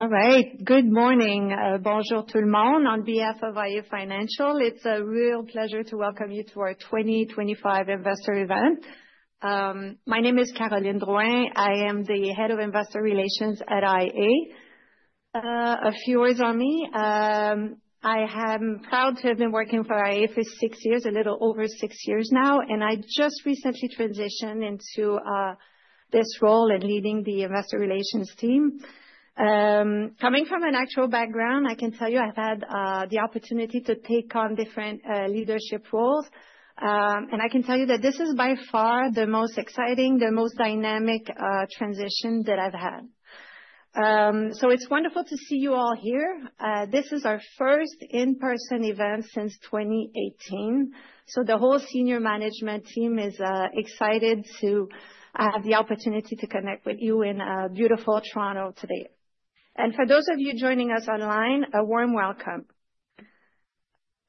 All right. Good morning. Bonjour tout le monde. On behalf of iA Financial, it's a real pleasure to welcome you to our 2025 Investor Event. My name is Caroline Drouin. I am the Head of Investor Relations at iA. A few words on me. I am proud to have been working for iA for six years, a little over six years now, and I just recently transitioned into this role and leading the Investor Relations team. Coming from an actuarial background, I can tell you I've had the opportunity to take on different leadership roles, and I can tell you that this is by far the most exciting, the most dynamic transition that I've had. So it's wonderful to see you all here. This is our first in-person event since 2018. The whole senior management team is excited to have the opportunity to connect with you in beautiful Toronto today. For those of you joining us online, a warm welcome.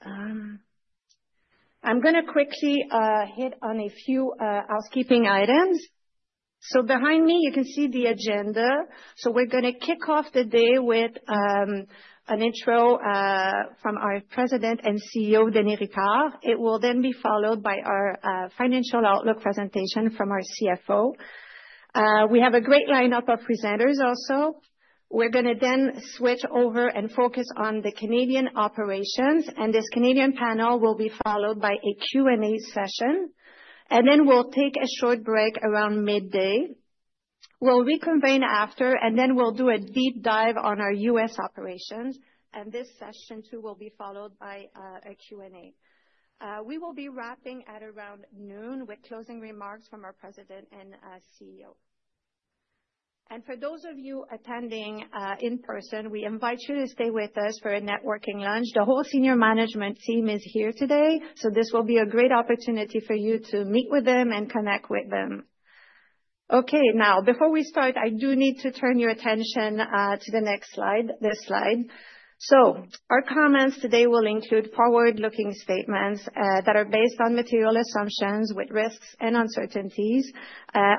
I'm going to quickly hit on a few housekeeping items. Behind me, you can see the agenda. We're going to kick off the day with an intro from our President and CEO, Denis Ricard. It will then be followed by our financial outlook presentation from our CFO. We have a great lineup of presenters also. We're going to then switch over and focus on the Canadian operations, and this Canadian panel will be followed by a Q&A session. Then we'll take a short break around midday. We'll reconvene after, and then we'll do a deep dive on our U.S. operations. This session too will be followed by a Q&A. We will be wrapping at around noon with closing remarks from our President and CEO, and for those of you attending in person, we invite you to stay with us for a networking lunch. The whole senior management team is here today, so this will be a great opportunity for you to meet with them and connect with them. Okay, now, before we start, I do need to turn your attention to the next slide, this slide, so our comments today will include forward-looking statements that are based on material assumptions with risks and uncertainties,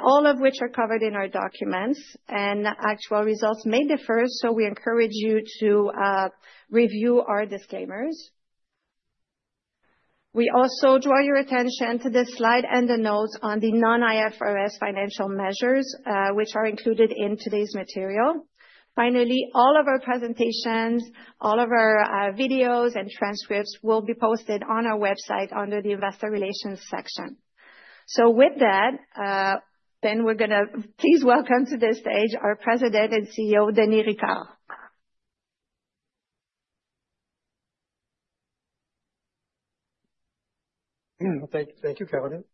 all of which are covered in our documents, and actual results may differ, so we encourage you to review our disclaimers. We also draw your attention to this slide and the notes on the non-IFRS financial measures, which are included in today's material. Finally, all of our presentations, all of our videos and transcripts will be posted on our website under the Investor Relations section. So with that, then we're going to please welcome to this stage our President and CEO, Denis Ricard. Thank you, Caroline.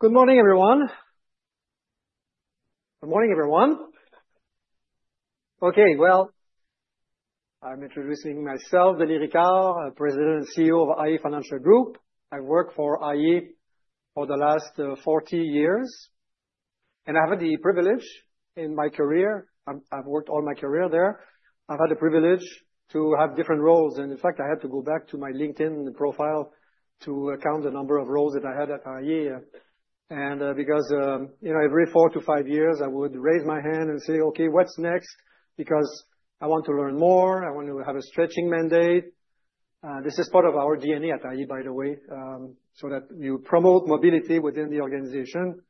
Good morning, everyone. Good morning, everyone. Okay, well, I'm introducing myself, Denis Ricard, President and CEO of iA Financial Group. I've worked for iA for the last 40 years, and I've had the privilege in my career. I've worked all my career there. I've had the privilege to have different roles, and in fact, I had to go back to my LinkedIn profile to count the number of roles that I had at iA, and because, you know, every four to five years, I would raise my hand and say, "Okay, what's next?" Because I want to learn more. I want to have a stretching mandate. This is part of our DNA at iA, by the way, so that you promote mobility within the organization,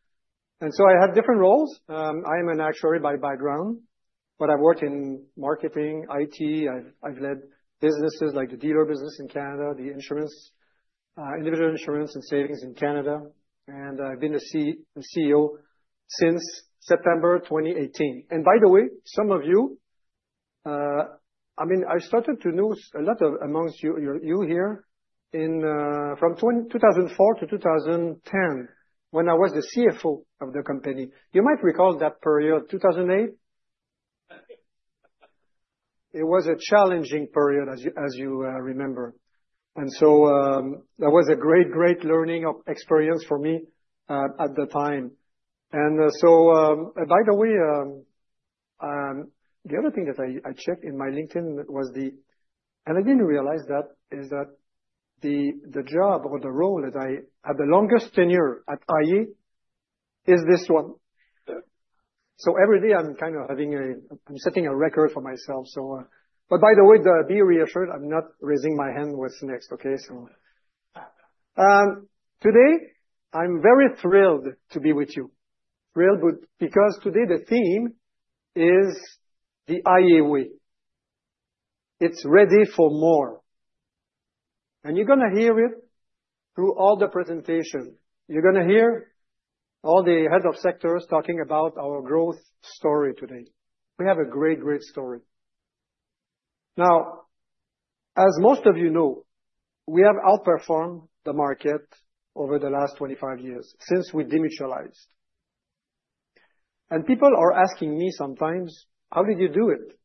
and so I have different roles. I am an actuary by background, but I've worked in marketing, IT. I've led businesses like the dealer business in Canada, the insurance, Individual Insurance and Savings in Canada. And I've been the CEO since September 2018. And by the way, some of you, I mean, I started to know a lot among you here from 2004-2010 when I was the CFO of the company. You might recall that period, 2008. It was a challenging period, as you remember. And so that was a great, great learning experience for me at the time. And so, by the way, the other thing that I checked in my LinkedIn was the, and I didn't realize that, is that the job or the role that I had the longest tenure at iA is this one. So every day I'm kind of having a, I'm setting a record for myself. So, but by the way, be reassured. I'm not raising my hand with next, okay? So today I'm very thrilled to be with you. Thrilled because today the theme is the iA Way. It's ready for more. And you're going to hear it through all the presentations. You're going to hear all the heads of sectors talking about our growth story today. We have a great, great story. Now, as most of you know, we have outperformed the market over the last 25 years since we demutualized. And people are asking me sometimes, "How did you do it?"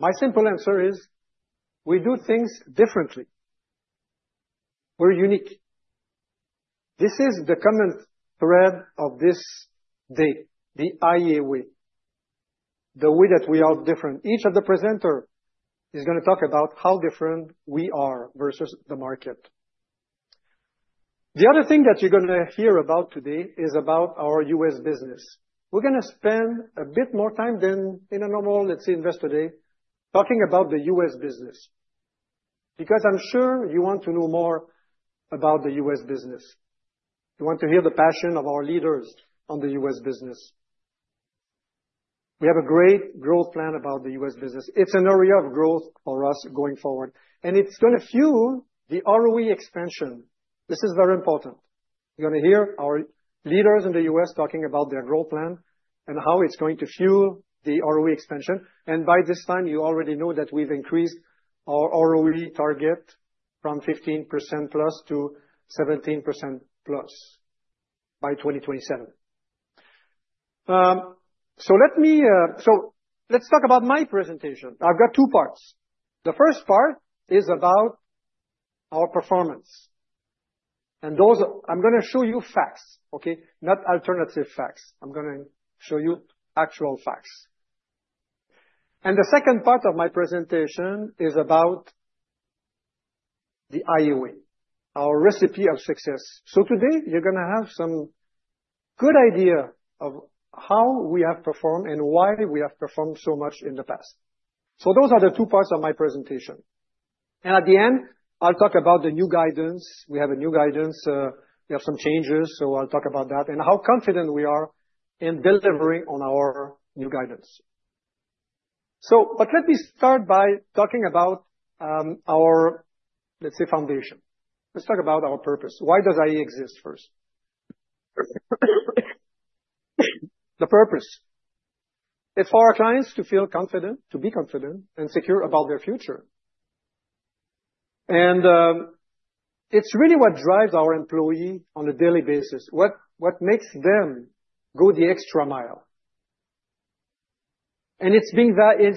My simple answer is we do things differently. We're unique. This is the common thread of this day, the iA Way, the way that we are different. Each of the presenters is going to talk about how different we are vs the market. The other thing that you're going to hear about today is about our U.S. business. We're going to spend a bit more time than in a normal, let's say, investor day, talking about the U.S. business, because I'm sure you want to know more about the U.S. business. You want to hear the passion of our leaders on the U.S. business. We have a great growth plan about the U.S. business. It's an area of growth for us going forward, and it's going to fuel the ROE expansion. This is very important. You're going to hear our leaders in the U.S. talking about their growth plan and how it's going to fuel the ROE expansion, and by this time, you already know that we've increased our ROE target from 15%+ to 17%+ by 2027, so let me, so let's talk about my presentation. I've got two parts. The first part is about our performance, and those, I'm going to show you facts, okay? Not alternative facts. I'm going to show you actual facts, and the second part of my presentation is about the iA Way, our recipe of success, so today you're going to have some good idea of how we have performed and why we have performed so much in the past, so those are the two parts of my presentation, and at the end, I'll talk about the new guidance. We have a new guidance. We have some changes, so I'll talk about that and how confident we are in delivering on our new guidance, so, but let me start by talking about our, let's say, foundation. Let's talk about our purpose. Why does iA exist first? The purpose. It's for our clients to feel confident, to be confident and secure about their future. And it's really what drives our employees on a daily basis, what makes them go the extra mile. And it's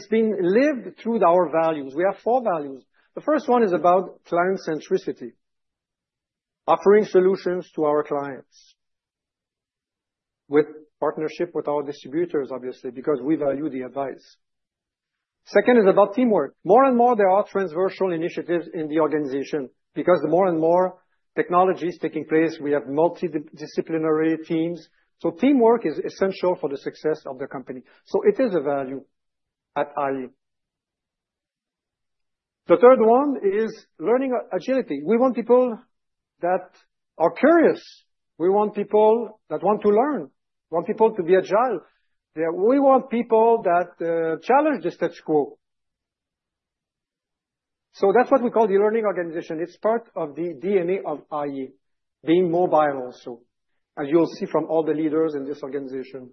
been lived through our values. We have four values. The first one is about client centricity, offering solutions to our clients with partnership with our distributors, obviously, because we value the advice. Second is about teamwork. More and more, there are transversal initiatives in the organization because more and more technology is taking place. We have multidisciplinary teams. So teamwork is essential for the success of the company. So it is a value at iA. The third one is learning agility. We want people that are curious. We want people that want to learn, want people to be agile. We want people that challenge the status quo. So that's what we call the learning organization. It's part of the DNA of iA, being mobile also, as you'll see from all the leaders in this organization.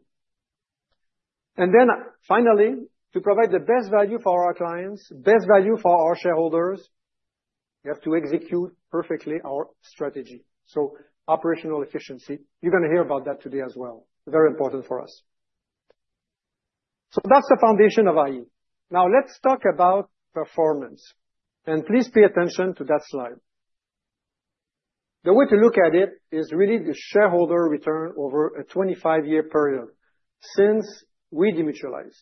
And then finally, to provide the best value for our clients, best value for our shareholders, we have to execute perfectly our strategy. So operational efficiency, you're going to hear about that today as well. Very important for us. So that's the foundation of iA. Now let's talk about performance. And please pay attention to that slide. The way to look at it is really the shareholder return over a 25-year period since we demutualized.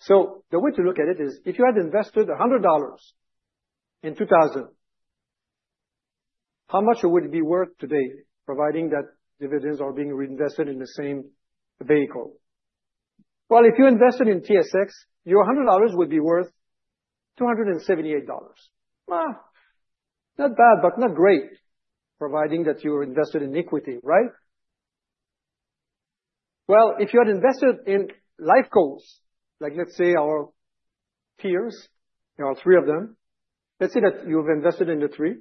So the way to look at it is if you had invested 100 dollars in 2000, how much would it be worth today providing that dividends are being reinvested in the same vehicle? Well, if you invested in TSX, your 100 dollars would be worth 278 dollars. Not bad, but not great, provided that you were invested in equity, right? Well, if you had invested in lifecos, like let's say our peers, there are three of them, let's say that you've invested in the three,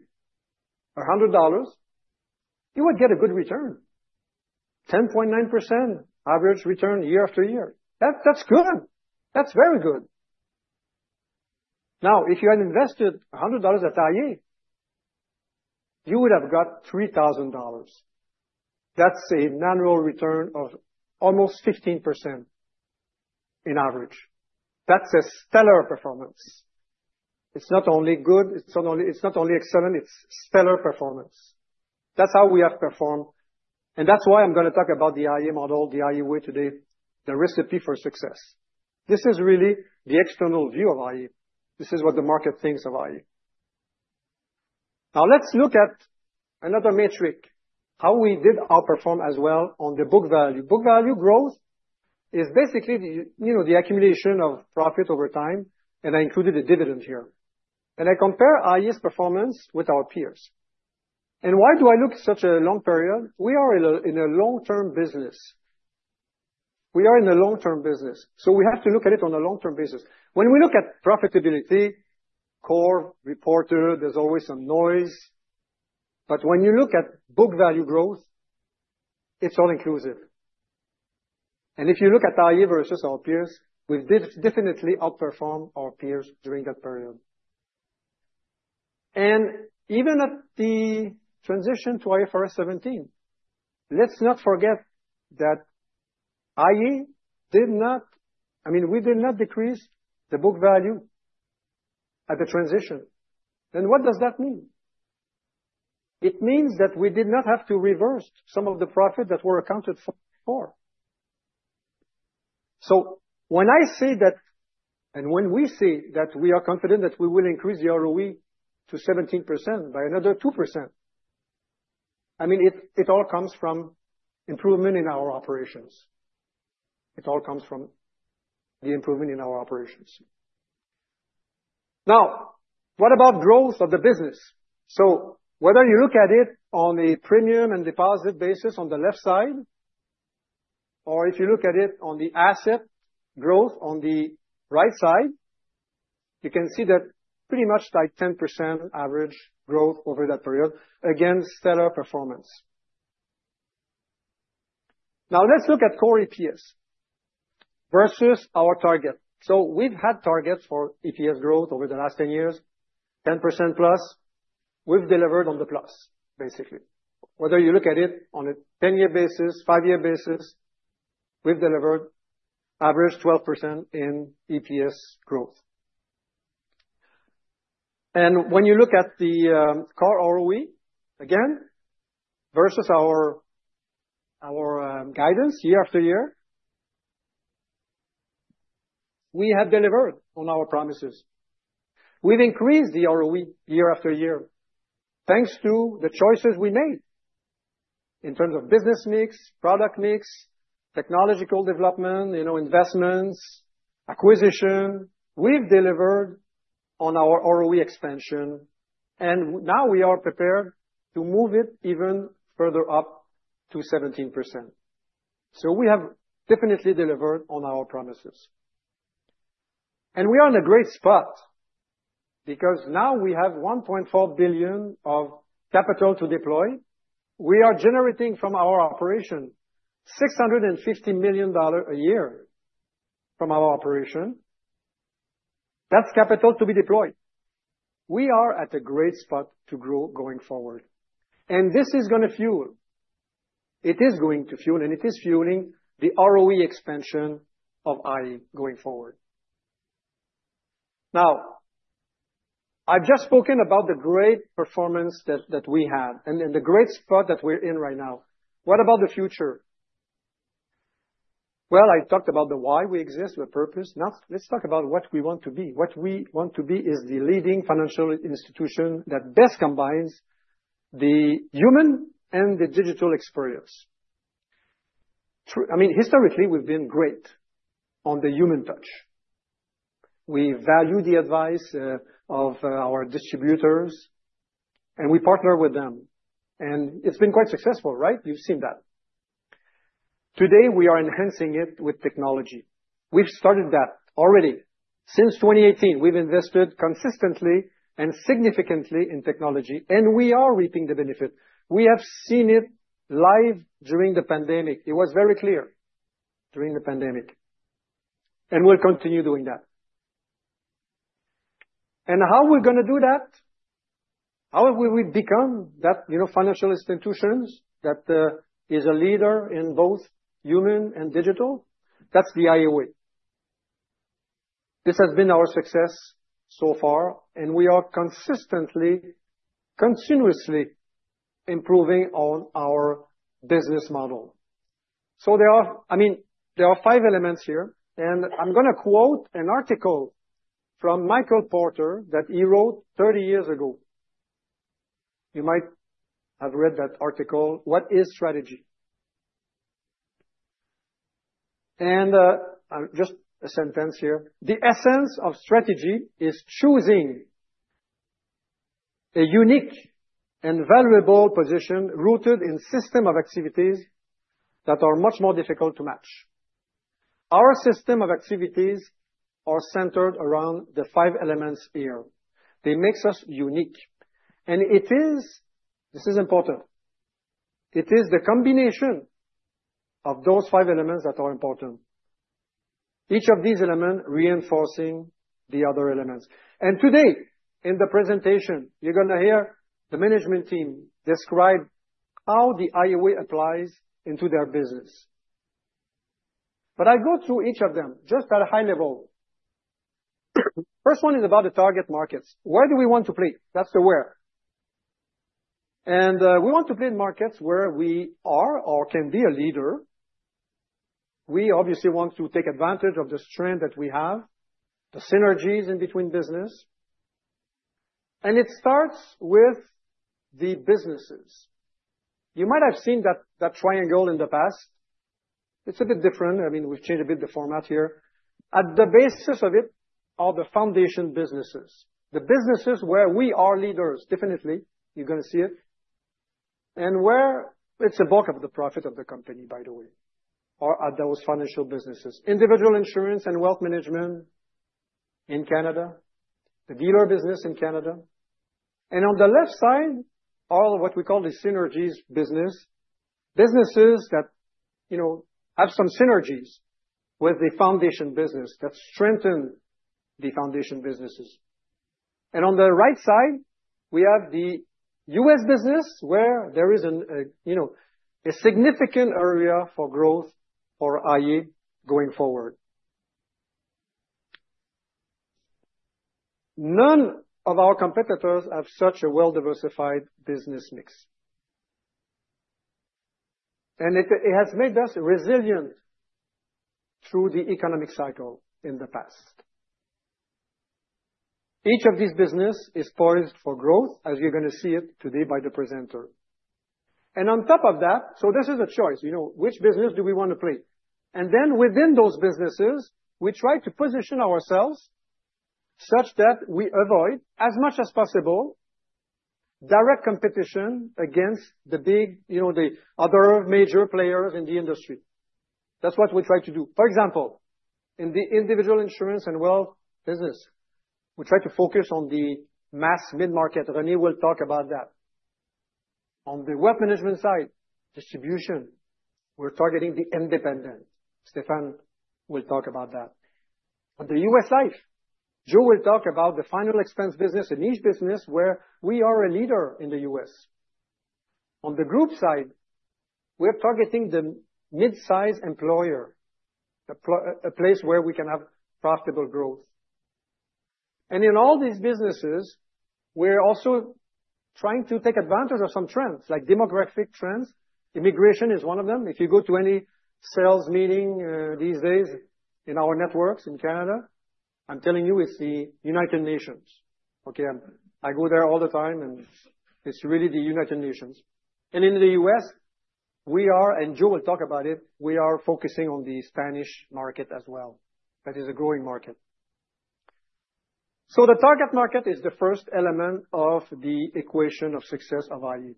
100 dollars, you would get a good return, 10.9% average return year after year. That's good. That's very good. Now, if you had invested 100 dollars at iA, you would have got 3,000 dollars. That's an annual return of almost 15% on average. That's a stellar performance. It's not only good, it's not only excellent, it's stellar performance. That's how we have performed, and that's why I'm going to talk about the iA model, the iA Way today, the recipe for success. This is really the external view of iA. This is what the market thinks of iA. Now let's look at another metric, how we did outperform as well on the book value. Book value growth is basically, you know, the accumulation of profit over time, and I included a dividend here, and I compare iA's performance with our peers, and why do I look at such a long period? We are in a long-term business. We are in a long-term business, so we have to look at it on a long-term basis. When we look at profitability, core ROE, there's always some noise, but when you look at book value growth, it's all inclusive, and if you look at iA vs our peers, we've definitely outperformed our peers during that period, and even at the transition to IFRS 17, let's not forget that iA did not, I mean, we did not decrease the book value at the transition, and what does that mean? It means that we did not have to reverse some of the profits that were accounted for. So when I say that, and when we say that we are confident that we will increase the ROE to 17% by another 2%, I mean, it all comes from improvement in our operations. It all comes from the improvement in our operations. Now, what about growth of the business? So whether you look at it on a premium and deposit basis on the left side, or if you look at it on the asset growth on the right side, you can see that pretty much like 10% average growth over that period, again, stellar performance. Now let's look at Core EPS vs our target. So we've had targets for EPS growth over the last 10 years, 10%+. We've delivered on the plus, basically. Whether you look at it on a 10-year basis, five-year basis, we've delivered average 12% in EPS growth. When you look at the Core ROE, again, vs our guidance year after year, we have delivered on our promises. We've increased the ROE year after year thanks to the choices we made in terms of business mix, product mix, technological development, you know, investments, acquisition. We've delivered on our ROE expansion. Now we are prepared to move it even further up to 17%. We have definitely delivered on our promises. We are in a great spot because now we have 1.4 billion of capital to deploy. We are generating from our operation CAD $650 million a year. That's capital to be deployed. We are at a great spot to grow going forward. This is going to fuel, and it is fueling, the ROE expansion of iA going forward. Now, I've just spoken about the great performance that we had and the great spot that we're in right now. What about the future? Well, I talked about the why we exist, the purpose. Now let's talk about what we want to be. What we want to be is the leading financial institution that best combines the human and the digital experience. I mean, historically, we've been great on the human touch. We value the advice of our distributors, and we partner with them. And it's been quite successful, right? You've seen that. Today, we are enhancing it with technology. We've started that already. Since 2018, we've invested consistently and significantly in technology, and we are reaping the benefit. We have seen it live during the pandemic. It was very clear during the pandemic, and we'll continue doing that. And how are we going to do that? How have we become that, you know, financial institution that is a leader in both human and digital? That's the iA Way. This has been our success so far, and we are consistently, continuously improving on our business model. There are, I mean, there are five elements here, and I'm going to quote an article from Michael Porter that he wrote 30 years ago. You might have read that article, "What is Strategy?" And just a sentence here. The essence of strategy is choosing a unique and valuable position rooted in a system of activities that are much more difficult to match. Our system of activities is centered around the five elements here. It makes us unique. And it is, this is important. It is the combination of those five elements that are important. Each of these elements reinforcing the other elements. Today, in the presentation, you're going to hear the management team describe how the iA Way applies into their business. I'll go through each of them just at a high level. First one is about the target markets. Where do we want to play? That's the where. We want to play in markets where we are or can be a leader. We obviously want to take advantage of the strength that we have, the synergies in between business. It starts with the businesses. You might have seen that triangle in the past. It's a bit different. I mean, we've changed a bit the format here. At the basis of it are the foundation businesses, the businesses where we are leaders, definitely. You're going to see it. And where it's a bulk of the profit of the company, by the way, are those financial businesses, individual insurance and Wealth Management in Canada, the dealer business in Canada. And on the left side, all what we call the synergies business, businesses that, you know, have some synergies with the foundation business that strengthen the foundation businesses. And on the right side, we have the U.S. business where there is a, you know, a significant area for growth for iA going forward. None of our competitors have such a well-diversified business mix. And it has made us resilient through the economic cycle in the past. Each of these businesses is poised for growth, as you're going to see it today by the presenter. And on top of that, so this is a choice, you know, which business do we want to play? And then within those businesses, we try to position ourselves such that we avoid as much as possible direct competition against the big, you know, the other major players in the industry. That's what we try to do. For example, in the Individual Insurance and Wealth business, we try to focus on the mass mid-market. Renée will talk about that. On the wealth management side, distribution, we're targeting the independent. Stephane will talk about that. On the U.S. Life, Joe will talk about the final expense business, a niche business where we are a leader in the U.S.. On the group side, we're targeting the mid-size employer, a place where we can have profitable growth. And in all these businesses, we're also trying to take advantage of some trends, like demographic trends. Immigration is one of them. If you go to any sales meeting these days in our networks in Canada, I'm telling you, it's the United Nations. Okay, I go there all the time, and it's really the United Nations. And in the U.S., we are, and Joe will talk about it, we are focusing on the Spanish market as well. That is a growing market. So the target market is the first element of the equation of success of iA.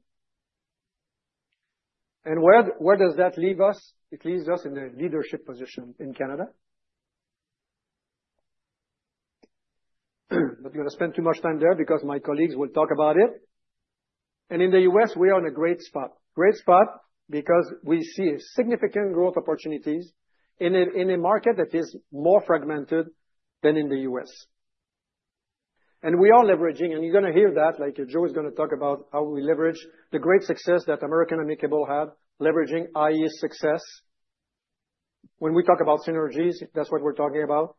And where does that leave us? It leaves us in a leadership position in Canada. Not going to spend too much time there because my colleagues will talk about it. And in the U.S., we are in a great spot. Great spot because we see significant growth opportunities in a market that is more fragmented than in the U.S.. And we are leveraging, and you're going to hear that, like Joe is going to talk about how we leverage the great success that American-Amicable had, leveraging iA's success. When we talk about synergies, that's what we're talking about.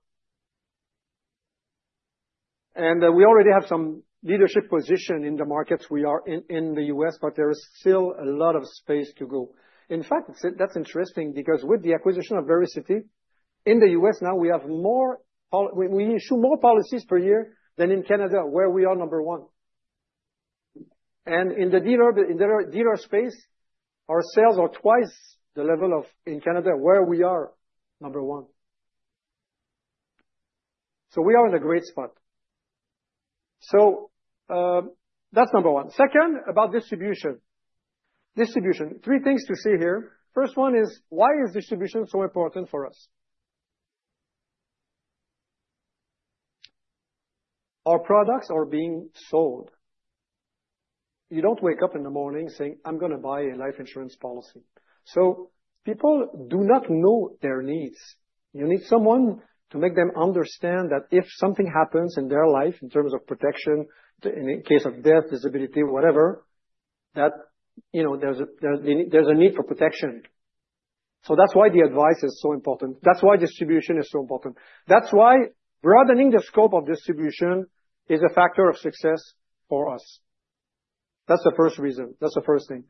And we already have some leadership position in the markets we are in the U.S., but there is still a lot of space to go. In fact, that's interesting because with the acquisition of Vericity in the U.S., now we have more policies. We issue more policies per year than in Canada, where we are number one. And in the dealer space, our sales are twice the level of in Canada, where we are number one. So we are in a great spot. So that's number one. Second, about distribution. Distribution, three things to see here. First one is, why is distribution so important for us? Our products are being sold. You don't wake up in the morning saying, "I'm going to buy a life insurance policy." So people do not know their needs. You need someone to make them understand that if something happens in their life in terms of protection, in case of death, disability, whatever, that, you know, there's a need for protection. So that's why the advice is so important. That's why distribution is so important. That's why broadening the scope of distribution is a factor of success for us. That's the first reason. That's the first thing.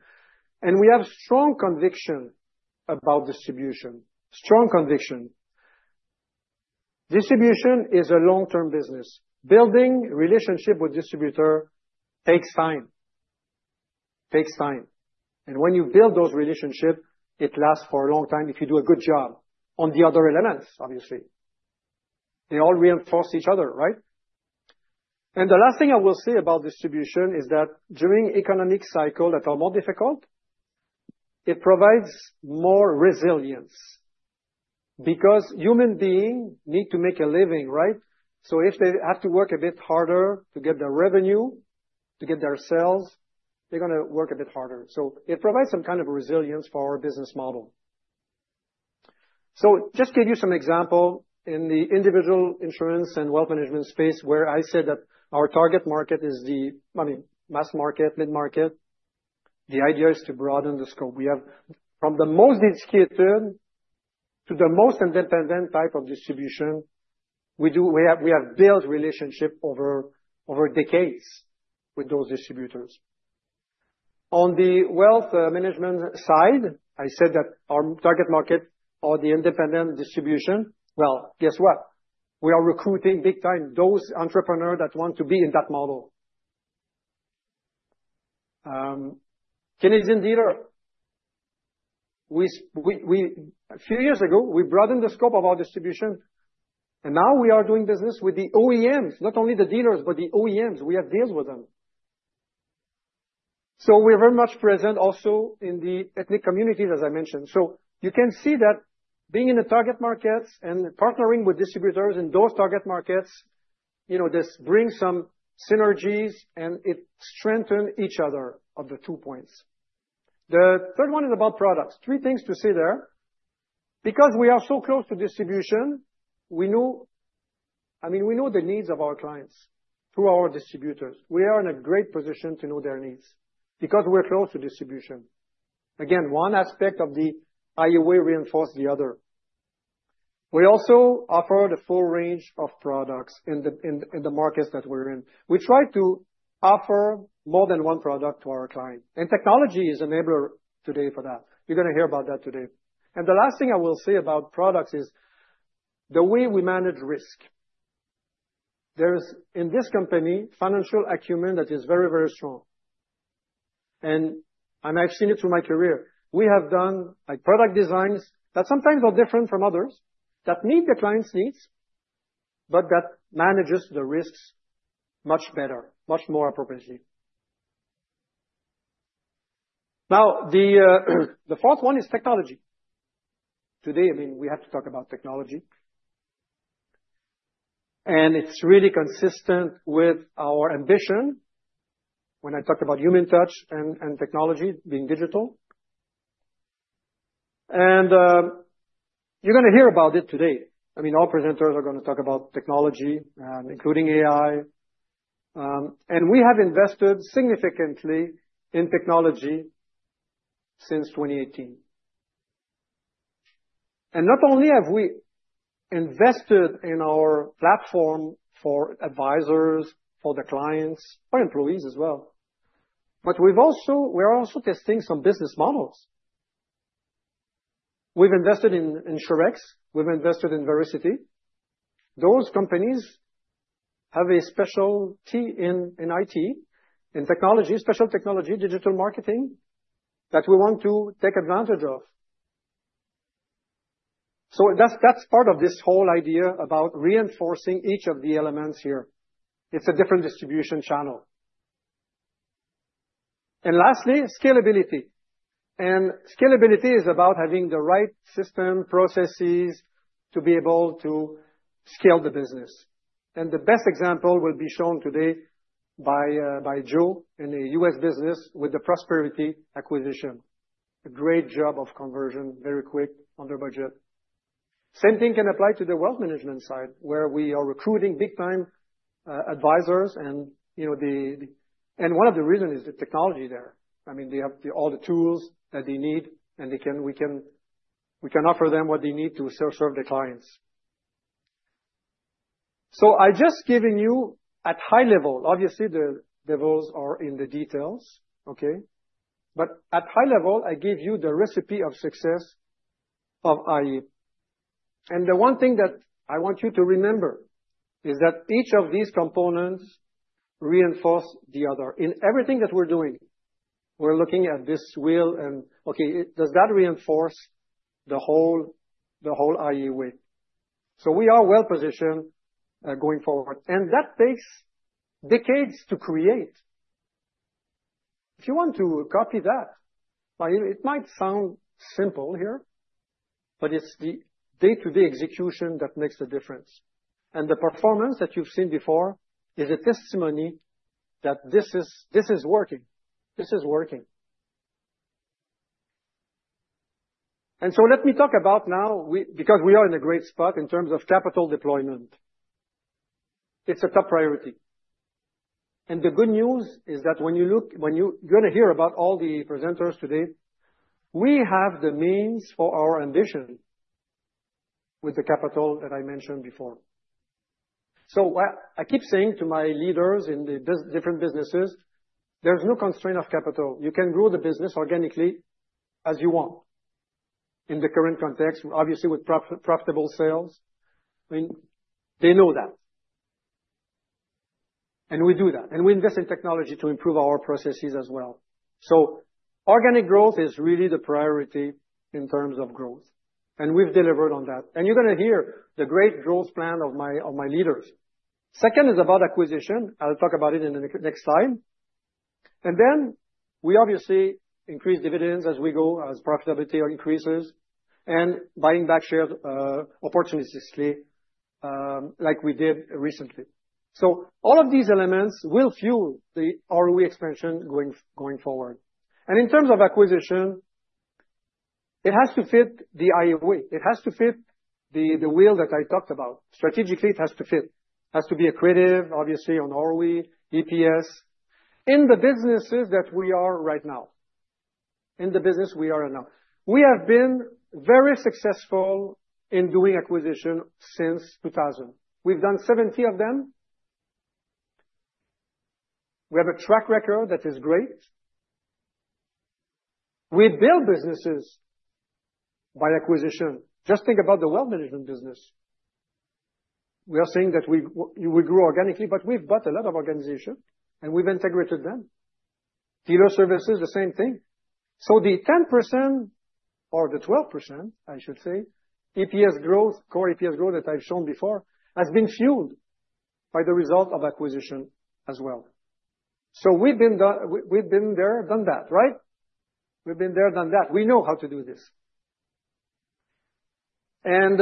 And we have strong conviction about distribution. Strong conviction. Distribution is a long-term business. Building relationships with distributors takes time. Takes time. And when you build those relationships, it lasts for a long time if you do a good job on the other elements, obviously. They all reinforce each other, right? And the last thing I will say about distribution is that during economic cycles that are more difficult, it provides more resilience because human beings need to make a living, right? So if they have to work a bit harder to get their revenue, to get their sales, they're going to work a bit harder. So it provides some kind of resilience for our business model. So just give you some examples in the Individual Insurance and Wealth management space where I said that our target market is the, I mean, mass market, mid-market. The idea is to broaden the scope. We have from the most excited to the most independent type of distribution. We do, we have built relationships over decades with those distributors. On the wealth management side, I said that our target market or the independent distribution, well, guess what? We are recruiting big-time those entrepreneurs that want to be in that model, Canadian dealer. A few years ago, we broadened the scope of our distribution, and now we are doing business with the OEMs, not only the dealers, but the OEMs. We have deals with them, so we're very much present also in the ethnic communities, as I mentioned, so you can see that being in the target markets and partnering with distributors in those target markets, you know, this brings some synergies and it strengthens each other of the two points. The third one is about products. Three things to see there. Because we are so close to distribution, we know, I mean, we know the needs of our clients through our distributors. We are in a great position to know their needs because we're close to distribution. Again, one aspect of the iA Way reinforces the other. We also offer the full range of products in the markets that we're in. We try to offer more than one product to our client. And technology is an enabler today for that. You're going to hear about that today. And the last thing I will say about products is the way we manage risk. There is, in this company, financial acumen that is very, very strong. And I've seen it through my career. We have done product designs that sometimes are different from others, that meet the client's needs, but that manages the risks much better, much more appropriately. Now, the fourth one is technology. Today, I mean, we have to talk about technology. And it's really consistent with our ambition when I talk about human touch and technology being digital. And you're going to hear about it today. I mean, all presenters are going to talk about technology, including AI, and we have invested significantly in technology since 2018. Not only have we invested in our platform for advisors, for the clients, for employees as well, but we're also testing some business models. We've invested in Surex. We've invested in Vericity. Those companies have a specialty in IT, in technology, special technology, digital marketing that we want to take advantage of. So that's part of this whole idea about reinforcing each of the elements here. It's a different distribution channel. Lastly, scalability, and scalability is about having the right system processes to be able to scale the business. The best example will be shown today by Joe in a U.S. business with the Vericity acquisition. A great job of conversion, very quick, under budget. Same thing can apply to the wealth management side where we are recruiting big-time advisors and, you know, and one of the reasons is the technology there. I mean, they have all the tools that they need and we can offer them what they need to serve the clients. I'm just giving you at high level, obviously the levels are in the details, okay? At high level, I give you the recipe of success of iA. The one thing that I want you to remember is that each of these components reinforces the other in everything that we're doing. We're looking at this wheel and, okay, does that reinforce the whole iA Way? We are well positioned going forward. That takes decades to create. If you want to copy that, it might sound simple here, but it's the day-to-day execution that makes the difference. And the performance that you've seen before is a testimony that this is, this is working. This is working. And so let me talk about now, because we are in a great spot in terms of capital deployment. It's a top priority. And the good news is that when you look, when you're going to hear about all the presenters today, we have the means for our ambition with the capital that I mentioned before. So I keep saying to my leaders in the different businesses, there's no constraint of capital. You can grow the business organically as you want in the current context, obviously with profitable sales. I mean, they know that. And we do that. And we invest in technology to improve our processes as well. So organic growth is really the priority in terms of growth. And we've delivered on that. And you're going to hear the great growth plan of my leaders. Second is about acquisition. I'll talk about it in the next slide. And then we obviously increase dividends as we go, as profitability increases, and buying back shares opportunistically, like we did recently. So all of these elements will fuel the ROE expansion going forward. And in terms of acquisition, it has to fit the iA Way. It has to fit the wheel that I talked about. Strategically, it has to fit. It has to be accretive, obviously, on ROE, EPS. In the businesses that we are right now, in the business we are in now, we have been very successful in doing acquisitions since 2000. We've done 70 of them. We have a track record that is great. We build businesses by acquisition. Just think about the Wealth Management business. We are saying that we grow organically, but we've bought a lot of organizations and we've integrated them. Dealer services, the same thing. So the 10% or the 12%, I should say, EPS growth, core EPS growth that I've shown before has been fueled by the result of acquisition as well. So we've been there, done that, right? We've been there, done that. We know how to do this. And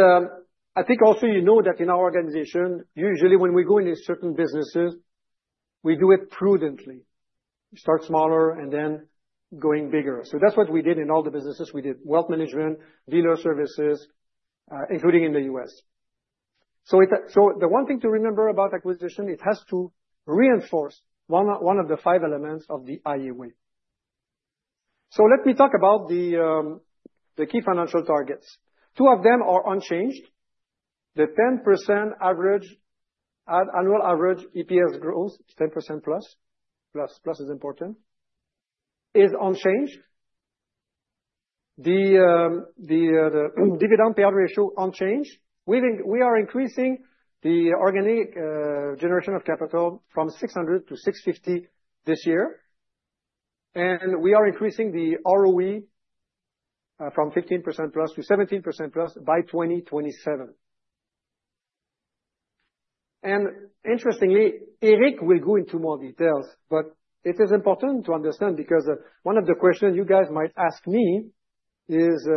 I think also you know that in our organization, usually when we go into certain businesses, we do it prudently. Start smaller and then going bigger. So that's what we did in all the businesses we did, wealth management, Dealer Services, including in the U.S. .So the one thing to remember about acquisition, it has to reinforce one of the five elements of the iA Way. So let me talk about the key financial targets. Two of them are unchanged. The 10% average annual average EPS growth, 10%+, + is important, is unchanged. The dividend payout ratio is unchanged. We are increasing the organic generation of capital from 600-650 this year. And we are increasing the ROE from 15%+ to 17%+ by 2027. And interestingly, Éric will go into more details, but it is important to understand because one of the questions you guys might ask me is,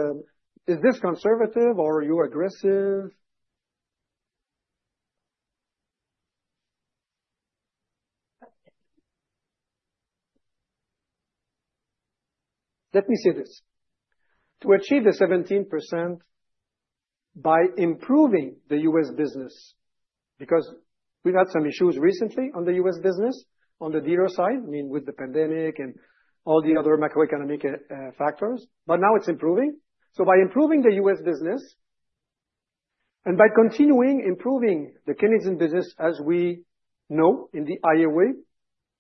is this conservative or are you aggressive? Let me say this. To achieve the 17% by improving the U.S. business, because we've had some issues recently on the U.S. business, on the dealer side, I mean, with the pandemic and all the other macroeconomic factors, but now it's improving. So by improving the U.S. business and by continuing improving the Canadian business as we know in the iA Way,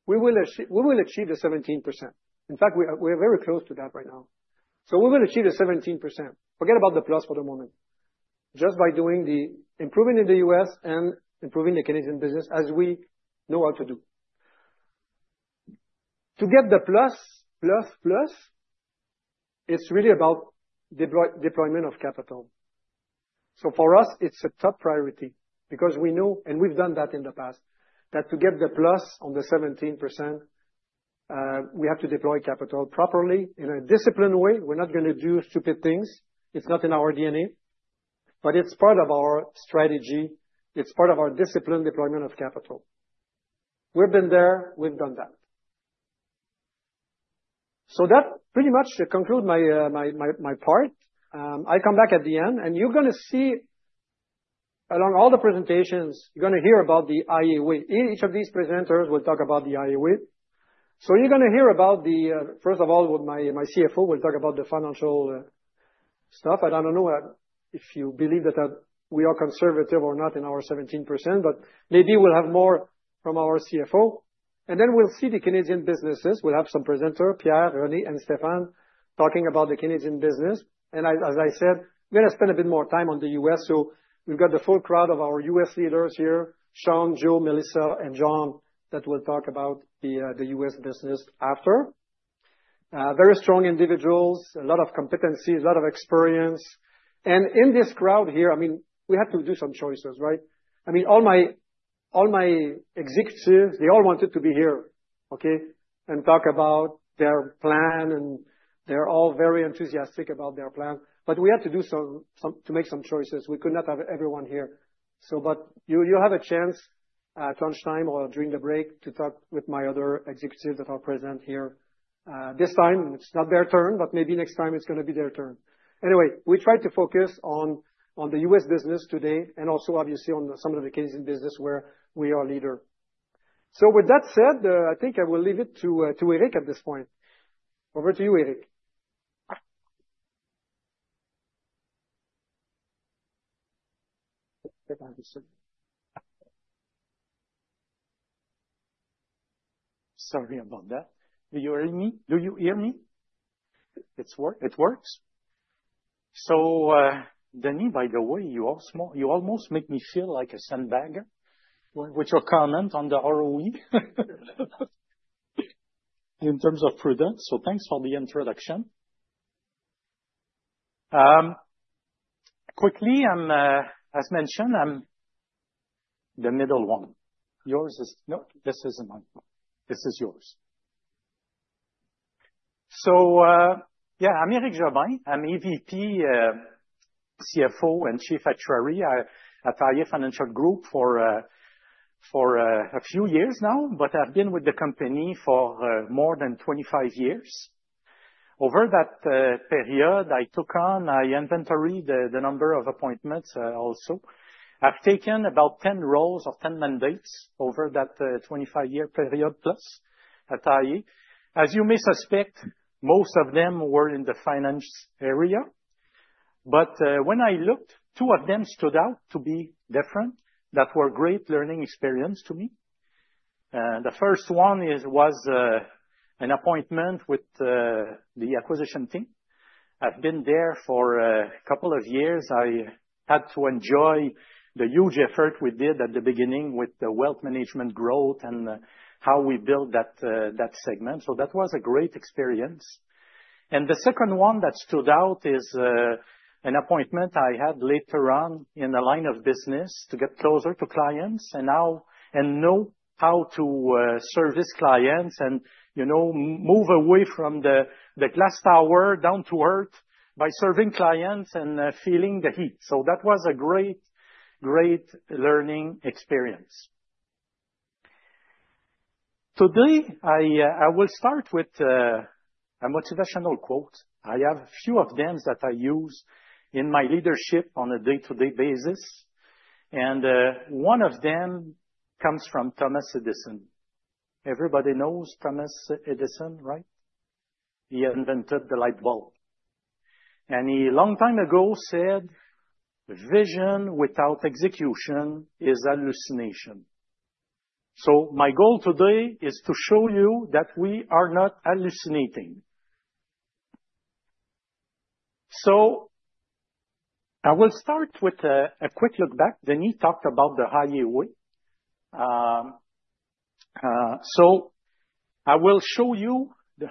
we will achieve the 17%. In fact, we are very close to that right now. So we will achieve the 17%. Forget about the plus for the moment. Just by doing the improving in the U.S. and improving the Canadian business as we know how to do. To get the plus, plus, plus, it's really about deployment of capital. So for us, it's a top priority because we know, and we've done that in the past, that to get the plus on the 17%, we have to deploy capital properly in a disciplined way. We're not going to do stupid things. It's not in our DNA, but it's part of our strategy. It's part of our disciplined deployment of capital. We've been there. We've done that. So that pretty much concludes my part. I come back at the end and you're going to see along all the presentations, you're going to hear about the iA Way. Each of these presenters will talk about the iA Way. So you're going to hear about the, first of all, with my CFO, we'll talk about the financial stuff. I don't know if you believe that we are conservative or not in our 17%, but maybe we'll have more from our CFO. And then we'll see the Canadian businesses. We'll have some presenters, Pierre, Renée, and Stephane, talking about the Canadian business. And as I said, we're going to spend a bit more time on the U.S. So we've got the full crowd of our U.S. leaders here, Sean, Joe, Melissa, and John, that will talk about the U.S. business after. Very strong individuals, a lot of competencies, a lot of experience. In this crowd here, I mean, we had to do some choices, right? I mean, all my executives, they all wanted to be here, okay, and talk about their plan. And they're all very enthusiastic about their plan. But we had to make some choices. We could not have everyone here. But you'll have a chance at lunchtime or during the break to talk with my other executives that are present here. This time, it's not their turn, but maybe next time it's going to be their turn. Anyway, we tried to focus on the U.S. business today and also, obviously, on some of the Canadian business where we are leaders. With that said, I think I will leave it to Éric at this point. Over to you, Éric. Sorry about that. Do you hear me? Do you hear me? It works. So, Denis, by the way, you almost make me feel like a sandbagger with your comment on the ROE in terms of prudence. So thanks for the introduction. Quickly, as mentioned. I'm the middle one. Yours is, no, this isn't mine. This is yours. So yeah, I'm Éric Jobin. I'm EVP, CFO, and Chief Actuary at iA Financial Group for a few years now, but I've been with the company for more than 25 years. Over that period, I took on, I inventoried the number of appointments also. I've taken about 10 roles or 10 mandates over that 25-year period plus at iA. As you may suspect, most of them were in the finance area. But when I looked, two of them stood out to be different that were great learning experiences to me. The first one was an appointment with the acquisition team. I've been there for a couple of years. I had to enjoy the huge effort we did at the beginning with the wealth management growth and how we built that segment. So that was a great experience. And the second one that stood out is an appointment I had later on in the line of business to get closer to clients and now know how to service clients and, you know, move away from the glass tower down to earth by serving clients and feeling the heat. So that was a great, great learning experience. Today, I will start with a motivational quote. I have a few of them that I use in my leadership on a day-to-day basis. And one of them comes from Thomas Edison. Everybody knows Thomas Edison, right? He invented the light bulb. Thomas Edison a long time ago said, "Vision without execution is hallucination." So my goal today is to show you that we are not hallucinating. So I will start with a quick look back. Denis talked about the highway. So I will show you the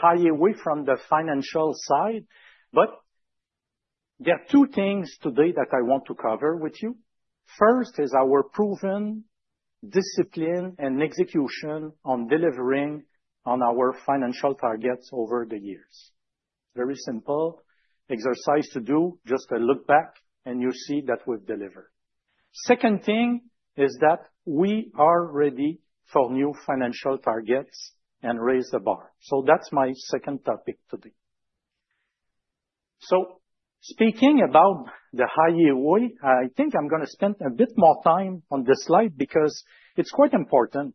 highway from the financial side. But there are two things today that I want to cover with you. First is our proven discipline and execution on delivering on our financial targets over the years. Very simple exercise to do, just a look back and you see that we've delivered. Second thing is that we are ready for new financial targets and raise the bar. So that's my second topic today. So speaking about the highway, I think I'm going to spend a bit more time on this slide because it's quite important.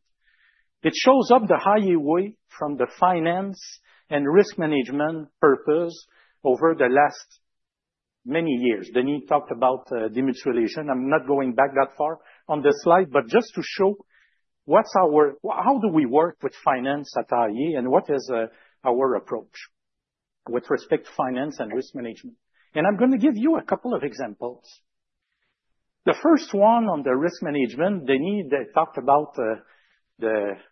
It shows up the highlights from the finance and risk management perspective over the last many years. Denis talked about demonstration. I'm not going back that far on this slide, but just to show what's our, how do we work with finance at iA and what is our approach with respect to finance and risk management. I'm going to give you a couple of examples. The first one on the risk management, Denis, they talked about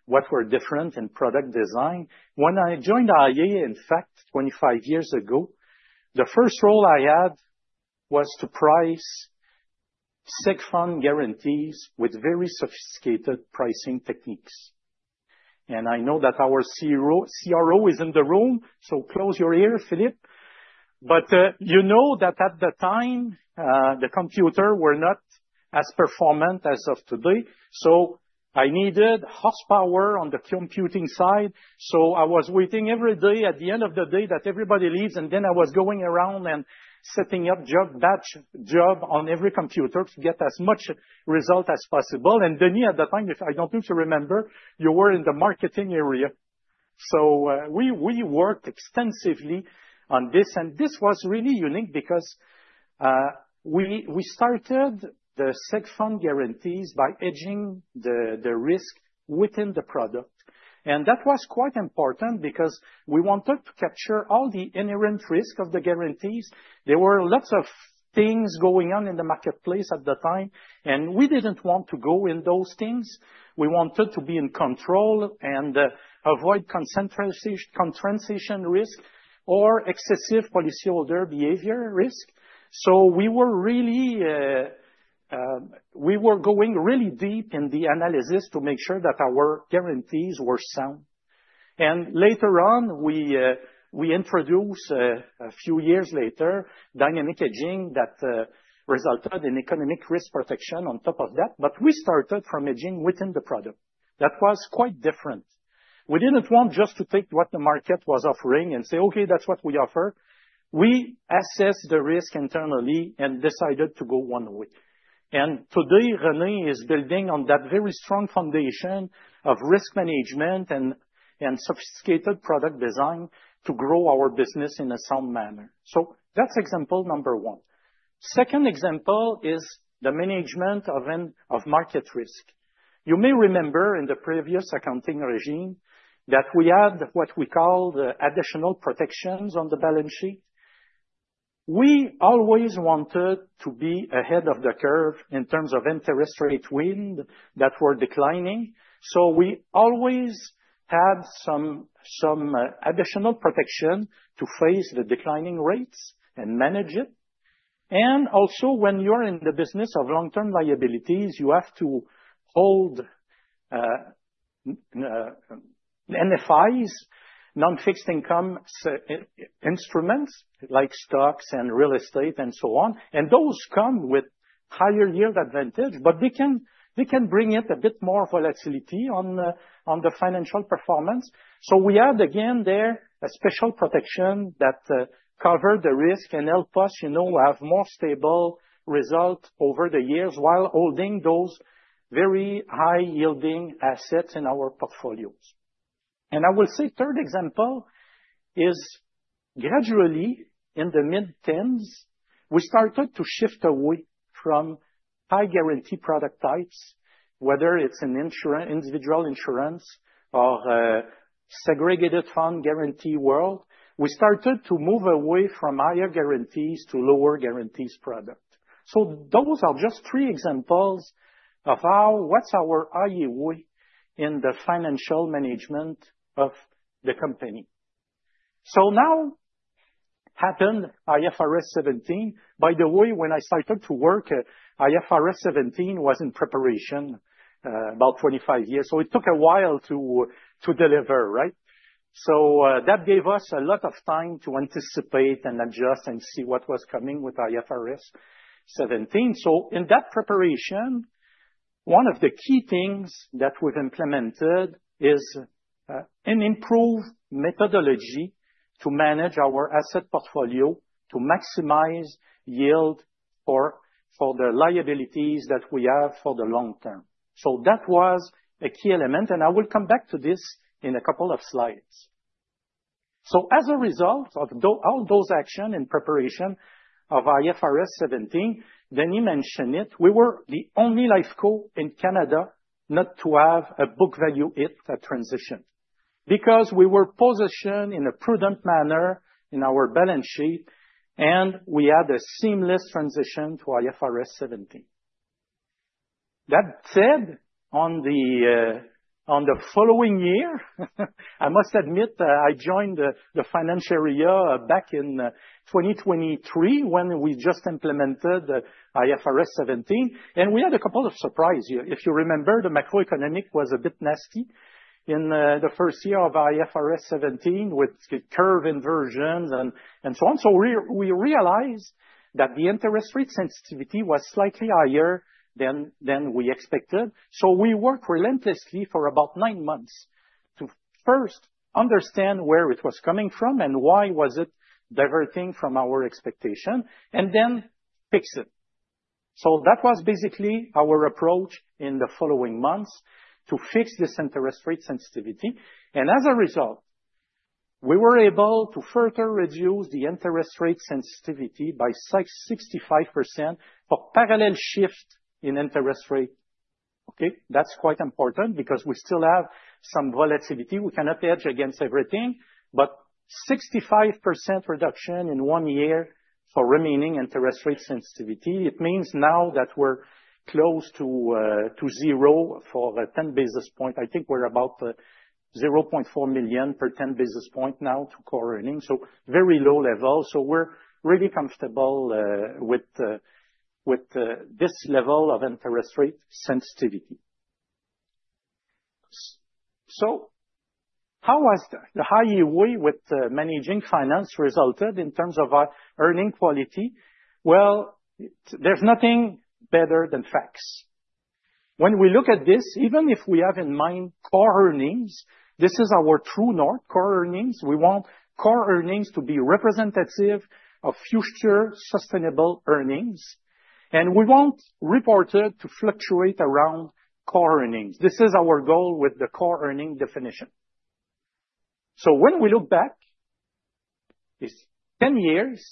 what we're different in product design. When I joined iA, in fact, 25 years ago, the first role I had was to price seg fund guarantees with very sophisticated pricing techniques. I know that our CRO is in the room, so close your ear, Philippe. You know that at the time, the computers were not as performant as of today. I needed horsepower on the computing side. So I was waiting every day at the end of the day that everybody leaves. And then I was going around and setting up batch jobs on every computer to get as many results as possible. And Denis, at the time, as I remember, you were in the marketing area. So we worked extensively on this. And this was really unique because we started the seg fund guarantees by hedging the risk within the product. And that was quite important because we wanted to capture all the inherent risk of the guarantees. There were lots of things going on in the marketplace at the time. And we didn't want to go in those things. We wanted to be in control and avoid concentration risk or excessive policyholder behavior risk. So we were really, we were going really deep in the analysis to make sure that our guarantees were sound. And later on, we introduced a few years later dynamic hedging that resulted in economic risk protection on top of that. But we started from hedging within the product. That was quite different. We didn't want just to take what the market was offering and say, "Okay, that's what we offer." We assessed the risk internally and decided to go one way. And today, Renée is building on that very strong foundation of risk management and sophisticated product design to grow our business in a sound manner. So that's example number one. Second example is the management of market risk. You may remember in the previous accounting regime that we had what we called additional protections on the balance sheet. We always wanted to be ahead of the curve in terms of interest rate winds that were declining. We always had some additional protection to face the declining rates and manage it. Also, when you're in the business of long-term liabilities, you have to hold NFIs, non-fixed income instruments like stocks and real estate and so on. Those come with higher yield advantage, but they can bring in a bit more volatility on the financial performance. We had, again, there a special protection that covered the risk and helped us, you know, have more stable results over the years while holding those very high-yielding assets in our portfolios. I will say third example is gradually in the mid-10s, we started to shift away from high-guarantee product types, whether it's an individual insurance or segregated fund guarantee world. We started to move away from higher guarantees to lower guarantees product. So those are just three examples of how what's our iA Way in the financial management of the company. So now happened IFRS 17. By the way, when I started to work, IFRS 17 was in preparation about 25 years. So it took a while to deliver, right? So that gave us a lot of time to anticipate and adjust and see what was coming with IFRS 17. So in that preparation, one of the key things that we've implemented is an improved methodology to manage our asset portfolio to maximize yield for the liabilities that we have for the long term. So that was a key element. And I will come back to this in a couple of slides. As a result of all those actions in preparation of IFRS 17, Denis mentioned it, we were the only life co in Canada not to have a book value hit at transition because we were positioned in a prudent manner in our balance sheet and we had a seamless transition to IFRS 17. That said, on the following year, I must admit, I joined the financial area back in 2023 when we just implemented IFRS 17, and we had a couple of surprises. If you remember, the macroeconomic was a bit nasty in the first year of IFRS 17 with curve inversions and so on, so we realized that the interest rate sensitivity was slightly higher than we expected, so we worked relentlessly for about nine months to first understand where it was coming from and why was it diverting from our expectation and then fix it. That was basically our approach in the following months to fix this interest rate sensitivity. And as a result, we were able to further reduce the interest rate sensitivity by 65% for parallel shift in interest rate. Okay, that's quite important because we still have some volatility. We cannot hedge against everything, but 65% reduction in one year for remaining interest rate sensitivity. It means now that we're close to zero for a 10 basis point. I think we're about 0.4 million per 10 basis point now to core earnings. So very low level. So we're really comfortable with this level of interest rate sensitivity. So how has the hard work with managing finance resulted in terms of our earnings quality? Well, there's nothing better than facts. When we look at this, even if we have in mind core earnings, this is our true north, core earnings. We want core earnings to be representative of future sustainable earnings, and we want reported to fluctuate around core earnings. This is our goal with the core earnings definition. When we look back, it's 10 years.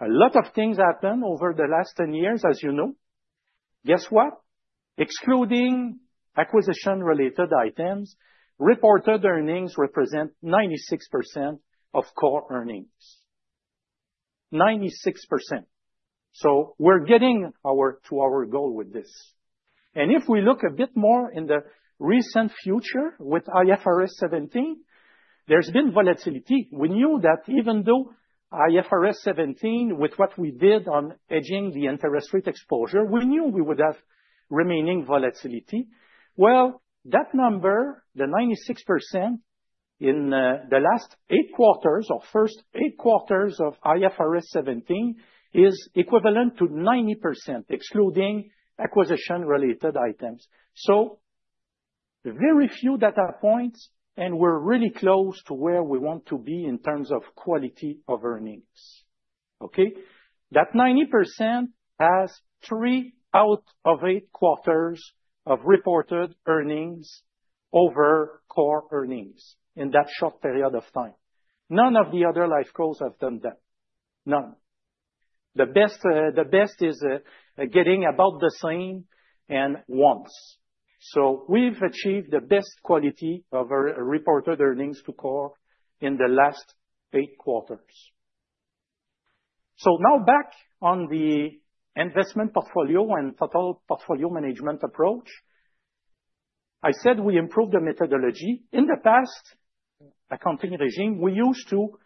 A lot of things happened over the last 10 years, as you know. Guess what? Excluding acquisition-related items, reported earnings represent 96% of core earnings. 96%. We're getting to our goal with this. If we look a bit more in the recent future with IFRS 17, there's been volatility. We knew that even though IFRS 17, with what we did on hedging the interest rate exposure, we knew we would have remaining volatility. That number, the 96% in the last eight quarters or first eight quarters of IFRS 17 is equivalent to 90%, excluding acquisition-related items. Very few data points and we're really close to where we want to be in terms of quality of earnings. Okay? That 90% has three out of eight quarters of reported earnings over core earnings in that short period of time. None of the other lifecos have done that. None. The best is getting about the same, and once. We've achieved the best quality of our reported earnings to core in the last eight quarters. Now back on the investment portfolio and total portfolio management approach. I said we improved the methodology. In the past accounting regime, we used to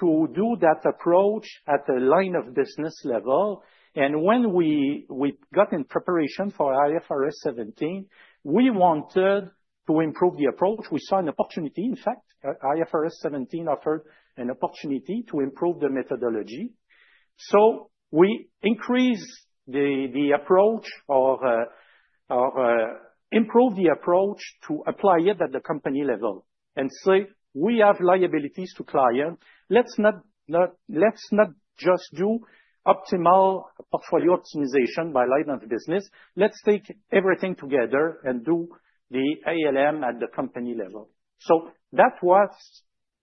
do that approach at the line of business level. When we got in preparation for IFRS 17, we wanted to improve the approach. We saw an opportunity. In fact, IFRS 17 offered an opportunity to improve the methodology. So we increased the approach or improved the approach to apply it at the company level and say, "We have liabilities to clients. Let's not just do optimal portfolio optimization by line of business. Let's take everything together and do the ALM at the company level." So that was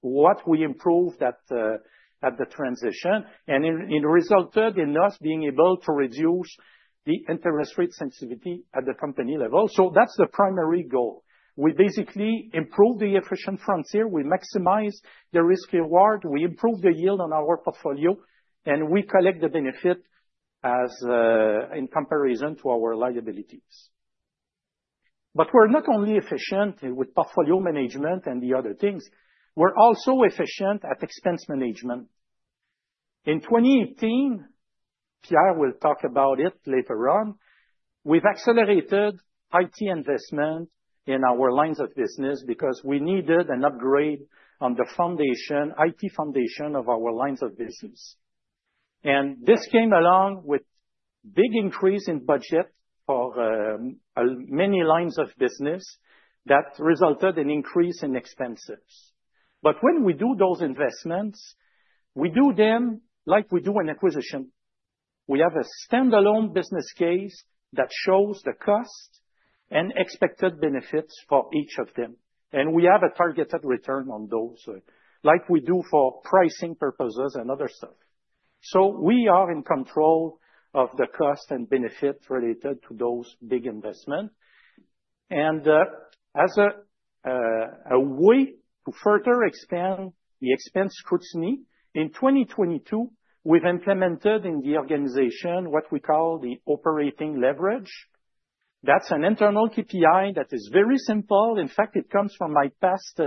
what we improved at the transition and it resulted in us being able to reduce the interest rate sensitivity at the company level. So that's the primary goal. We basically improved the efficient frontier. We maximized the risk-reward. We improved the yield on our portfolio and we collect the benefit in comparison to our liabilities. But we're not only efficient with portfolio management and the other things. We're also efficient at expense management. In 2018, Pierre will talk about it later on. We've accelerated IT investment in our lines of business because we needed an upgrade on the foundation, IT foundation of our lines of business. And this came along with a big increase in budget for many lines of business that resulted in an increase in expenses. But when we do those investments, we do them like we do an acquisition. We have a standalone business case that shows the cost and expected benefits for each of them. And we have a targeted return on those like we do for pricing purposes and other stuff. So we are in control of the cost and benefit related to those big investments. And as a way to further expand the expense scrutiny, in 2022, we've implemented in the organization what we call the operating leverage. That's an internal KPI that is very simple. In fact, it comes from my past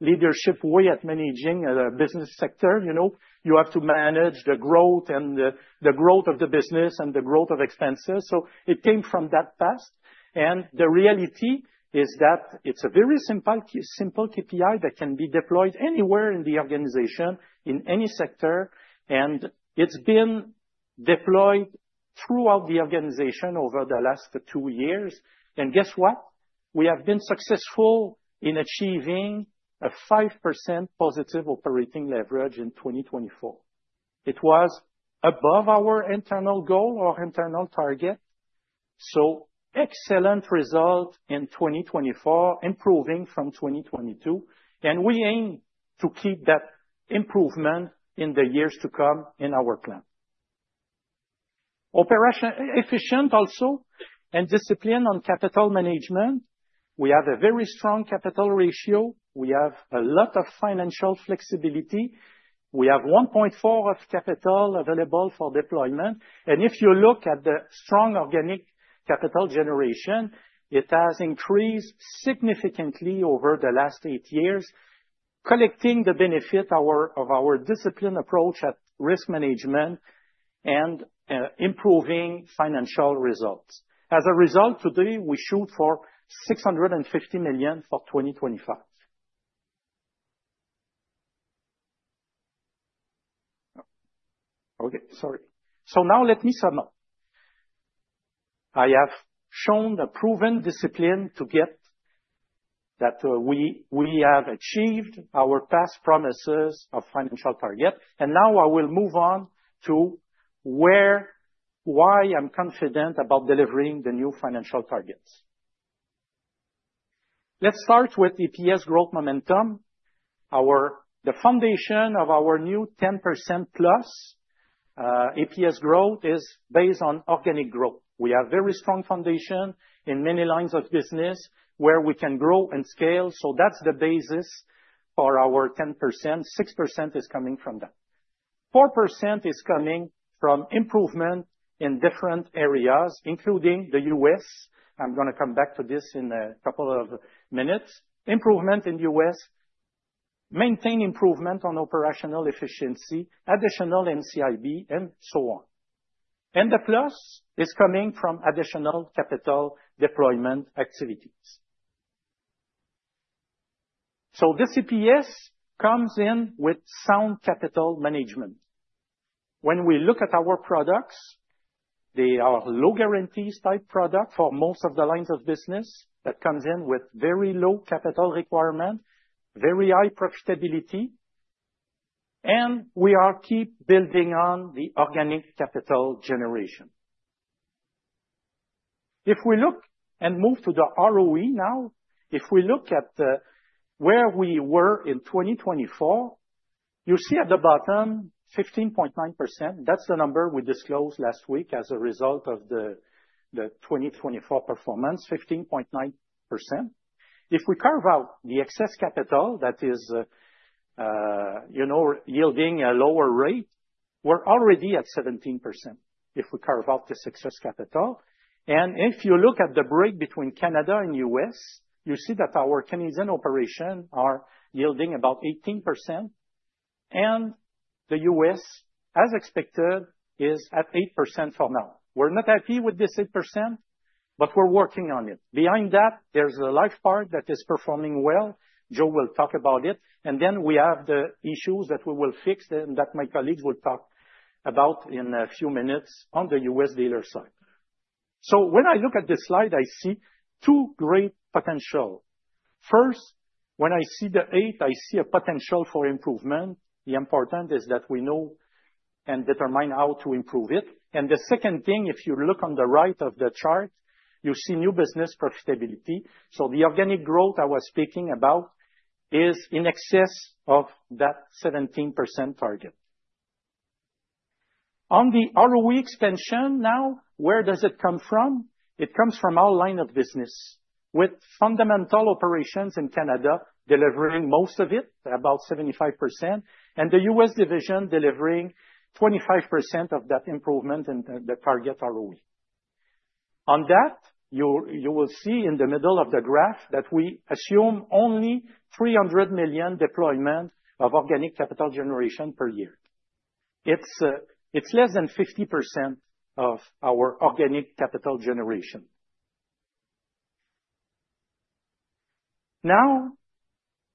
leadership role in managing a business sector. You know, you have to manage the growth and the growth of the business and the growth of expenses. So it came from that past, and the reality is that it's a very simple KPI that can be deployed anywhere in the organization, in any sector, and it's been deployed throughout the organization over the last two years, and guess what? We have been successful in achieving a 5%+ve operating leverage in 2024. It was above our internal goal or internal target, so excellent result in 2024, improving from 2022, and we aim to keep that improvement in the years to come in our plan. Operationally efficient also and disciplined on capital management. We have a very strong capital ratio. We have a lot of financial flexibility. We have 1.4 of capital available for deployment. If you look at the strong organic capital generation, it has increased significantly over the last eight years, collecting the benefit of our disciplined approach at risk management and improving financial results. As a result, today, we shoot for 650 million for 2025. Okay, sorry. Now let me sum up. I have shown a proven discipline to get that we have achieved our past promises of financial target. Now I will move on to why I'm confident about delivering the new financial targets. Let's start with EPS growth momentum. The foundation of our new 10%+ EPS growth is based on organic growth. We have a very strong foundation in many lines of business where we can grow and scale. That's the basis for our 10%. 6% is coming from that. 4% is coming from improvement in different areas, including the U.S.. I'm going to come back to this in a couple of minutes. Improvement in the U.S., maintain improvement on operational efficiency, additional NCIB, and so on, and the plus is coming from additional capital deployment activities. So this EPS comes in with sound capital management. When we look at our products, they are low guarantees type product for most of the lines of business that comes in with very low capital requirement, very high profitability, and we are keep building on the organic capital generation. If we look and move to the ROE now, if we look at where we were in 2024, you see at the bottom 15.9%. That's the number we disclosed last week as a result of the 2024 performance, 15.9%. If we carve out the excess capital that is, you know, yielding a lower rate, we're already at 17% if we carve out this excess capital. If you look at the break between Canada and U.S., you see that our Canadian operations are yielding about 18%. The U.S., as expected, is at 8% for now. We're not happy with this 8%, but we're working on it. Behind that, there's a life part that is performing well. Joe will talk about it. Then we have the issues that we will fix and that my colleagues will talk about in a few minutes on the U.S. Dealer side. When I look at this slide, I see two great potentials. First, when I see the eight, I see a potential for improvement. The important is that we know and determine how to improve it. The second thing, if you look on the right of the chart, you see new business profitability. The organic growth I was speaking about is in excess of that 17% target. On the ROE expansion now, where does it come from? It comes from our line of business with fundamental operations in Canada delivering most of it, about 75%, and the U.S. division delivering 25% of that improvement in the target ROE. On that, you will see in the middle of the graph that we assume only 300 million deployment of organic capital generation per year. It's less than 50% of our organic capital generation. Now,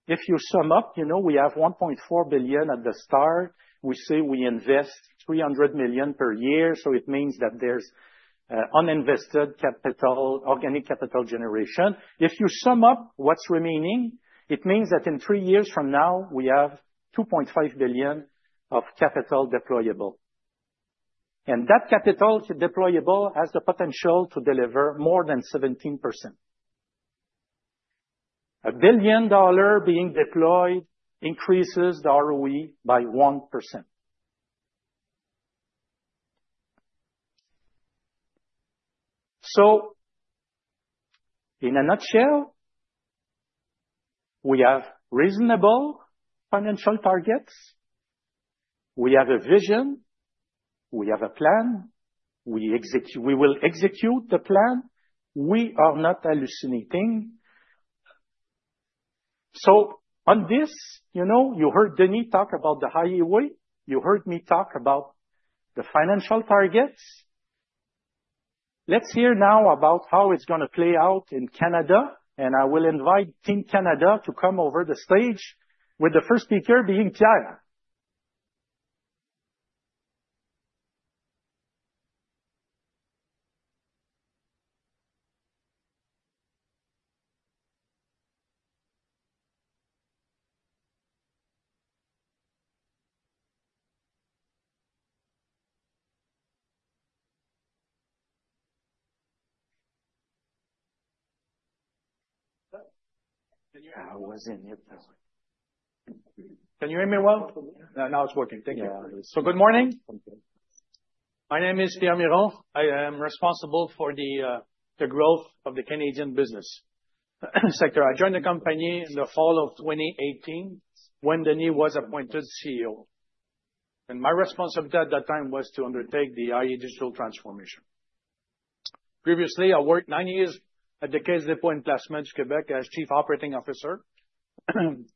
if you sum up, you know, we have 1.4 billion at the start. We say we invest 300 million per year. So it means that there's uninvested capital, organic capital generation. If you sum up what's remaining, it means that in three years from now, we have 2.5 billion of capital deployable. And that capital deployable has the potential to deliver more than 17%. 1 billion dollars being deployed increases the ROE by 1%. So in a nutshell, we have reasonable financial targets. We have a vision. We have a plan. We will execute the plan. We are not hallucinating. So on this, you know, you heard Denis talk about the highway. You heard me talk about the financial targets. Let's hear now about how it's going to play out in Canada. And I will invite Team Canada to come over the stage with the first speaker being Pierre. Can you hear me? I was in it. Can you hear me well? Now it's working. Thank you. So good morning. My name is Pierre Miron. I am responsible for the growth of the Canadian business sector. I joined the company in the fall of 2018 when Denis was appointed CEO. My responsibility at that time was to undertake the iA digital transformation. Previously, I worked nine years at the Caisse de dépôt et placement du Québec as Chief Operating Officer,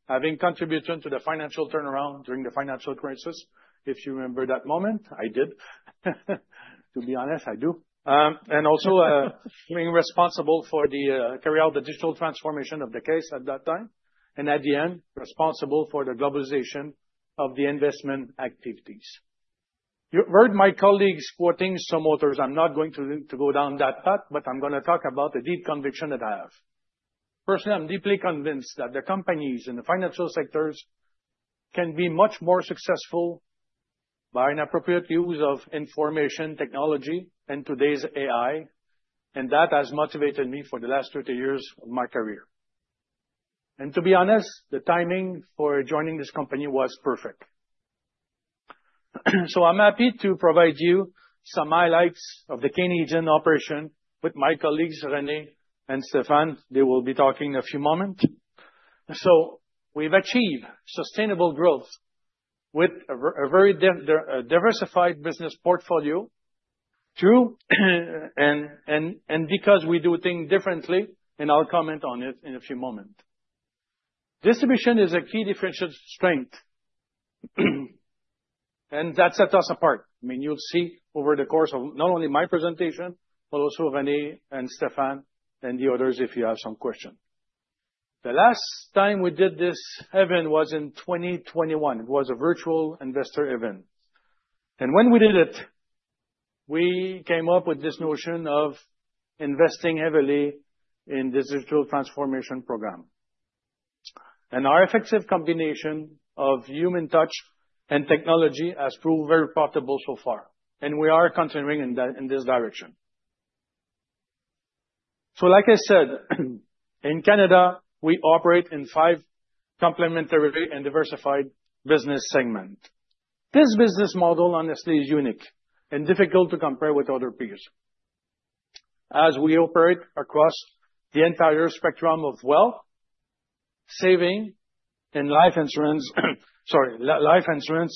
having contributed to the financial turnaround during the financial crisis. If you remember that moment, I did. To be honest, I do. I was also responsible for the carry out, the digital transformation of the Caisse at that time. At the end, I was responsible for the globalization of the investment activities. You heard my colleagues quoting some authors. I'm not going to go down that path, but I'm going to talk about the deep conviction that I have. Personally, I'm deeply convinced that the companies in the financial sectors can be much more successful by an appropriate use of information technology and today's AI. That has motivated me for the last 30 years of my career. And to be honest, the timing for joining this company was perfect. So I'm happy to provide you some highlights of the Canadian operation with my colleagues Renée and Stephane. They will be talking in a few moments. So we've achieved sustainable growth with a very diversified business portfolio. And because we do things differently, and I'll comment on it in a few moments. Distribution is a key differential strength. And that sets us apart. I mean, you'll see over the course of not only my presentation, but also of Renée and Stephane and the others if you have some questions. The last time we did this event was in 2021. It was a virtual investor event. And when we did it, we came up with this notion of investing heavily in this digital transformation program. Our effective combination of human touch and technology has proved very profitable so far. We are continuing in this direction. Like I said, in Canada, we operate in five complementary and diversified business segments. This business model, honestly, is unique and difficult to compare with other peers. As we operate across the entire spectrum of wealth, saving and life insurance, sorry, life insurance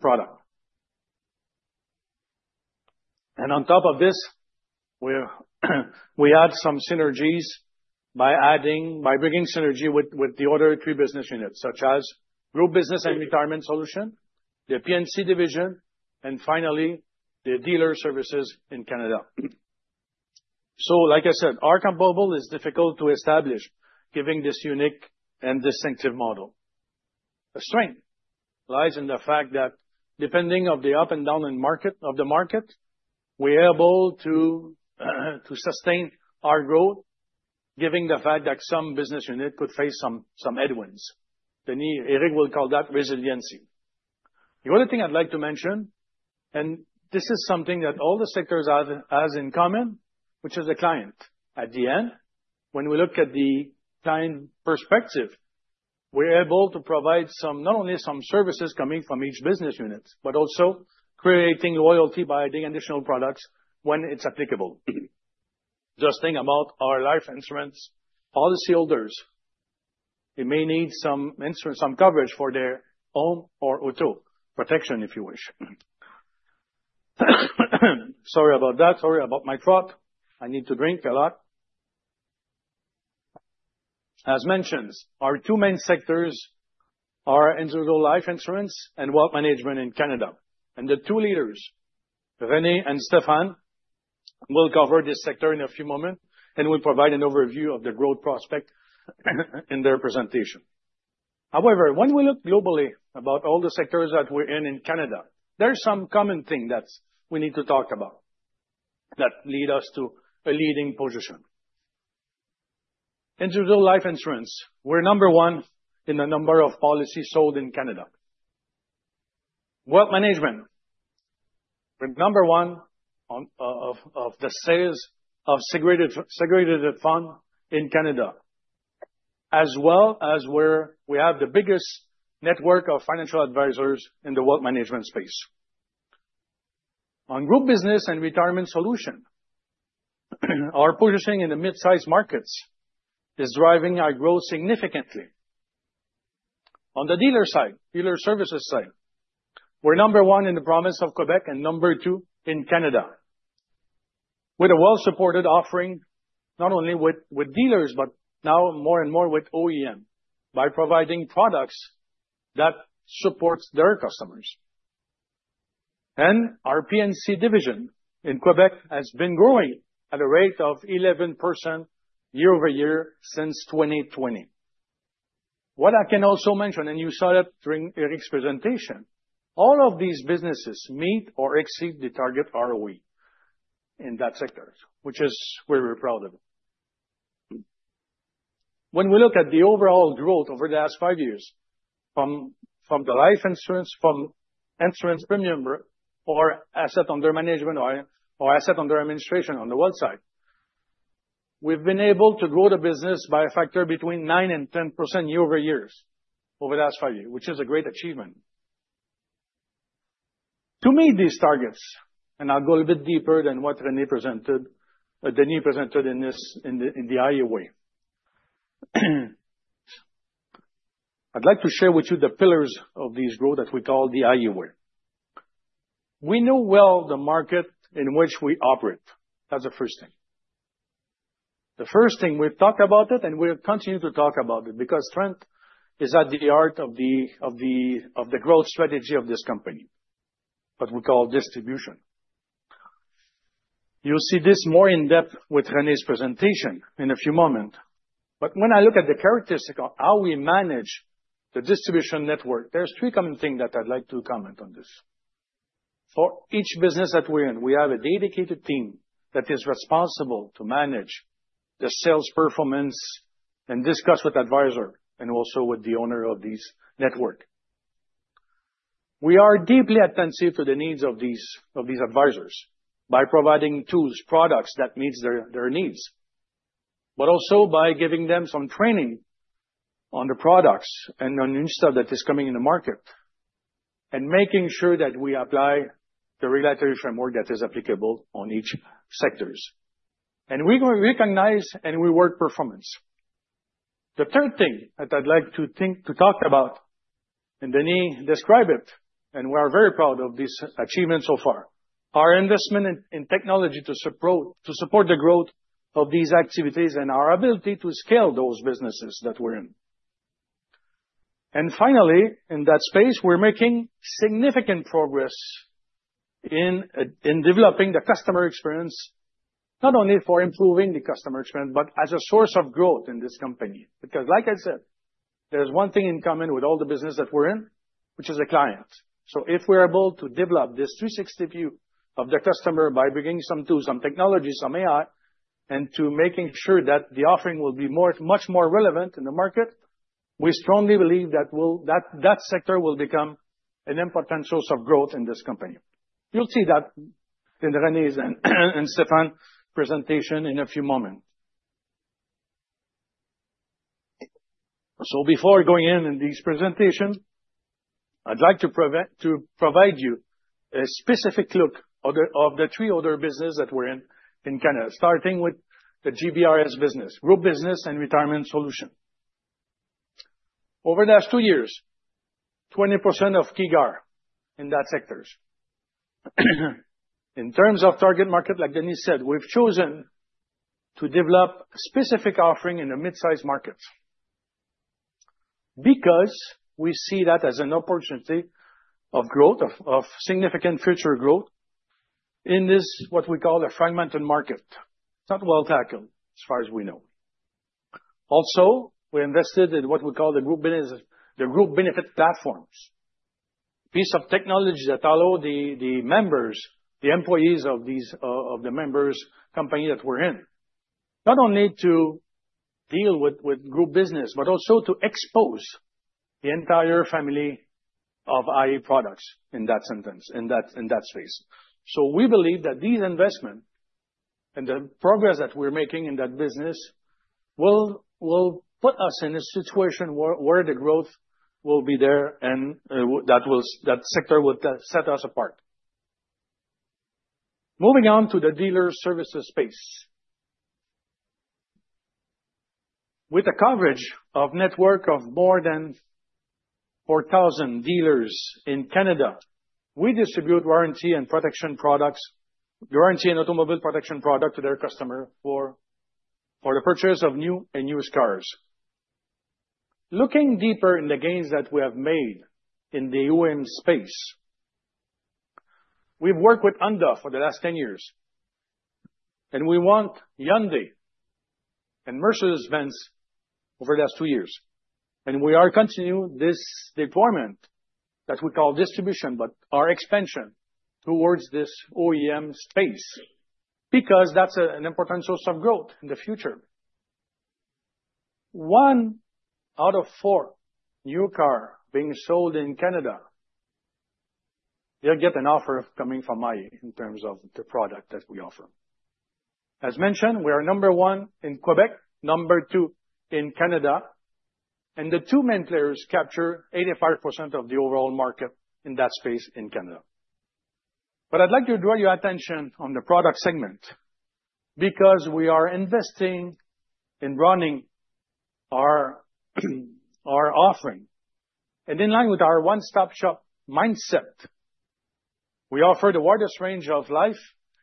product. On top of this, we add some synergies by bringing synergy with the other three business units, such as group business and retirement solution, the P&C division, and finally, the Dealer Services in Canada. Like I said, our comparable is difficult to establish, giving this unique and distinctive model. A strength lies in the fact that depending on the up and down of the market, we are able to sustain our growth, given the fact that some business unit could face some headwinds. Denis, Éric will call that resiliency. The other thing I'd like to mention, and this is something that all the sectors have in common, which is the client. At the end, when we look at the client perspective, we're able to provide not only some services coming from each business unit, but also creating loyalty by adding additional products when it's applicable. Just think about our life insurance policyholders. They may need some insurance, some coverage for their home or auto protection, if you wish. Sorry about that. Sorry about my throat. I need to drink a lot. As mentioned, our two main sectors are individual life insurance and wealth management in Canada. And the two leaders, Renée and Stephane, will cover this sector in a few moments and will provide an overview of the growth prospect in their presentation. However, when we look globally about all the sectors that we're in in Canada, there's some common thing that we need to talk about that leads us to a leading position. Individual life insurance, we're number one in the number of policies sold in Canada. Wealth management, we're number one of the sales of segregated funds in Canada, as well as where we have the biggest network of financial advisors in the wealth management space. On group business and retirement solution, our positioning in the mid-size markets is driving our growth significantly. On the dealer side, Dealer Services side, we're number one in the province of Québec and number two in Canada, with a well-supported offering, not only with dealers, but now more and more with OEM by providing products that support their customers. And our P&C division in Québec has been growing at a rate of 11% year over year since 2020. What I can also mention, and you saw it during Éric's presentation, all of these businesses meet or exceed the target ROE in that sector, which is where we're proud of it. When we look at the overall growth over the last five years from the life insurance, from insurance premium or asset under management or asset under administration on the wealth side, we've been able to grow the business by a factor between 9% and 10% year over years over the last five years, which is a great achievement. To meet these targets, and I'll go a little bit deeper than what Renée presented, Denis presented in the iA Way. I'd like to share with you the pillars of this growth that we call the iA Way. We know well the market in which we operate. That's the first thing. The first thing, we've talked about it, and we'll continue to talk about it because strength is at the heart of the growth strategy of this company, what we call distribution. You'll see this more in depth with Renée's presentation in a few moments, but when I look at the characteristics of how we manage the distribution network, there's three common things that I'd like to comment on this. For each business that we're in, we have a dedicated team that is responsible to manage the sales performance and discuss with advisors and also with the owner of this network. We are deeply attentive to the needs of these advisors by providing tools, products that meet their needs, but also by giving them some training on the products and on new stuff that is coming in the market and making sure that we apply the regulatory framework that is applicable on each sector, and we recognize and reward performance. The third thing that I'd like to think to talk about, and Denis described it, and we are very proud of this achievement so far, is our investment in technology to support the growth of these activities and our ability to scale those businesses that we're in, and finally, in that space, we're making significant progress in developing the customer experience, not only for improving the customer experience, but as a source of growth in this company. Because like I said, there's one thing in common with all the business that we're in, which is the client. So if we're able to develop this 360 view of the customer by bringing some tools, some technology, some AI, and to making sure that the offering will be much more relevant in the market, we strongly believe that that sector will become an important source of growth in this company. You'll see that in Renée's and Stephane's presentation in a few moments. So before going into these presentations, I'd like to provide you a specific look at the three other businesses that we're in Canada, starting with the GBRS business, group business and retirement solutions. Over the last two years, 20% CAGR in that sector. In terms of target market, like Denis said, we've chosen to develop a specific offering in a mid-size market because we see that as an opportunity of growth, of significant future growth in this, what we call a fragmented market. It's not well tackled as far as we know. Also, we invested in what we call the group benefit platforms, a piece of technology that allows the members, the employees of the members' company that we're in, not only to deal with group business, but also to expose the entire family of iA products in that sentence, in that space. So we believe that these investments and the progress that we're making in that business will put us in a situation where the growth will be there and that sector will set us apart. Moving on to the Dealer Services space. With a coverage of a network of more than 4,000 dealers in Canada, we distribute warranty and protection products, warranty and automobile protection products to their customers for the purchase of new and used cars. Looking deeper in the gains that we have made in the OEM space, we've worked with Honda for the last 10 years, and we've won Hyundai and Mercedes-Benz over the last two years. We are continuing this deployment that we call distribution, but our expansion towards this OEM space because that's an important source of growth in the future. One out of four new cars being sold in Canada, they'll get an offer coming from iA in terms of the product that we offer. As mentioned, we are number one in Quebec, number two in Canada, and the two main players capture 85% of the overall market in that space in Canada. I’d like to draw your attention on the product segment because we are investing in running our offering. In line with our one-stop shop mindset, we offer the widest range of life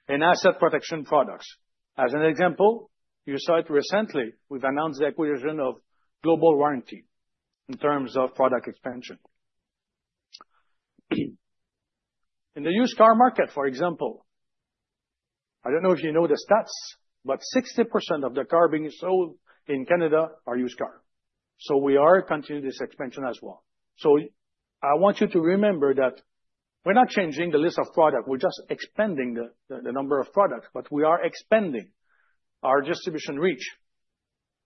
and asset protection products. As an example, you saw it recently, we've announced the acquisition of Global Warranty in terms of product expansion. In the used car market, for example, I don't know if you know the stats, but 60% of the car being sold in Canada are used cars. We are continuing this expansion as well. I want you to remember that we're not changing the list of products. We're just expanding the number of products, but we are expanding our distribution reach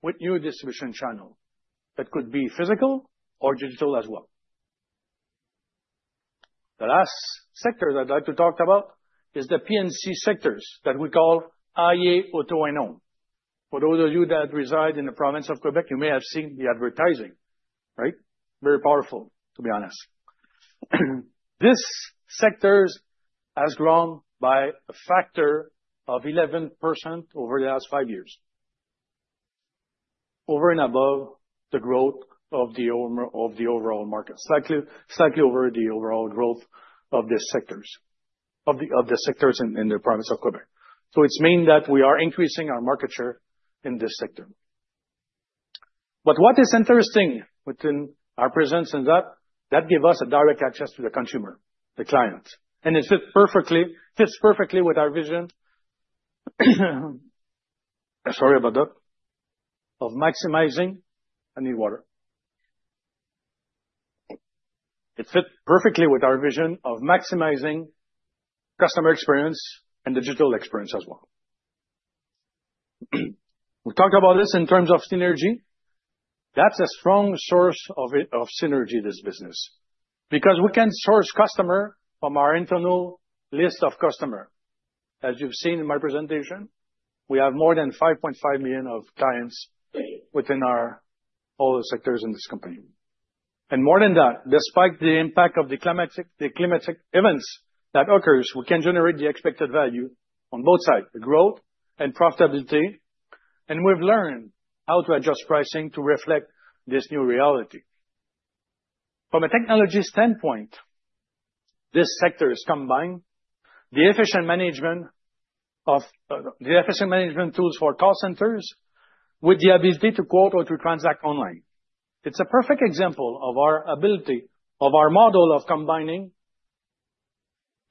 with new distribution channels that could be physical or digital as well. The last sector that I'd like to talk about is the P&C sectors that we call iA Auto and Home. For those of you that reside in the province of Québec, you may have seen the advertising, right? Very powerful, to be honest. This sector has grown by a factor of 11% over the last five years, over and above the growth of the overall market, slightly over the overall growth of the sectors in the province of Quebec, so it means that we are increasing our market share in this sector, but what is interesting within our presence is that that gives us a direct access to the consumer, the client, and it fits perfectly with our vision. Sorry about that. It fits perfectly with our vision of maximizing customer experience and digital experience as well. We talked about this in terms of synergy. That's a strong source of synergy, this business, because we can source customers from our internal list of customers. As you've seen in my presentation, we have more than 5.5 million clients within all the sectors in this company. More than that, despite the impact of the climatic events that occur, we can generate the expected value on both sides, the growth and profitability. We've learned how to adjust pricing to reflect this new reality. From a technology standpoint, this sector is combined with the efficient management tools for call centers with the ability to quote or to transact online. It's a perfect example of our ability, of our model of combining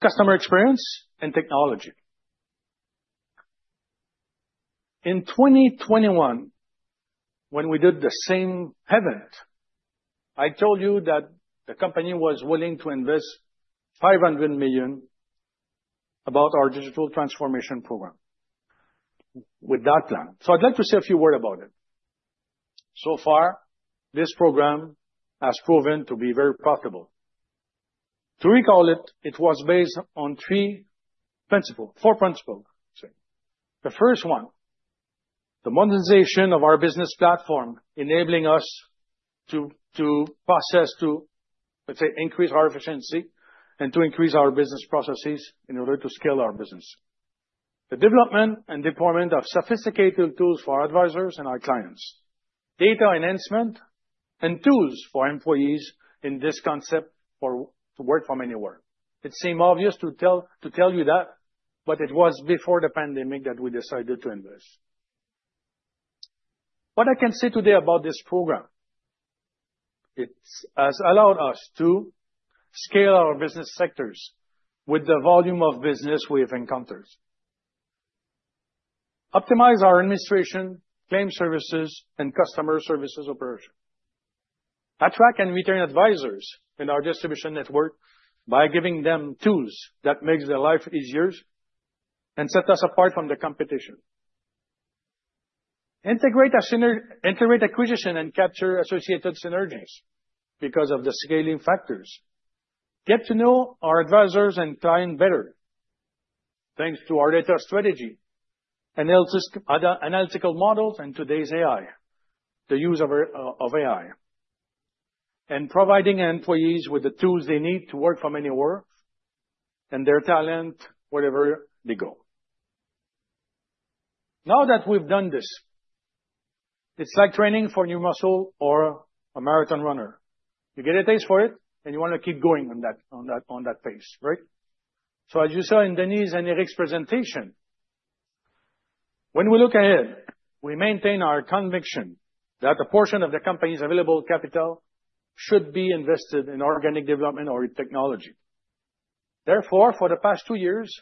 customer experience and technology. In 2021, when we did the same event, I told you that the company was willing to invest 500 million about our digital transformation program with that plan. I'd like to say a few words about it. So far, this program has proven to be very profitable. To recall it, it was based on three principles, four principles. The first one, the modernization of our business platform, enabling us to proceed to, let's say, increase our efficiency and to increase our business processes in order to scale our business. The development and deployment of sophisticated tools for our advisors and our clients, data enhancement, and tools for employees in this concept to work from anywhere. It seems obvious to tell you that, but it was before the pandemic that we decided to invest. What I can say today about this program, it has allowed us to scale our business sectors with the volume of business we've encountered, optimize our administration, claim services, and customer services operation, attract and retain advisors in our distribution network by giving them tools that make their life easier and set us apart from the competition, integrate acquisition and capture associated synergies because of the scaling factors, get to know our advisors and clients better thanks to our data strategy, analytical models, and today's AI, the use of AI, and providing employees with the tools they need to work from anywhere and their talent wherever they go. Now that we've done this, it's like training for new muscle or a marathon runner. You get a taste for it, and you want to keep going on that pace, right? As you saw in Denis and Éric's presentation, when we look ahead, we maintain our conviction that a portion of the company's available capital should be invested in organic development or technology. Therefore, for the past two years,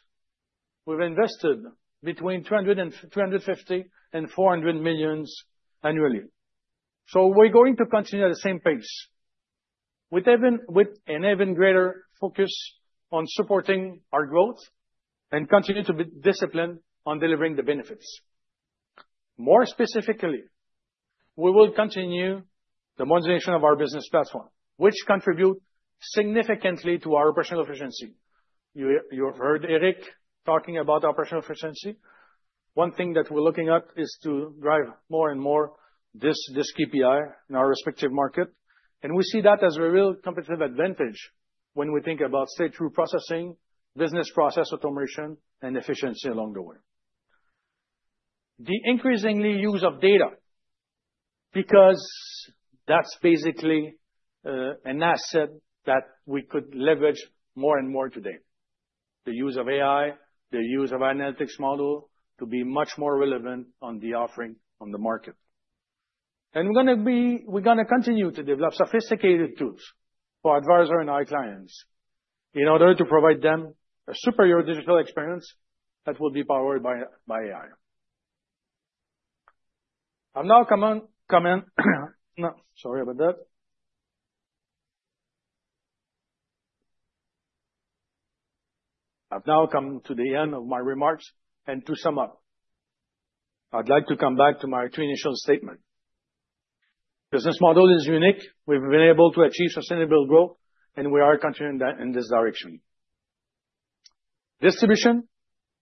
we've invested between 250 million and 400 million annually. We're going to continue at the same pace with an even greater focus on supporting our growth and continue to be disciplined on delivering the benefits. More specifically, we will continue the modernization of our business platform, which contributes significantly to our operational efficiency. You have heard Éric talking about operational efficiency. One thing that we're looking at is to drive more and more this KPI in our respective market. We see that as a real competitive advantage when we think about straight-through processing, business process automation, and efficiency along the way. The increasing use of data because that's basically an asset that we could leverage more and more today, the use of AI, the use of analytics models to be much more relevant on the offering on the market. We're going to continue to develop sophisticated tools for advisors and our clients in order to provide them a superior digital experience that will be powered by AI. I've now come in. Sorry about that. I've now come to the end of my remarks. To sum up, I'd like to come back to my two initial statements. Business model is unique. We've been able to achieve sustainable growth, and we are continuing in this direction. Distribution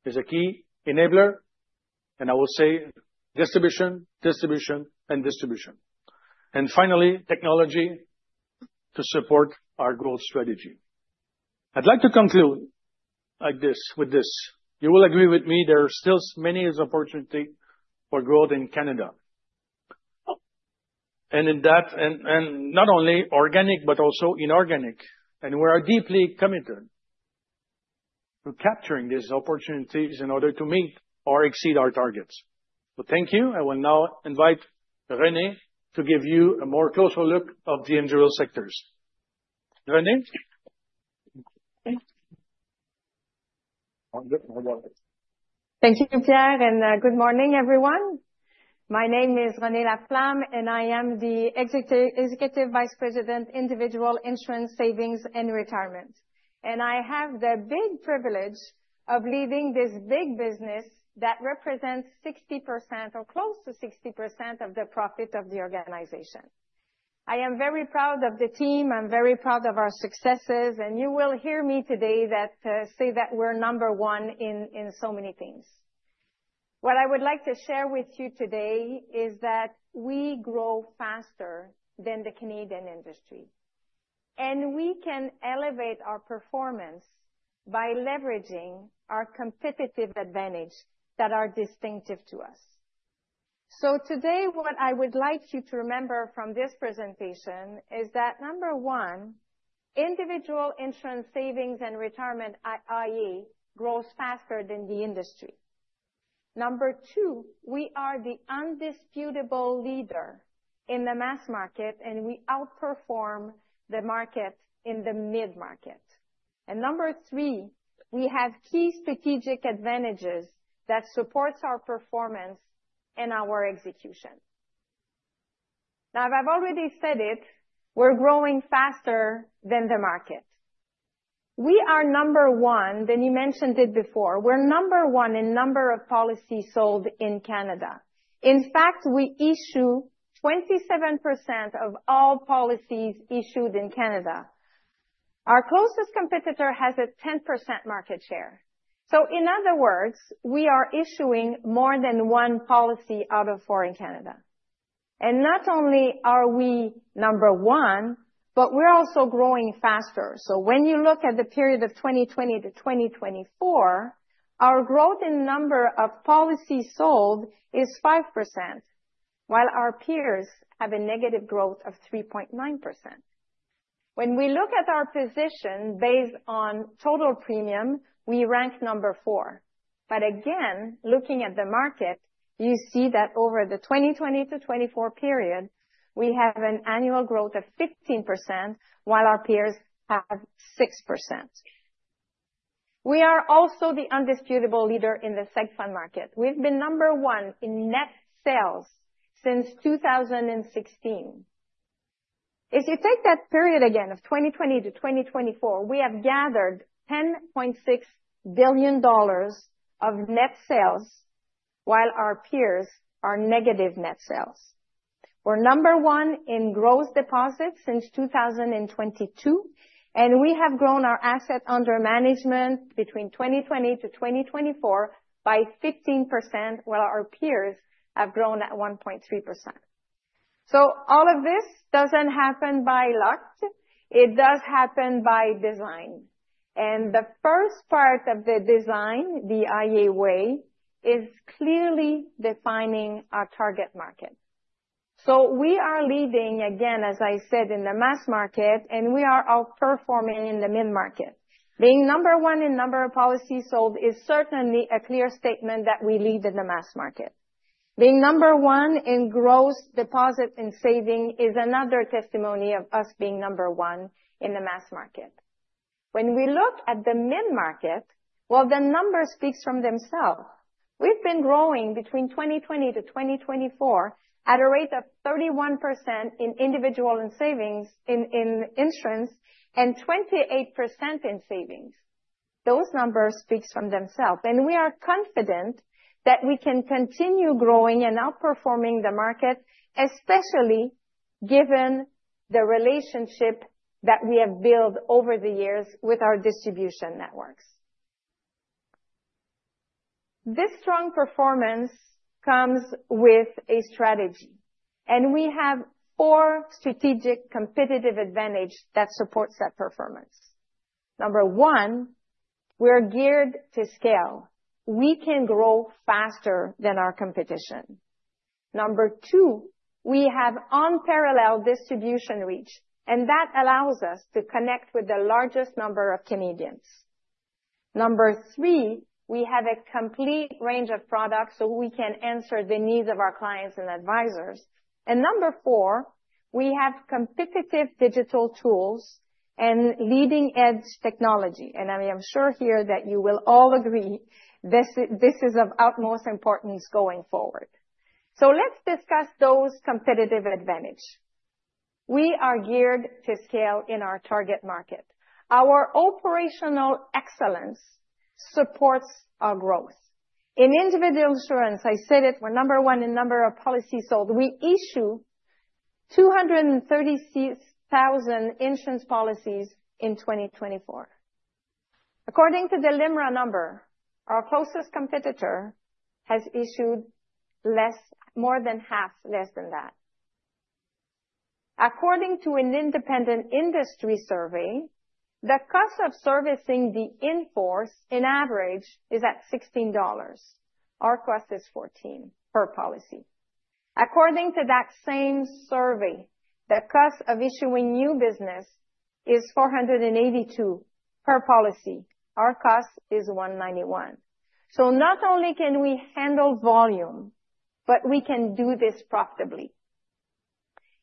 is a key enabler. I will say distribution, distribution, and distribution. Finally, technology to support our growth strategy. I'd like to conclude like this with this. You will agree with me. There are still many opportunities for growth in Canada, and in that, not only organic, but also inorganic. We are deeply committed to capturing these opportunities in order to meet or exceed our targets. So thank you. I will now invite Renée to give you a more closer look at the individual sectors. Renée. Thank you, Pierre, and good morning, everyone. My name is Renée Laflamme, and I am the Executive Vice President, Individual Insurance, Savings and Retirement. I have the big privilege of leading this big business that represents 60% or close to 60% of the profit of the organization. I am very proud of the team. I am very proud of our successes. You will hear me today say that we are number one in so many things. What I would like to share with you today is that we grow faster than the Canadian industry. And we can elevate our performance by leveraging our competitive advantage that are distinctive to us. So today, what I would like you to remember from this presentation is that, number one, Individual Insurance Savings and Retirement, i.e., grows faster than the industry. Number two, we are the indisputable leader in the mass market, and we outperform the market in the mid-market. And number three, we have key strategic advantages that support our performance and our execution. Now, I've already said it. We're growing faster than the market. We are number one. Then you mentioned it before. We're number one in the number of policies sold in Canada. In fact, we issue 27% of all policies issued in Canada. Our closest competitor has a 10% market share. So in other words, we are issuing more than one policy out of four in Canada. Not only are we number one, but we're also growing faster. When you look at the period of 2020-2024, our growth in the number of policies sold is 5%, while our peers have a negative growth of 3.9%. When we look at our position based on total premium, we rank number four. But again, looking at the market, you see that over the 2020-2024 period, we have an annual growth of 15%, while our peers have 6%. We are also the indisputable leader in the seg fund market. We've been number one in net sales since 2016. If you take that period again of 2020-2024, we have gathered 10.6 billion dollars of net sales, while our peers are negative net sales. We're number one in gross deposits since 2022, and we have grown our assets under management between 2020-2024 by 15%, while our peers have grown at 1.3%. So all of this doesn't happen by luck. It does happen by design. And the first part of the design, the iA Way, is clearly defining our target market. So we are leading, again, as I said, in the mass market, and we are outperforming in the mid-market. Being number one in the number of policies sold is certainly a clear statement that we lead in the mass market. Being number one in gross deposit and saving is another testimony of us being number one in the mass market. When we look at the mid-market, well, the number speaks for itself. We've been growing between 2020-2024 at a rate of 31% in individual insurance and savings and 28% in savings. Those numbers speak for themselves, and we are confident that we can continue growing and outperforming the market, especially given the relationship that we have built over the years with our distribution networks. This strong performance comes with a strategy, and we have four strategic competitive advantages that support that performance. Number one, we are geared to scale. We can grow faster than our competition. Number two, we have unparalleled distribution reach, and that allows us to connect with the largest number of Canadians. Number three, we have a complete range of products so we can answer the needs of our clients and advisors. And number four, we have competitive digital tools and leading-edge technology. And I am sure here that you will all agree this is of utmost importance going forward. So let's discuss those competitive advantages. We are geared to scale in our target market. Our operational excellence supports our growth. In individual insurance, I said it, we're number one in the number of policies sold. We issue 236,000 insurance policies in 2024. According to the LIMRA number, our closest competitor has issued less, more than half less than that. According to an independent industry survey, the cost of servicing the insured, on average, is 16 dollars. Our cost is 14 per policy. According to that same survey, the cost of issuing new business is 482 per policy. Our cost is 191. So not only can we handle volume, but we can do this profitably.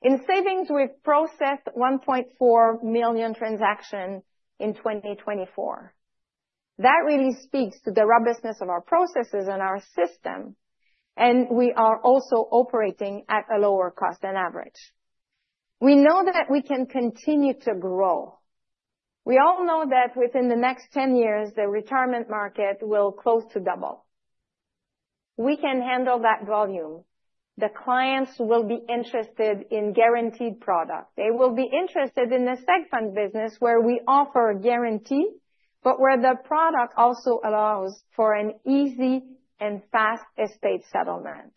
In savings, we've processed 1.4 million transactions in 2024. That really speaks to the robustness of our processes and our system. And we are also operating at a lower cost than average. We know that we can continue to grow. We all know that within the next 10 years, the retirement market will close to double. We can handle that volume. The clients will be interested in guaranteed product. They will be interested in the seg fund business where we offer a guarantee, but where the product also allows for an easy and fast estate settlement.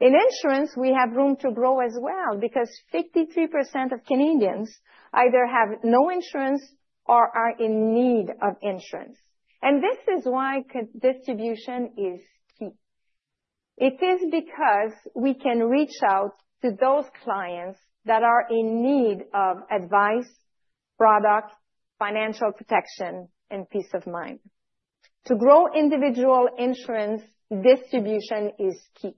In insurance, we have room to grow as well because 53% of Canadians either have no insurance or are in need of insurance. And this is why distribution is key. It is because we can reach out to those clients that are in need of advice, product, financial protection, and peace of mind. To grow individual insurance distribution is key.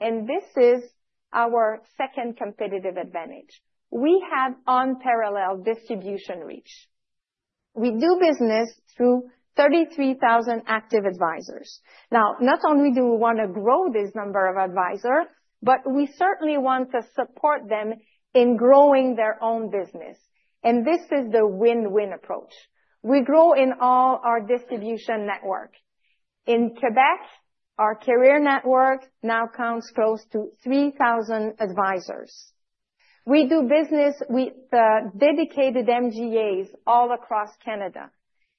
And this is our second competitive advantage. We have unparalleled distribution reach. We do business through 33,000 active advisors. Now, not only do we want to grow this number of advisors, but we certainly want to support them in growing their own business. And this is the win-win approach. We grow in all our distribution network. In Québec, our career network now counts close to 3,000 advisors. We do business with dedicated MGAs all across Canada.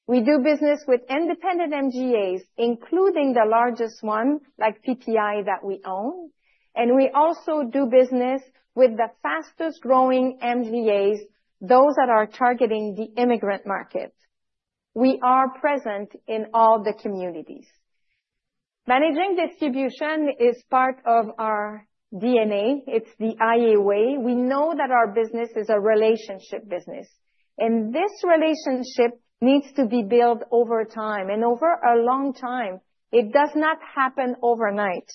We do business with independent MGAs, including the largest one like PPI that we own. And we also do business with the fastest-growing MGAs, those that are targeting the immigrant market. We are present in all the communities. Managing distribution is part of our DNA. It's the iA Way. We know that our business is a relationship business. And this relationship needs to be built over time. And over a long time, it does not happen overnight.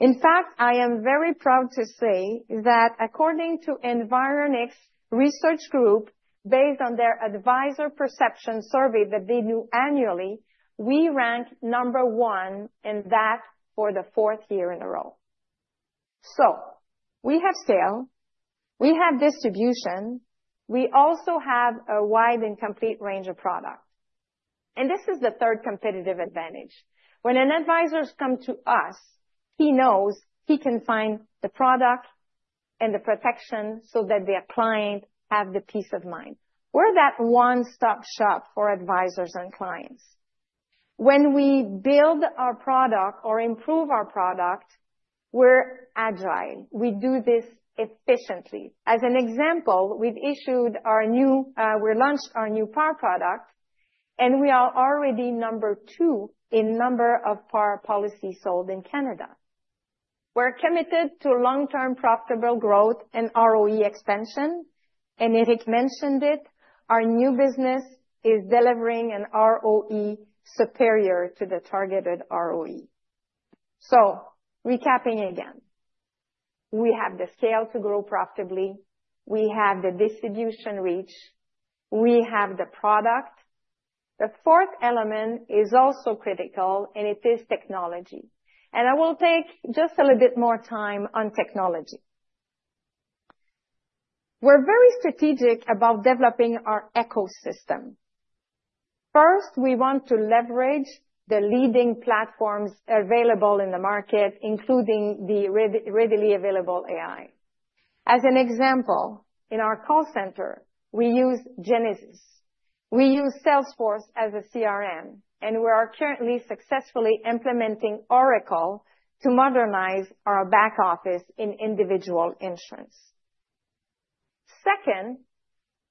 In fact, I am very proud to say that according to Environics Research Group, based on their advisor perception survey that they do annually, we rank number one in that for the fourth year in a row. So we have scale. We have distribution. We also have a wide and complete range of product. And this is the third competitive advantage. When an advisor comes to us, he knows he can find the product and the protection so that their client has the peace of mind. We're that one-stop shop for advisors and clients. When we build our product or improve our product, we're agile. We do this efficiently. As an example, we launched our new par product, and we are already number two in the number of par policies sold in Canada. We're committed to long-term profitable growth and ROE expansion, and Éric mentioned it. Our new business is delivering an ROE superior to the targeted ROE, so recapping again, we have the scale to grow profitably. We have the distribution reach. We have the product. The fourth element is also critical, and it is technology, and I will take just a little bit more time on technology. We're very strategic about developing our ecosystem. First, we want to leverage the leading platforms available in the market, including the readily available AI. As an example, in our call center, we use Genesys. We use Salesforce as a CRM, and we are currently successfully implementing Oracle to modernize our back office in individual insurance. Second,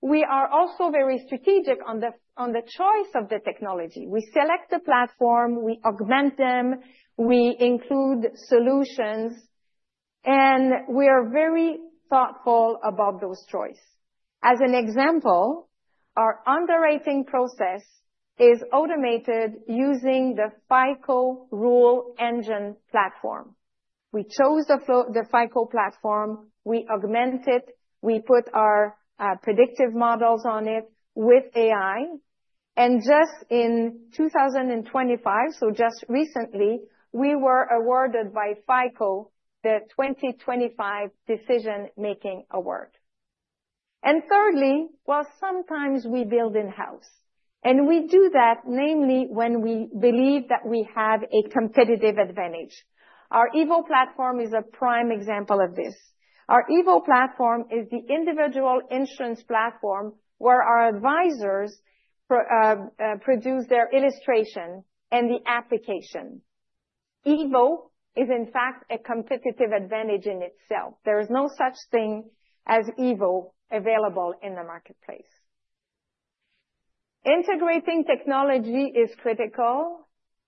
we are also very strategic on the choice of the technology. We select the platform. We augment them. We include solutions. We are very thoughtful about those choices. As an example, our underwriting process is automated using the FICO rule engine platform. We chose the FICO platform. We augment it. We put our predictive models on it with AI. Just in 2025, so just recently, we were awarded by FICO the 2025 Decision Making Award. Thirdly, well, sometimes we build in-house. We do that, namely, when we believe that we have a competitive advantage. Our EVO platform is a prime example of this. Our EVO platform is the individual insurance platform where our advisors produce their illustration and the application. EVO is, in fact, a competitive advantage in itself. There is no such thing as EVO available in the marketplace. Integrating technology is critical.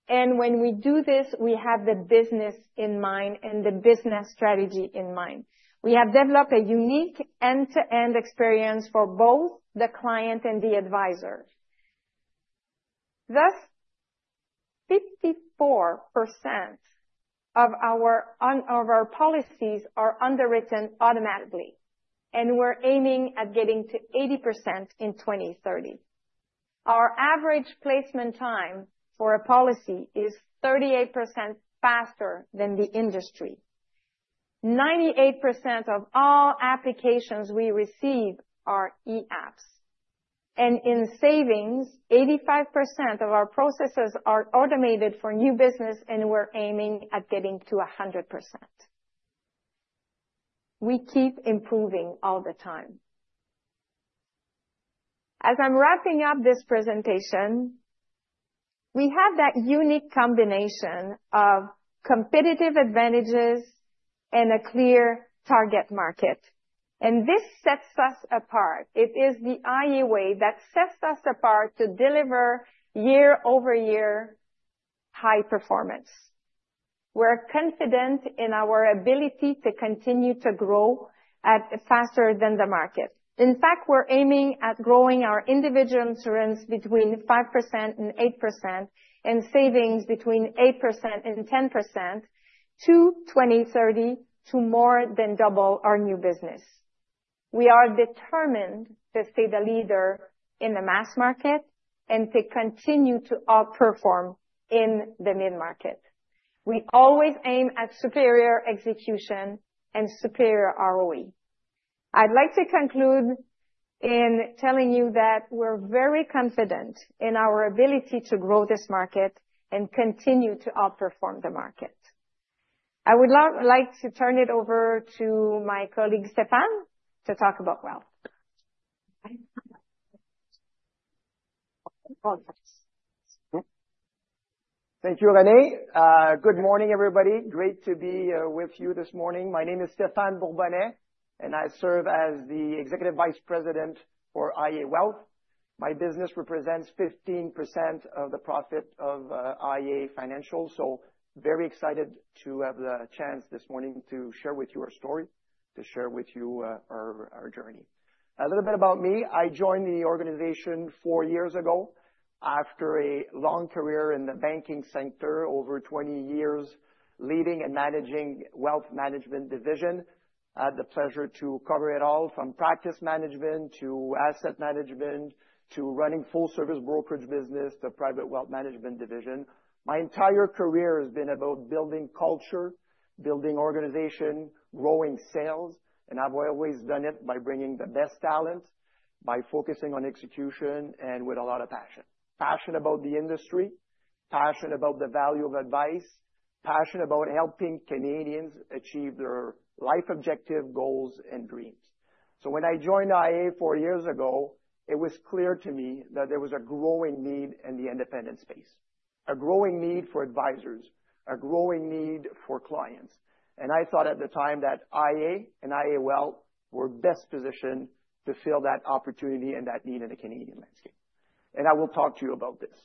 When we do this, we have the business in mind and the business strategy in mind. We have developed a unique end-to-end experience for both the client and the advisor. Thus, 54% of our policies are underwritten automatically, and we're aiming at getting to 80% in 2030. Our average placement time for a policy is 38% faster than the industry. 98% of all applications we receive are e-apps. And in savings, 85% of our processes are automated for new business, and we're aiming at getting to 100%. We keep improving all the time. As I'm wrapping up this presentation, we have that unique combination of competitive advantages and a clear target market, and this sets us apart. It is the iA Way that sets us apart to deliver year-over-year high performance. We're confident in our ability to continue to grow faster than the market. In fact, we're aiming at growing our individual insurance between 5%-8% and savings between 8%-10% to 2030 to more than double our new business. We are determined to stay the leader in the mass market and to continue to outperform in the mid-market. We always aim at superior execution and superior ROE. I'd like to conclude in telling you that we're very confident in our ability to grow this market and continue to outperform the market. I would like to turn it over to my colleague Stephane to talk about wealth. Thank you, Renée. Good morning, everybody. Great to be with you this morning. My name is Stephane Bourbonnais, and I serve as the Executive Vice President for iA Wealth. My business represents 15% of the profit of iA Financial. So very excited to have the chance this morning to share with you our story, to share with you our journey. A little bit about me. I joined the organization four years ago after a long career in the banking sector, over 20 years leading and managing the Wealth Management division. I had the pleasure to cover it all, from practice management to asset management to running a full-service brokerage business to the private wealth management division. My entire career has been about building culture, building organization, growing sales. And I've always done it by bringing the best talent, by focusing on execution, and with a lot of passion. Passionate about the industry, passionate about the value of advice, passionate about helping Canadians achieve their life objectives, goals, and dreams. So when I joined iA four years ago, it was clear to me that there was a growing need in the independent space, a growing need for advisors, a growing need for clients, and I thought at the time that iA and iA Wealth were best positioned to fill that opportunity and that need in the Canadian landscape, and I will talk to you about this.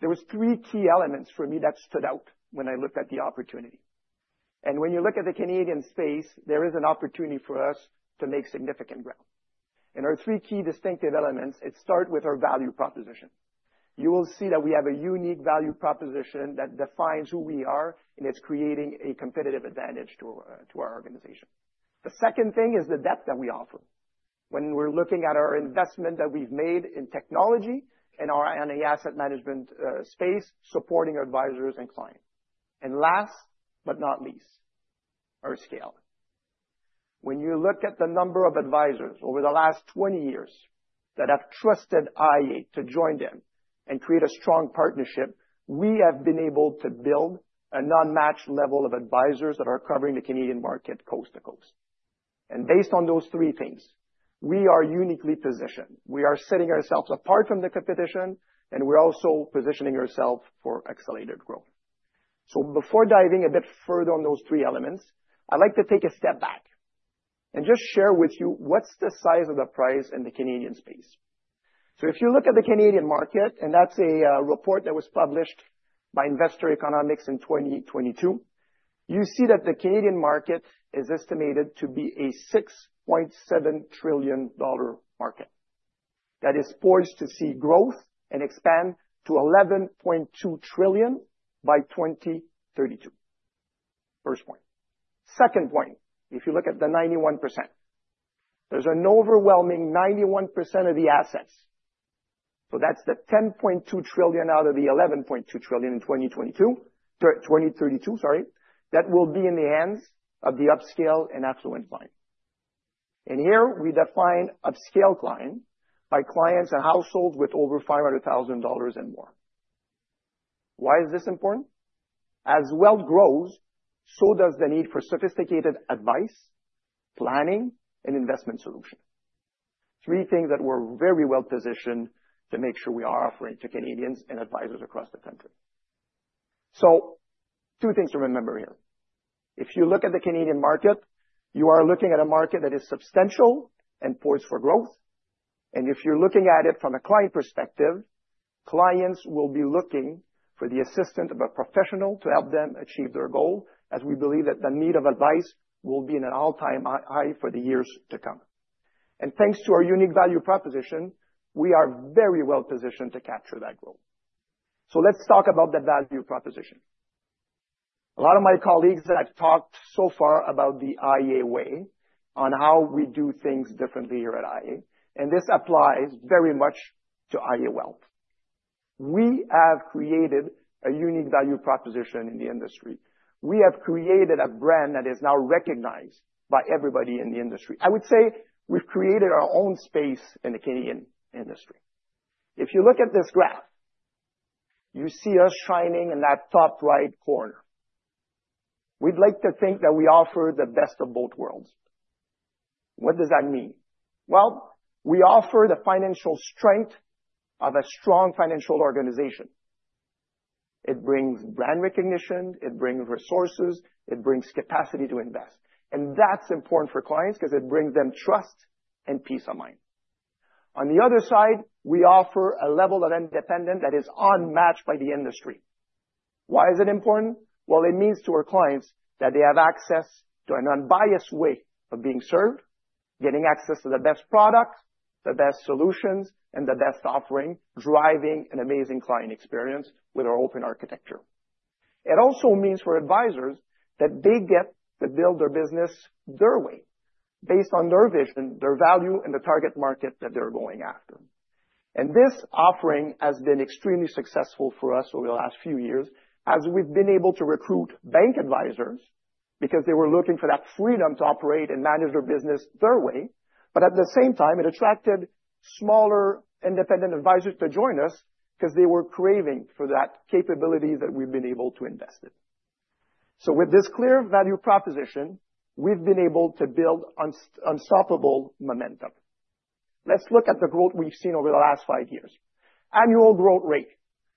There were three key elements for me that stood out when I looked at the opportunity, and when you look at the Canadian space, there is an opportunity for us to make significant growth, and there are three key distinctive elements. It starts with our value proposition. You will see that we have a unique value proposition that defines who we are, and it's creating a competitive advantage to our organization. The second thing is the depth that we offer. When we're looking at our investment that we've made in technology and our asset management space, supporting our advisors and clients. Last but not least, our scale. When you look at the number of advisors over the last 20 years that have trusted iA to join them and create a strong partnership, we have been able to build an unmatched level of advisors that are covering the Canadian market coast to coast. Based on those three things, we are uniquely positioned. We are setting ourselves apart from the competition, and we're also positioning ourselves for accelerated growth. Before diving a bit further on those three elements, I'd like to take a step back and just share with you what's the size of the prize in the Canadian space. So if you look at the Canadian market, and that's a report that was published by Investor Economics in 2022, you see that the Canadian market is estimated to be a 6.7 trillion dollar market. That is poised to see growth and expand to 11.2 trillion by 2032. First point. Second point, if you look at the 91%, there's an overwhelming 91% of the assets. So that's the 10.2 trillion out of the 11.2 trillion in 2022, sorry, that will be in the hands of the upscale and affluent client. And here, we define upscale client by clients and households with over 500,000 dollars and more. Why is this important? As wealth grows, so does the need for sophisticated advice, planning, and investment solutions. Three things that we're very well positioned to make sure we are offering to Canadians and advisors across the country. So two things to remember here. If you look at the Canadian market, you are looking at a market that is substantial and poised for growth, and if you're looking at it from a client perspective, clients will be looking for the assistance of a professional to help them achieve their goal, as we believe that the need of advice will be at an all-time high for the years to come, and thanks to our unique value proposition, we are very well positioned to capture that growth, so let's talk about the value proposition. A lot of my colleagues have talked so far about the iA Way on how we do things differently here at iA, and this applies very much to iA Wealth. We have created a unique value proposition in the industry. We have created a brand that is now recognized by everybody in the industry. I would say we've created our own space in the Canadian industry. If you look at this graph, you see us shining in that top right corner. We'd like to think that we offer the best of both worlds. What does that mean? Well, we offer the financial strength of a strong financial organization. It brings brand recognition. It brings resources. It brings capacity to invest. And that's important for clients because it brings them trust and peace of mind. On the other side, we offer a level of independence that is unmatched by the industry. Why is it important? Well, it means to our clients that they have access to an unbiased way of being served, getting access to the best product, the best solutions, and the best offering, driving an amazing client experience with our open architecture. It also means for advisors that they get to build their business their way based on their vision, their value, and the target market that they're going after. And this offering has been extremely successful for us over the last few years, as we've been able to recruit bank advisors because they were looking for that freedom to operate and manage their business their way. But at the same time, it attracted smaller independent advisors to join us because they were craving for that capability that we've been able to invest in. So with this clear value proposition, we've been able to build unstoppable momentum. Let's look at the growth we've seen over the last five years. Annual growth rate.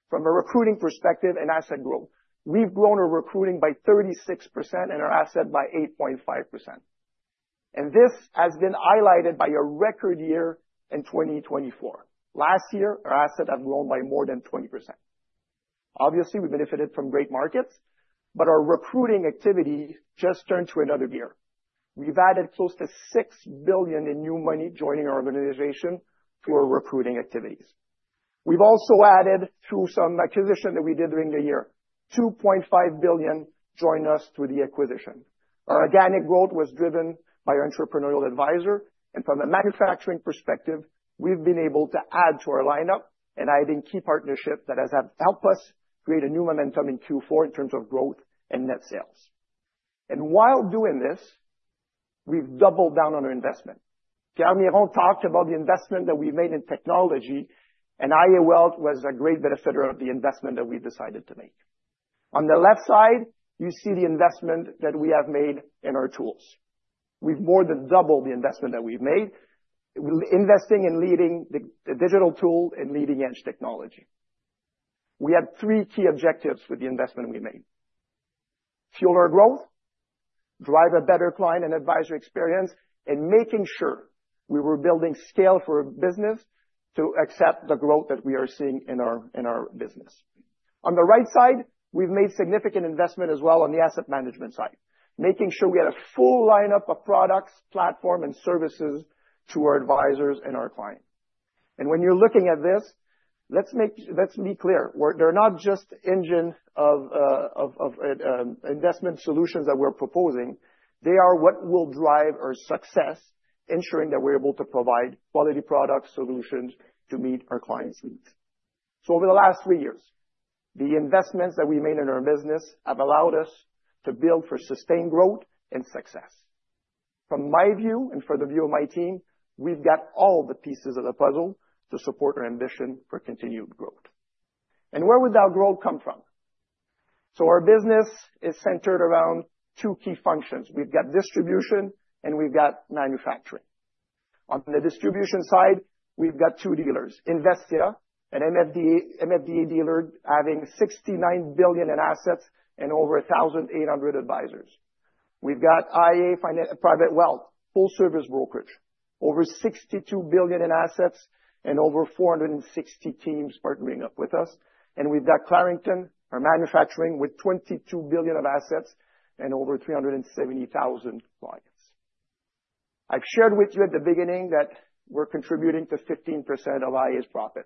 From a recruiting perspective and asset growth, we've grown our recruiting by 36% and our asset by 8.5%. And this has been highlighted by a record year in 2024. Last year, our assets have grown by more than 20%. Obviously, we benefited from great markets, but our recruiting activity just turned to another gear. We've added close to 6 billion in new money joining our organization through our recruiting activities. We've also added, through some acquisition that we did during the year, 2.5 billion joined us through the acquisition. Our organic growth was driven by our entrepreneurial advisor, and from a manufacturing perspective, we've been able to add to our lineup and add in key partnerships that have helped us create a new momentum in Q4 in terms of growth and net sales, and while doing this, we've doubled down on our investment. Pierre Miron talked about the investment that we've made in technology, and iA Wealth was a great benefit of the investment that we've decided to make. On the left side, you see the investment that we have made in our tools. We've more than doubled the investment that we've made, investing in leading digital tools and leading-edge technology. We had three key objectives with the investment we made: fuel our growth, drive a better client and advisor experience, and making sure we were building scale for our business to accept the growth that we are seeing in our business. On the right side, we've made significant investment as well on the asset management side, making sure we had a full lineup of products, platforms, and services to our advisors and our clients. When you're looking at this, let's be clear. They're not just the engine of investment solutions that we're proposing. They are what will drive our success, ensuring that we're able to provide quality product solutions to meet our clients' needs. So over the last three years, the investments that we made in our business have allowed us to build for sustained growth and success. From my view and from the view of my team, we've got all the pieces of the puzzle to support our ambition for continued growth. And where would that growth come from? So our business is centered around two key functions. We've got distribution, and we've got manufacturing. On the distribution side, we've got two dealers, Investia, an MFDA dealer having 69 billion in assets and over 1,800 advisors. We've got iA Private Wealth, full-service brokerage, over 62 billion in assets and over 460 teams partnering up with us. And we've got Clarington, our manufacturing, with 22 billion of assets and over 370,000 clients. I've shared with you at the beginning that we're contributing to 15% of iA's profit.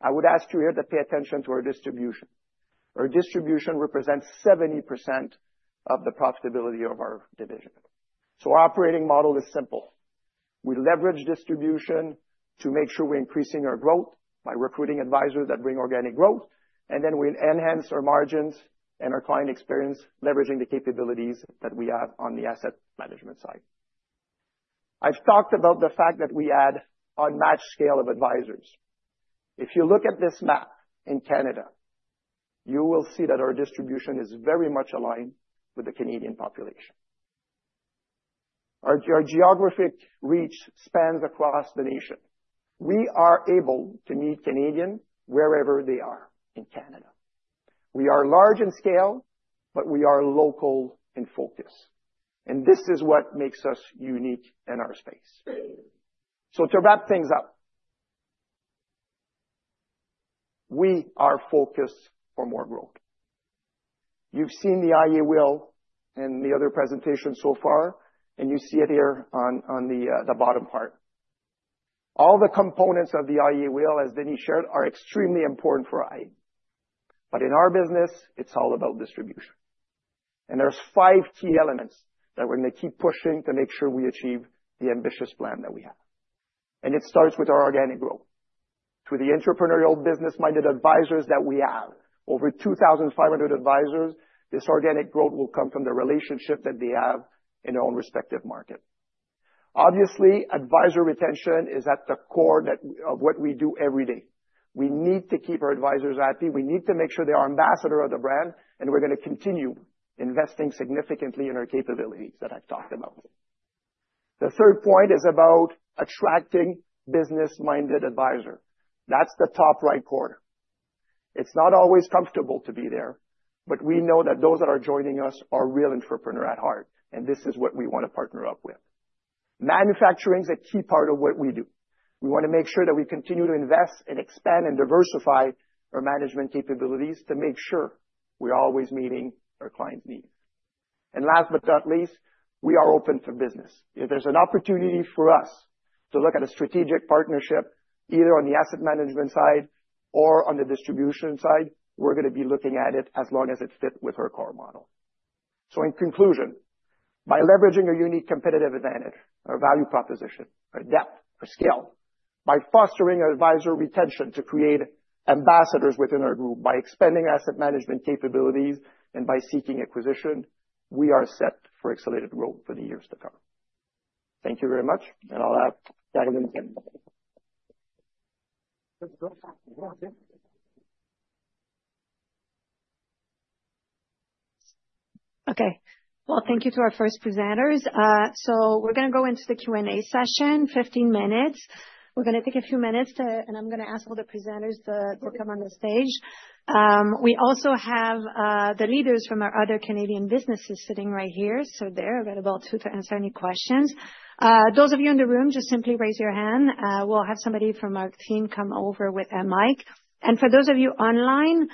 I would ask you here to pay attention to our distribution. Our distribution represents 70% of the profitability of our division. So our operating model is simple. We leverage distribution to make sure we're increasing our growth by recruiting advisors that bring organic growth, and then we enhance our margins and our client experience leveraging the capabilities that we have on the asset management side. I've talked about the fact that we add unmatched scale of advisors. If you look at this map in Canada, you will see that our distribution is very much aligned with the Canadian population. Our geographic reach spans across the nation. We are able to meet Canadians wherever they are in Canada. We are large in scale, but we are local in focus. And this is what makes us unique in our space. So to wrap things up, we are focused for more growth. You've seen the iA Wheel in the other presentation so far, and you see it here on the bottom part. All the components of the iA Wheel, as Denis shared, are extremely important for iA, but in our business, it's all about distribution. There are five key elements that we're going to keep pushing to make sure we achieve the ambitious plan that we have, and it starts with our organic growth. To the entrepreneurial, business-minded advisors that we have, over 2,500 advisors, this organic growth will come from the relationship that they have in their own respective market. Obviously, advisor retention is at the core of what we do every day. We need to keep our advisors happy. We need to make sure they are ambassadors of the brand, and we're going to continue investing significantly in our capabilities that I've talked about. The third point is about attracting business-minded advisors. That's the top right corner. It's not always comfortable to be there, but we know that those that are joining us are real entrepreneurs at heart, and this is what we want to partner up with. Manufacturing is a key part of what we do. We want to make sure that we continue to invest and expand and diversify our management capabilities to make sure we're always meeting our clients' needs, and last but not least, we are open for business. If there's an opportunity for us to look at a strategic partnership, either on the asset management side or on the distribution side, we're going to be looking at it as long as it fits with our core model. So in conclusion, by leveraging our unique competitive advantage, our value proposition, our depth, our scale, by fostering advisor retention to create ambassadors within our group, by expanding asset management capabilities, and by seeking acquisition, we are set for accelerated growth for the years to come. Thank you very much, and I'll have Caroline. Okay. Well, thank you to our first presenters. So we're going to go into the Q&A session, 15 minutes. We're going to take a few minutes, and I'm going to ask all the presenters to come on the stage. We also have the leaders from our other Canadian businesses sitting right here, so they're available to answer any questions. Those of you in the room, just simply raise your hand. We'll have somebody from our team come over with a mic. For those of you online,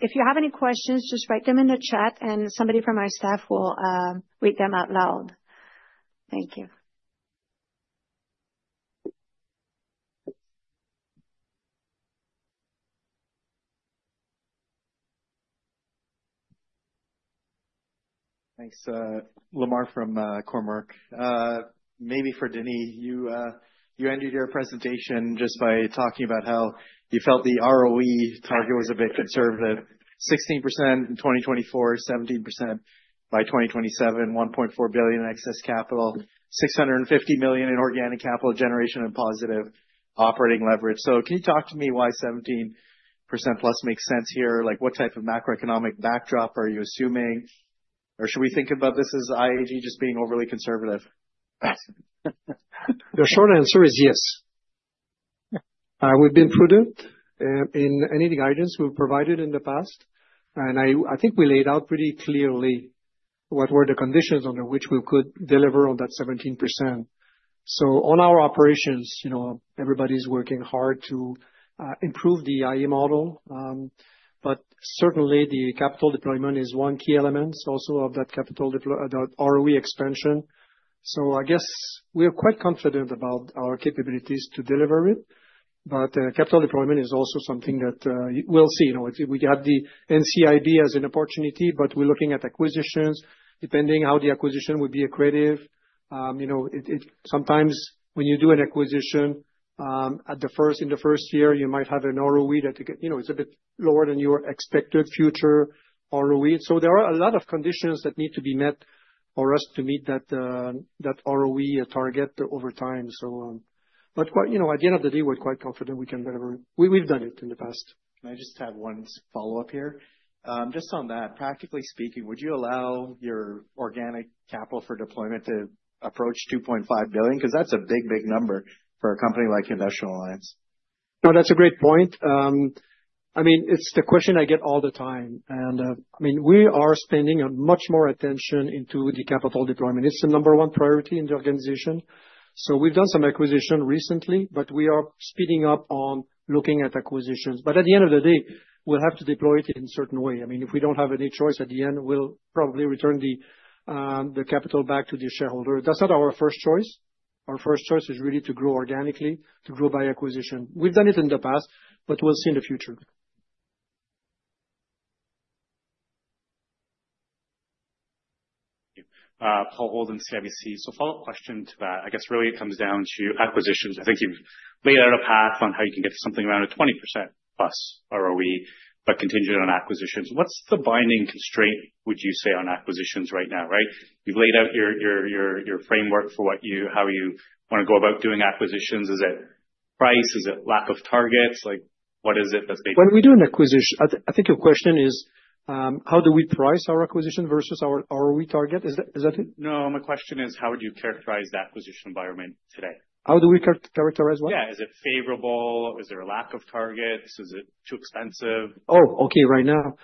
if you have any questions, just write them in the chat, and somebody from our staff will read them out loud. Thank you. Thanks, Lemar from Cormark. Maybe for Denis, you ended your presentation just by talking about how you felt the ROE target was a bit conservative: 16% in 2024, 17% by 2027, 1.4 billion in excess capital, 650 million in organic capital generation and positive operating leverage. So can you talk to me why 17%+ makes sense here? Like, what type of macroeconomic backdrop are you assuming? Or should we think about this as IAG just being overly conservative? The short answer is yes. We've been prudent in any guidance we've provided in the past. And I think we laid out pretty clearly what were the conditions under which we could deliver on that 17%. On our operations, everybody's working hard to improve the iA model. But certainly, the capital deployment is one key element also of that capital ROE expansion. I guess we are quite confident about our capabilities to deliver it. But capital deployment is also something that we'll see. We have the NCIB as an opportunity, but we're looking at acquisitions, depending on how the acquisition would be accretive. Sometimes, when you do an acquisition in the first year, you might have an ROE that it's a bit lower than your expected future ROE. So there are a lot of conditions that need to be met for us to meet that ROE target over time. But at the end of the day, we're quite confident we can deliver. We've done it in the past. Can I just have one follow-up here? Just on that, practically speaking, would you allow your organic capital for deployment to approach 2.5 billion? Because that's a big, big number for a company like iA Financial Group. No, that's a great point. I mean, it's the question I get all the time, and I mean, we are spending much more attention into the capital deployment. It's the number one priority in the organization. So we've done some acquisition recently, but we are speeding up on looking at acquisitions. But at the end of the day, we'll have to deploy it in a certain way. I mean, if we don't have any choice at the end, we'll probably return the capital back to the shareholder. That's not our first choice. Our first choice is really to grow organically, to grow by acquisition. We've done it in the past, but we'll see in the future. Paul Holden, CIBC. So follow-up question to that. I guess really it comes down to acquisitions. I think you've laid out a path on how you can get to something around a 20%+ ROE, but contingent on acquisitions. What's the binding constraint, would you say, on acquisitions right now? Right? You've laid out your framework for how you want to go about doing acquisitions. Is it price? Is it lack of targets? Like, what is it that's making? When we do an acquisition, I think your question is, how do we price our acquisition versus our ROE target? Is that it? No, my question is, how would you characterize the acquisition environment today? How do we characterize what? Yeah. Is it favorable? Is there a lack of targets? Is it too expensive? Oh, okay, right now.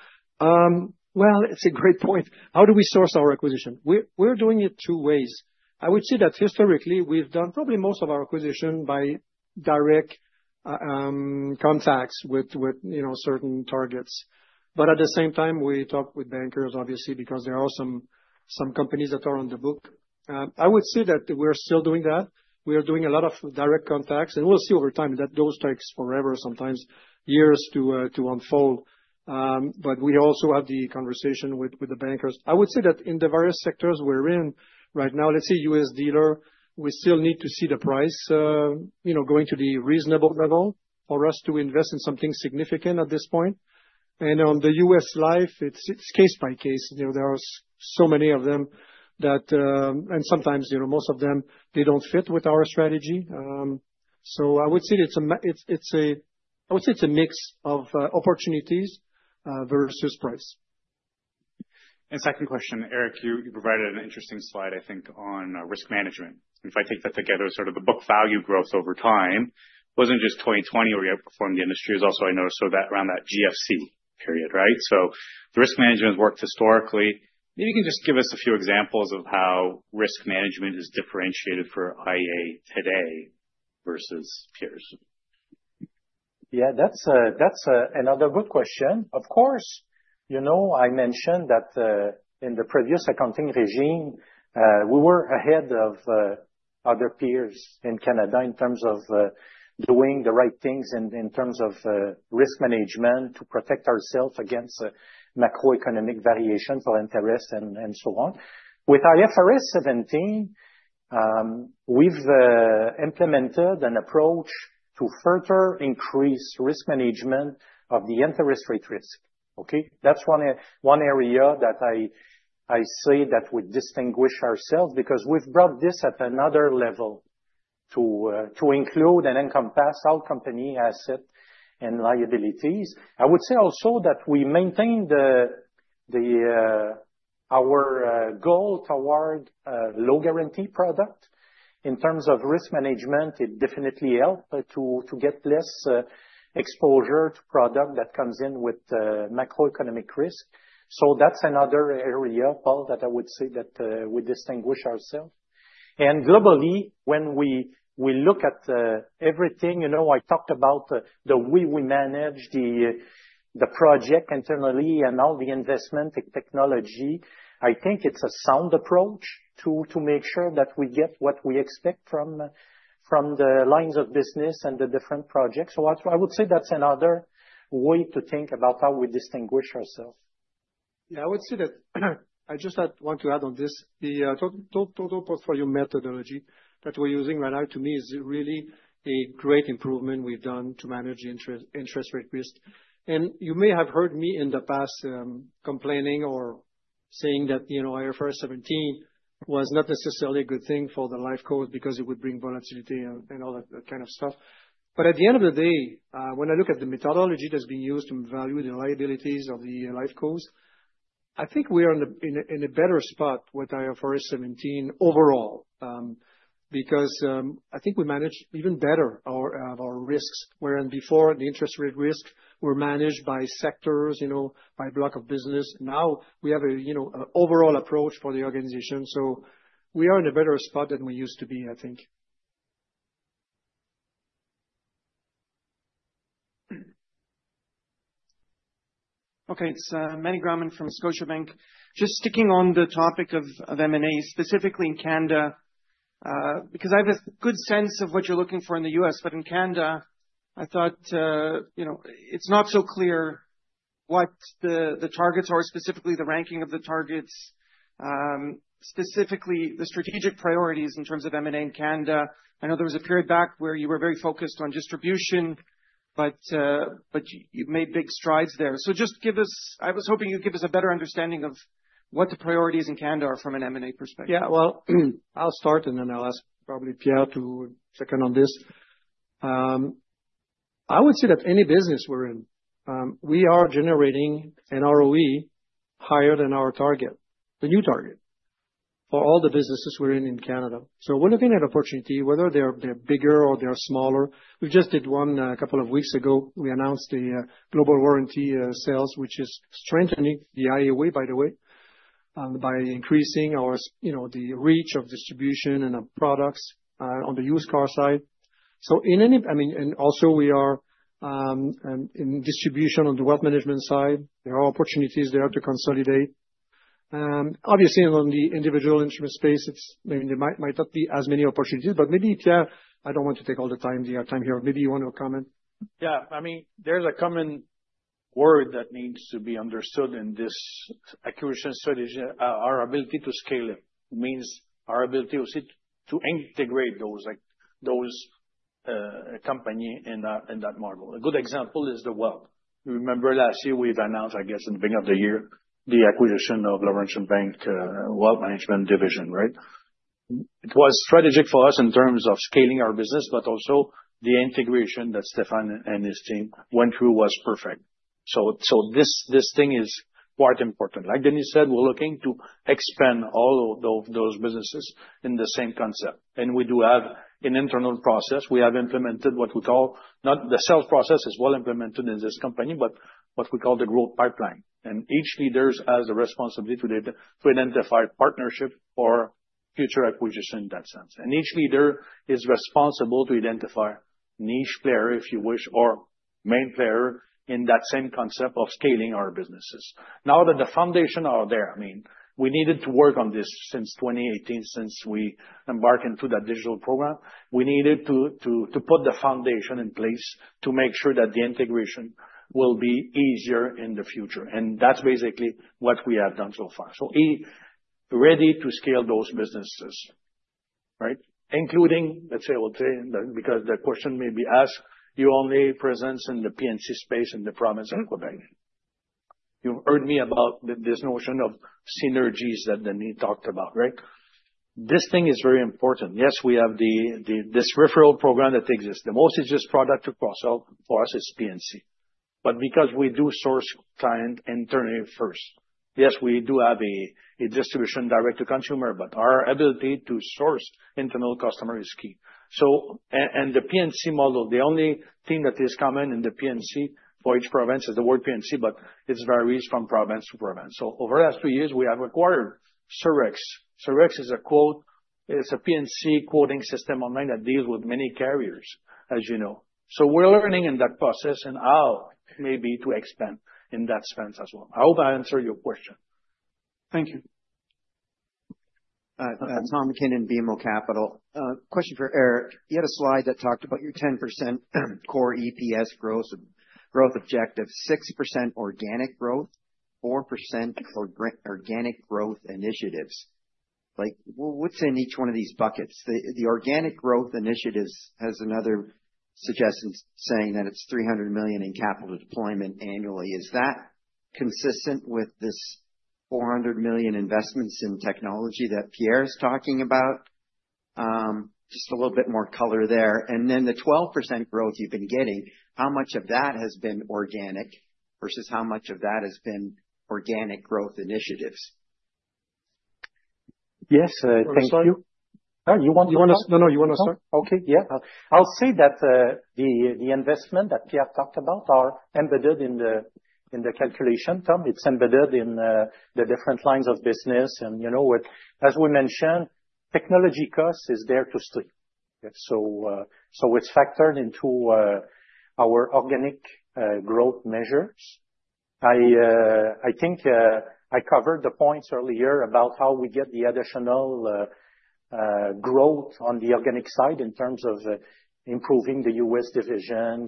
Well, it's a great point. How do we source our acquisition? We're doing it two ways. I would say that historically, we've done probably most of our acquisition by direct contacts with certain targets. But at the same time, we talk with bankers, obviously, because there are some companies that are on the book. I would say that we're still doing that. We are doing a lot of direct contacts. And we'll see over time that those take forever, sometimes years to unfold. But we also have the conversation with the bankers. I would say that in the various sectors we're in right now, let's say U.S. Dealer, we still need to see the price going to the reasonable level for us to invest in something significant at this point. And on the U.S. Life, it's case by case. There are so many of them that, and sometimes most of them, they don't fit with our strategy. So I would say it's a mix of opportunities versus price. And second question, Éric, you provided an interesting slide, I think, on risk management. And if I take that together, sort of the book value growth over time wasn't just 2020 where you outperformed the industry. It was also, I noticed, around that GFC period, right? So the risk management has worked historically. Maybe you can just give us a few examples of how risk management is differentiated for iA today versus peers. Yeah, that's another good question. Of course, I mentioned that in the previous accounting regime, we were ahead of other peers in Canada in terms of doing the right things in terms of risk management to protect ourselves against macroeconomic variation for interest and so on. With IFRS 17, we've implemented an approach to further increase risk management of the interest rate risk. Okay? That's one area that I say that we distinguish ourselves because we've brought this at another level to include and encompass all company assets and liabilities. I would say also that we maintained our goal toward a low-guarantee product. In terms of risk management, it definitely helped to get less exposure to product that comes in with macroeconomic risk. So that's another area, Paul, that I would say that we distinguish ourselves. And globally, when we look at everything, I talked about the way we manage the project internally and all the investment technology. I think it's a sound approach to make sure that we get what we expect from the lines of business and the different projects. So I would say that's another way to think about how we distinguish ourselves. Yeah, I would say that I just want to add on this. The total portfolio methodology that we're using right now, to me, is really a great improvement we've done to manage interest rate risk, and you may have heard me in the past complaining or saying that IFRS 17 was not necessarily a good thing for the lifecos because it would bring volatility and all that kind of stuff, but at the end of the day, when I look at the methodology that's being used to evaluate the liabilities of the lifecos, I think we are in a better spot with IFRS 17 overall because I think we manage even better our risks. Whereas before, the interest rate risk was managed by sectors, by block of business. Now we have an overall approach for the organization. So we are in a better spot than we used to be, I think. Okay, it's Meny Grauman from Scotiabank. Just sticking on the topic of M&A, specifically in Canada, because I have a good sense of what you're looking for in the U.S., but in Canada, I thought it's not so clear what the targets are, specifically the ranking of the targets, specifically the strategic priorities in terms of M&A in Canada. I know there was a period back where you were very focused on distribution, but you made big strides there. So just give us, I was hoping you'd give us a better understanding of what the priorities in Canada are from an M&A perspective. Yeah, well, I'll start, and then I'll ask probably Pierre to check in on this. I would say that any business we're in, we are generating an ROE higher than our target, the new target, for all the businesses we're in in Canada. So we're looking at opportunity, whether they're bigger or they're smaller. We just did one a couple of weeks ago. We announced the Global Warranty sales, which is strengthening the iA Warranty, by the way, by increasing the reach of distribution and of products on the used car side. So in any, I mean, and also we are in distribution on the wealth management side. There are opportunities there to consolidate. Obviously, on the individual insurance space, it's maybe there might not be as many opportunities, but maybe Pierre. I don't want to take all the time here. Maybe you want to comment. Yeah, I mean, there's a common word that needs to be understood in this acquisition strategy. Our ability to scale it means our ability to integrate those companies in that model. A good example is the wealth. You remember last year, we've announced, I guess, in the beginning of the year, the acquisition of Laurentian Bank Wealth Management Division, right? It was strategic for us in terms of scaling our business, but also the integration that Stephane and his team went through was perfect. So this thing is quite important. Like Denis said, we're looking to expand all of those businesses in the same concept. And we do have an internal process. We have implemented what we call, not the sales process is well implemented in this company, but what we call the growth pipeline. And each leader has the responsibility to identify partnership or future acquisition in that sense. Each leader is responsible to identify niche player, if you wish, or main player in that same concept of scaling our businesses. Now that the foundations are there, I mean, we needed to work on this since 2018, since we embarked into that digital program. We needed to put the foundation in place to make sure that the integration will be easier in the future. And that's basically what we have done so far. So ready to scale those businesses, right? Including, let's say, I would say, because the question may be asked, you're only present in the P&C space in the province of Québec. You've heard me about this notion of synergies that Denis talked about, right? This thing is very important. Yes, we have this referral program that exists. The most exciting product for us is P&C. But because we do source client internally first, yes, we do have a distribution direct to consumer, but our ability to source internal customer is key. And the P&C model, the only thing that is common in the P&C for each province is the word P&C, but it varies from province to province. So over the last two years, we have acquired Surex. Surex is a P&C quoting system online that deals with many carriers, as you know. So we're learning in that process and how maybe to expand in that sense as well. I hope I answered your question. Thank you. Tom MacKinnon, BMO Capital Markets. Question for Éric. You had a slide that talked about your 10% core EPS growth objective, 6% organic growth, 4% organic growth initiatives. What's in each one of these buckets? The organic growth initiatives has another suggestion saying that it's 300 million in capital deployment annually. Is that consistent with this 400 million investments in technology that Pierre is talking about? Just a little bit more color there. And then the 12% growth you've been getting, how much of that has been organic vs how much of that has been organic growth initiatives? Yes, thank you. You want to start? No, no, you want to start? Okay, yeah. I'll say that the investment that Pierre talked about are embedded in the calculation, Tom. It's embedded in the different lines of business. And as we mentioned, technology cost is there to stay. So it's factored into our organic growth measures. I think I covered the points earlier about how we get the additional growth on the organic side in terms of improving the U.S. division,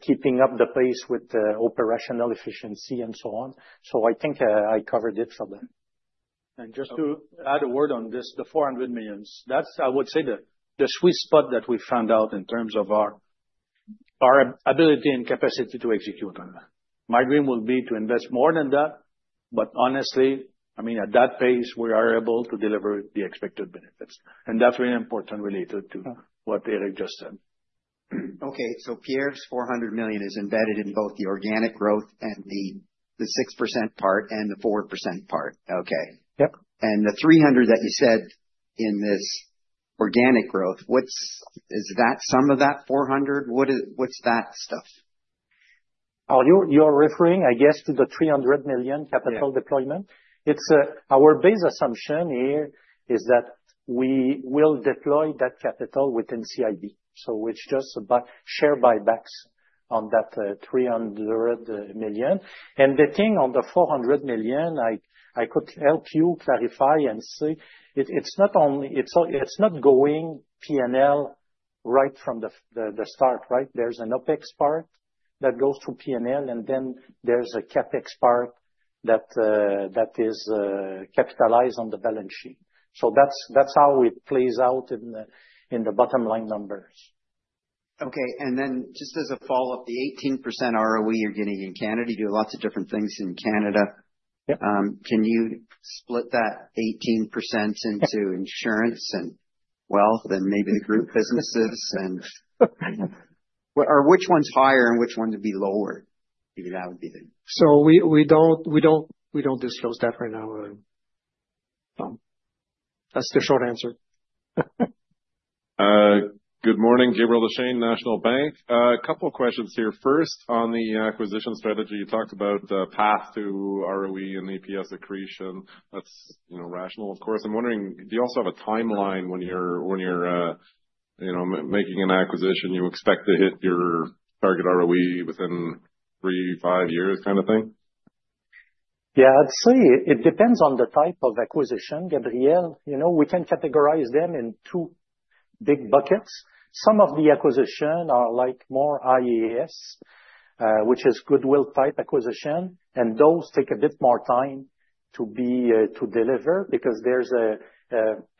keeping up the pace with operational efficiency and so on. So I think I covered it for that. And just to add a word on this, the 400 million, that's, I would say, the sweet spot that we found out in terms of our ability and capacity to execute on that. My dream will be to invest more than that, but honestly, I mean, at that pace, we are able to deliver the expected benefits. And that's really important related to what Éric just said. Okay, so Pierre's 400 million is embedded in both the organic growth and the 6% part and the 4% part. Okay. And the 300 million that you said in this organic growth, is that some of that 400 million? What's that stuff? Oh, you're referring, I guess, to the 300 million capital deployment? It's our base assumption here is that we will deploy that capital within NCIB. So it's just share buybacks on that 300 million. And the thing on the 400 million, I could help you clarify and see. It's not going P&L right from the start, right? There's an OpEx part that goes to P&L, and then there's a CapEx part that is capitalized on the balance sheet. So that's how it plays out in the bottom line numbers. Okay, and then just as a follow-up, the 18% ROE you're getting in Canada, you do lots of different things in Canada. Can you split that 18% into insurance and wealth and maybe the group businesses? Or which one's higher and which one would be lower? Maybe that would be the. So we don't disclose that right now. That's the short answer. Good morning, Gabriel Dechaine, National Bank. A couple of questions here. First, on the acquisition strategy, you talked about the path to ROE and EPS accretion. That's rational, of course. I'm wondering, do you also have a timeline when you're making an acquisition? You expect to hit your target ROE within three, five years kind of thing? Yeah, I'd say it depends on the type of acquisition, Gabriel. We can categorize them in two big buckets. Some of the acquisitions are like more IAS, which is goodwill type acquisition, and those take a bit more time to deliver because there's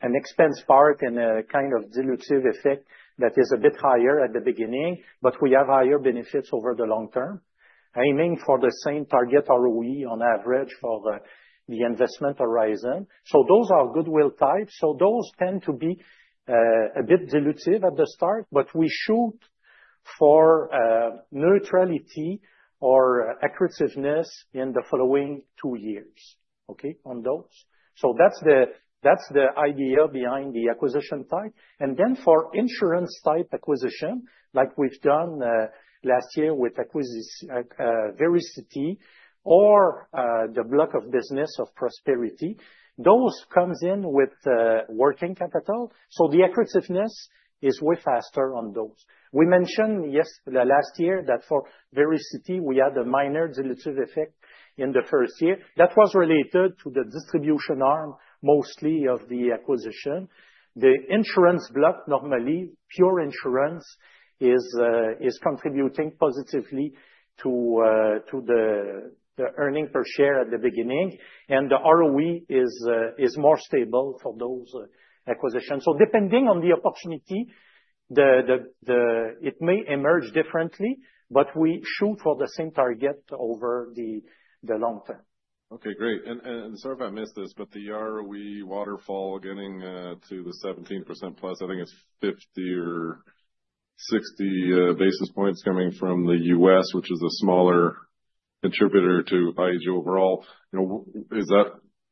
an expense part and a kind of dilutive effect that is a bit higher at the beginning, but we have higher benefits over the long term. Aiming for the same target ROE on average for the investment horizon. So those are goodwill types. So those tend to be a bit dilutive at the start, but we shoot for neutrality or accretiveness in the following two years, okay, on those. So that's the idea behind the acquisition type. And then for insurance type acquisition, like we've done last year with Vericity or the block of business of Vericity, those come in with working capital. So the accretiveness is way faster on those. We mentioned, yes, last year that for Vericity, we had a minor dilutive effect in the first year. That was related to the distribution arm mostly of the acquisition. The insurance block, normally pure insurance, is contributing positively to the earnings per share at the beginning, and the ROE is more stable for those acquisitions. So depending on the opportunity, it may emerge differently, but we shoot for the same target over the long term. Okay, great. Sorry if I missed this, but the ROE waterfall getting to the 17%+, I think it's 50 or 60 basis points coming from the U.S., which is a smaller contributor to IAG overall. Is that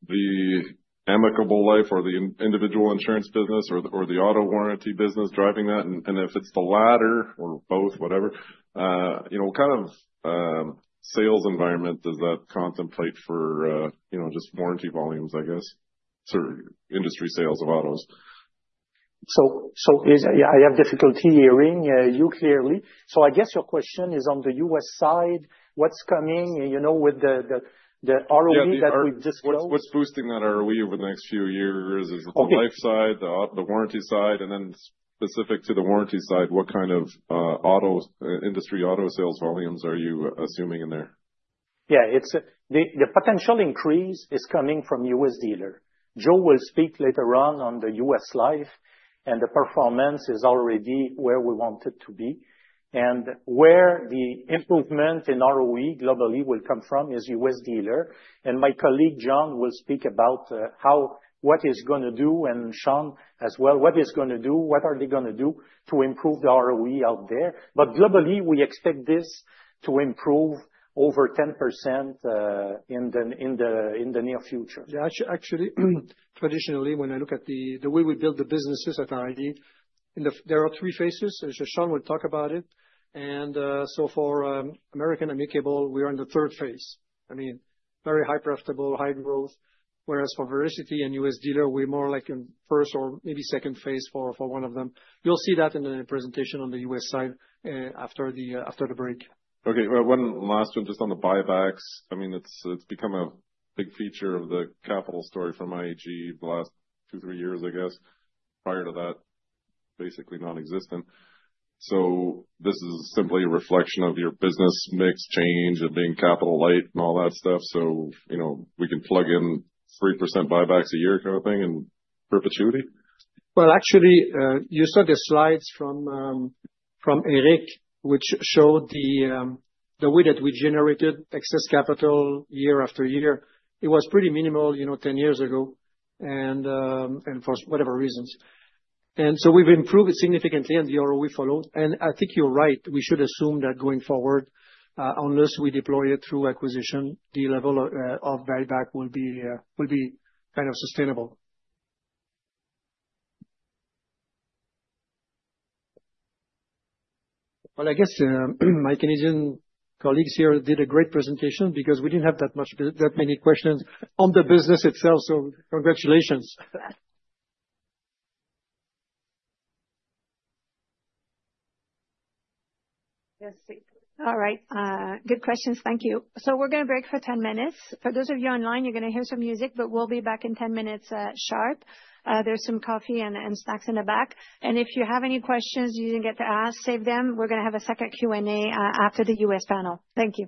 the American-Amicable Life or the individual insurance business or the auto warranty business driving that? And if it's the latter or both, whatever, kind of sales environment does that contemplate for just warranty volumes, I guess, or industry sales of autos? I have difficulty hearing you clearly. I guess your question is on the U.S. side, what's coming with the ROE that we've just grown? What's boosting that ROE over the next few years? Is it the life side, the warranty side, and then specific to the warranty side, what kind of industry auto sales volumes are you assuming in there? Yeah, the potential increase is coming from U.S. Dealer. Joe will speak later on the U.S. Life, and the performance is already where we want it to be. And where the improvement in ROE globally will come from is U.S. Dealer. And my colleague John will speak about what he's going to do, and Sean as well, what he's going to do, what are they going to do to improve the ROE out there. But globally, we expect this to improve over 10% in the near future. Yeah, actually, traditionally, when I look at the way we build the businesses at iA, there are three phases. Sean will talk about it. And so for American-Amicable, we are in the third phase. I mean, very high profitable, high growth. Whereas for Vericity and U.S. Dealer, we're more like in first or maybe second phase for one of them. You'll see that in the presentation on the U.S. side after the break. Okay, one last one, just on the buybacks. I mean, it's become a big feature of the capital story from IAG the last two, three years, I guess. Prior to that, basically non-existent. So this is simply a reflection of your business mix change and being capital light and all that stuff. So we can plug in 3% buybacks a year kind of thing and perpetuity? Well, actually, you saw the slides from Éric, which showed the way that we generated excess capital year after year. It was pretty minimal 10 years ago and for whatever reasons. And so we've improved significantly on the ROE followed. And I think you're right. We should assume that going forward, unless we deploy it through acquisition, the level of buyback will be kind of sustainable. I guess my Canadian colleagues here did a great presentation because we didn't have that many questions on the business itself. So congratulations. Yes, all right. Good questions. Thank you. So we're going to break for 10 minutes. For those of you online, you're going to hear some music, but we'll be back in 10 minutes sharp. There's some coffee and snacks in the back. And if you have any questions you didn't get to ask, save them. We're going to have a second Q&A after the U.S. panel. Thank you.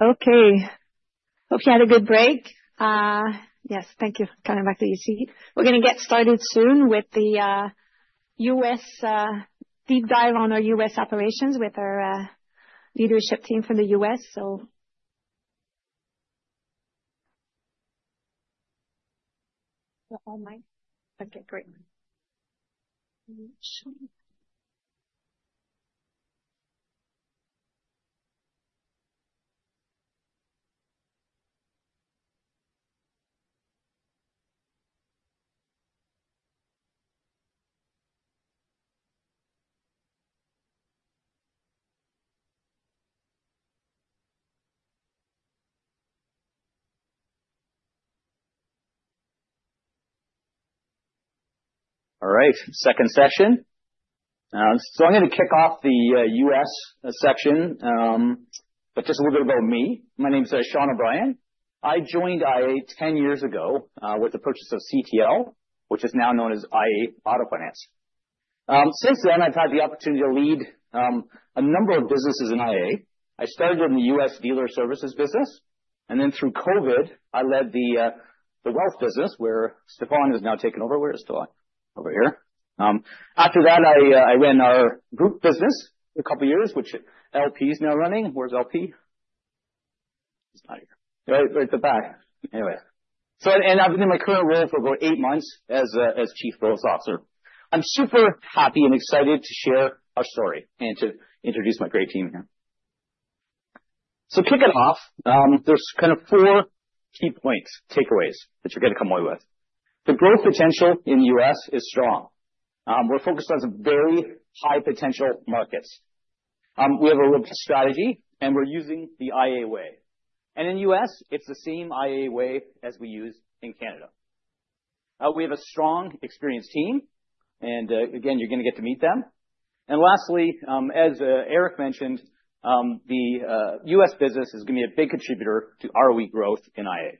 Okay. Hope you had a good break. Yes, thank you. Coming back to you, Steve. We're going to get started soon with the U.S. deep dive on our U.S. operations with our leadership team from the U.S. So. You're online? Okay, great. All right. Second session. So I'm going to kick off the U.S. section, but just a little bit about me. My name is Sean O'Brien. I joined iA 10 years ago with the purchase of CTL, which is now known as iA Auto Finance. Since then, I've had the opportunity to lead a number of businesses in iA. I started in the U.S. Dealer Services business, and then through COVID, I led the Wealth business where Stephane has now taken over. Where is Stephane? Over here. After that, I ran our group business a couple of years, which LP is now running. Where's LP? He's not here. Right at the back. Anyway. And I've been in my current role for about eight months as Chief Business Officer. I'm super happy and excited to share our story and to introduce my great team here. So kicking off, there's kind of four key points, takeaways that you're going to come away with. The growth potential in the U.S. is strong. We're focused on some very high potential markets. We have a robust strategy, and we're using the iA Way. And in the U.S., it's the same iA Way as we use in Canada. We have a strong, experienced team, and again, you're going to get to meet them. And lastly, as Éric mentioned, the U.S. business is going to be a big contributor to ROE growth in iA.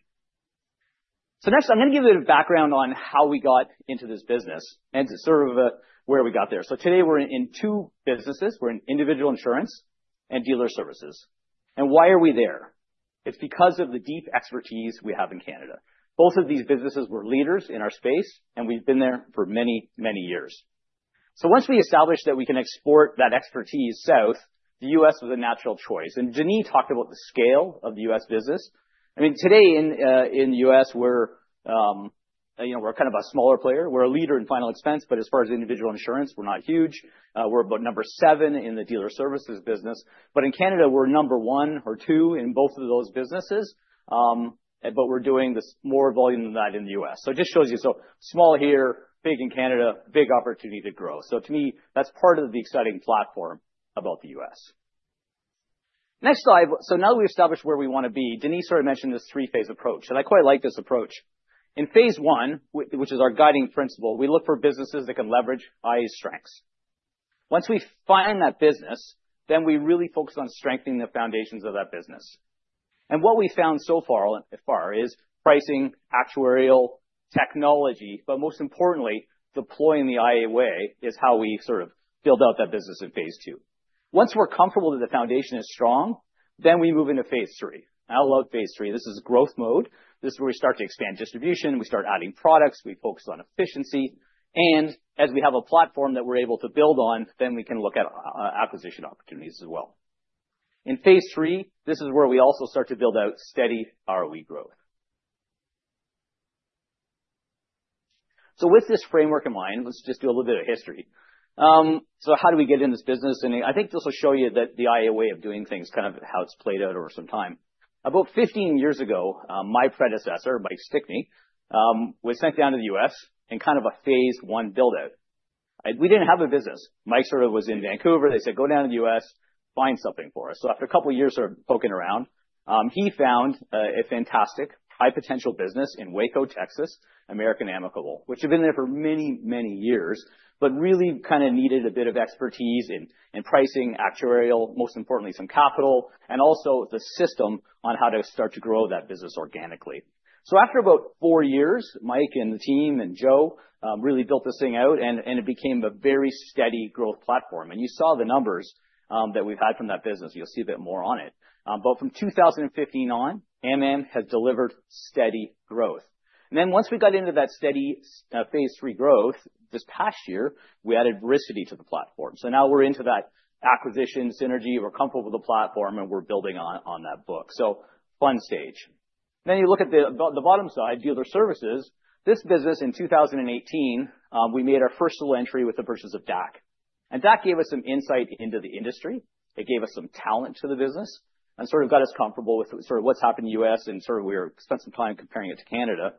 So next, I'm going to give you a little background on how we got into this business and sort of where we got there. So today, we're in two businesses. We're in individual insurance and Dealer Services. And why are we there? It's because of the deep expertise we have in Canada. Both of these businesses were leaders in our space, and we've been there for many, many years, so once we established that we can export that expertise south, the U.S. was a natural choice, and Janine talked about the scale of the U.S. business. I mean, today in the U.S., we're kind of a smaller player. We're a leader in final expense, but as far as individual insurance, we're not huge. We're about number seven in the Dealer Services business. But in Canada, we're number one or two in both of those businesses, but we're doing more volume than that in the U.S., so it just shows you so small here, big in Canada, big opportunity to grow, so to me, that's part of the exciting platform about the U.S. Next slide. Now that we've established where we want to be, Denis sort of mentioned this three-phase approach, and I quite like this approach. In phase one, which is our guiding principle, we look for businesses that can leverage iA's strengths. Once we find that business, then we really focus on strengthening the foundations of that business. And what we found so far is pricing, actuarial technology, but most importantly, deploying the iA way is how we sort of build out that business in phase II. Once we're comfortable that the foundation is strong, then we move into phase III. I love phase three. This is growth mode. This is where we start to expand distribution. We start adding products. We focus on efficiency. And as we have a platform that we're able to build on, then we can look at acquisition opportunities as well. In phase III, this is where we also start to build out steady ROE growth. So with this framework in mind, let's just do a little bit of history. So how do we get in this business? And I think this will show you that the iA Way of doing things, kind of how it's played out over some time. About 15 years ago, my predecessor, Mike Stickney, was sent down to the U.S. in kind of a phase one build-out. We didn't have a business. Mike sort of was in Vancouver. They said, "Go down to the U.S., find something for us." So after a couple of years sort of poking around, he found a fantastic, high-potential business in Waco, Texas, American Amicable, which had been there for many, many years, but really kind of needed a bit of expertise in pricing, actuarial, most importantly, some capital, and also the system on how to start to grow that business organically. So after about four years, Mike and the team and Joe really built this thing out, and it became a very steady growth platform. And you saw the numbers that we've had from that business. You'll see a bit more on it. But from 2015 on, AMM has delivered steady growth. And then once we got into that steady phase III growth, this past year, we added Vericity to the platform. So now we're into that acquisition synergy. We're comfortable with the platform, and we're building on that book. So fun stage. Then you look at the bottom side, Dealer Services. This business, in 2018, we made our first full entry with the purchase of DAC. And DAC gave us some insight into the industry. It gave us some talent to the business and sort of got us comfortable with sort of what's happened in the U.S., and sort of we spent some time comparing it to Canada.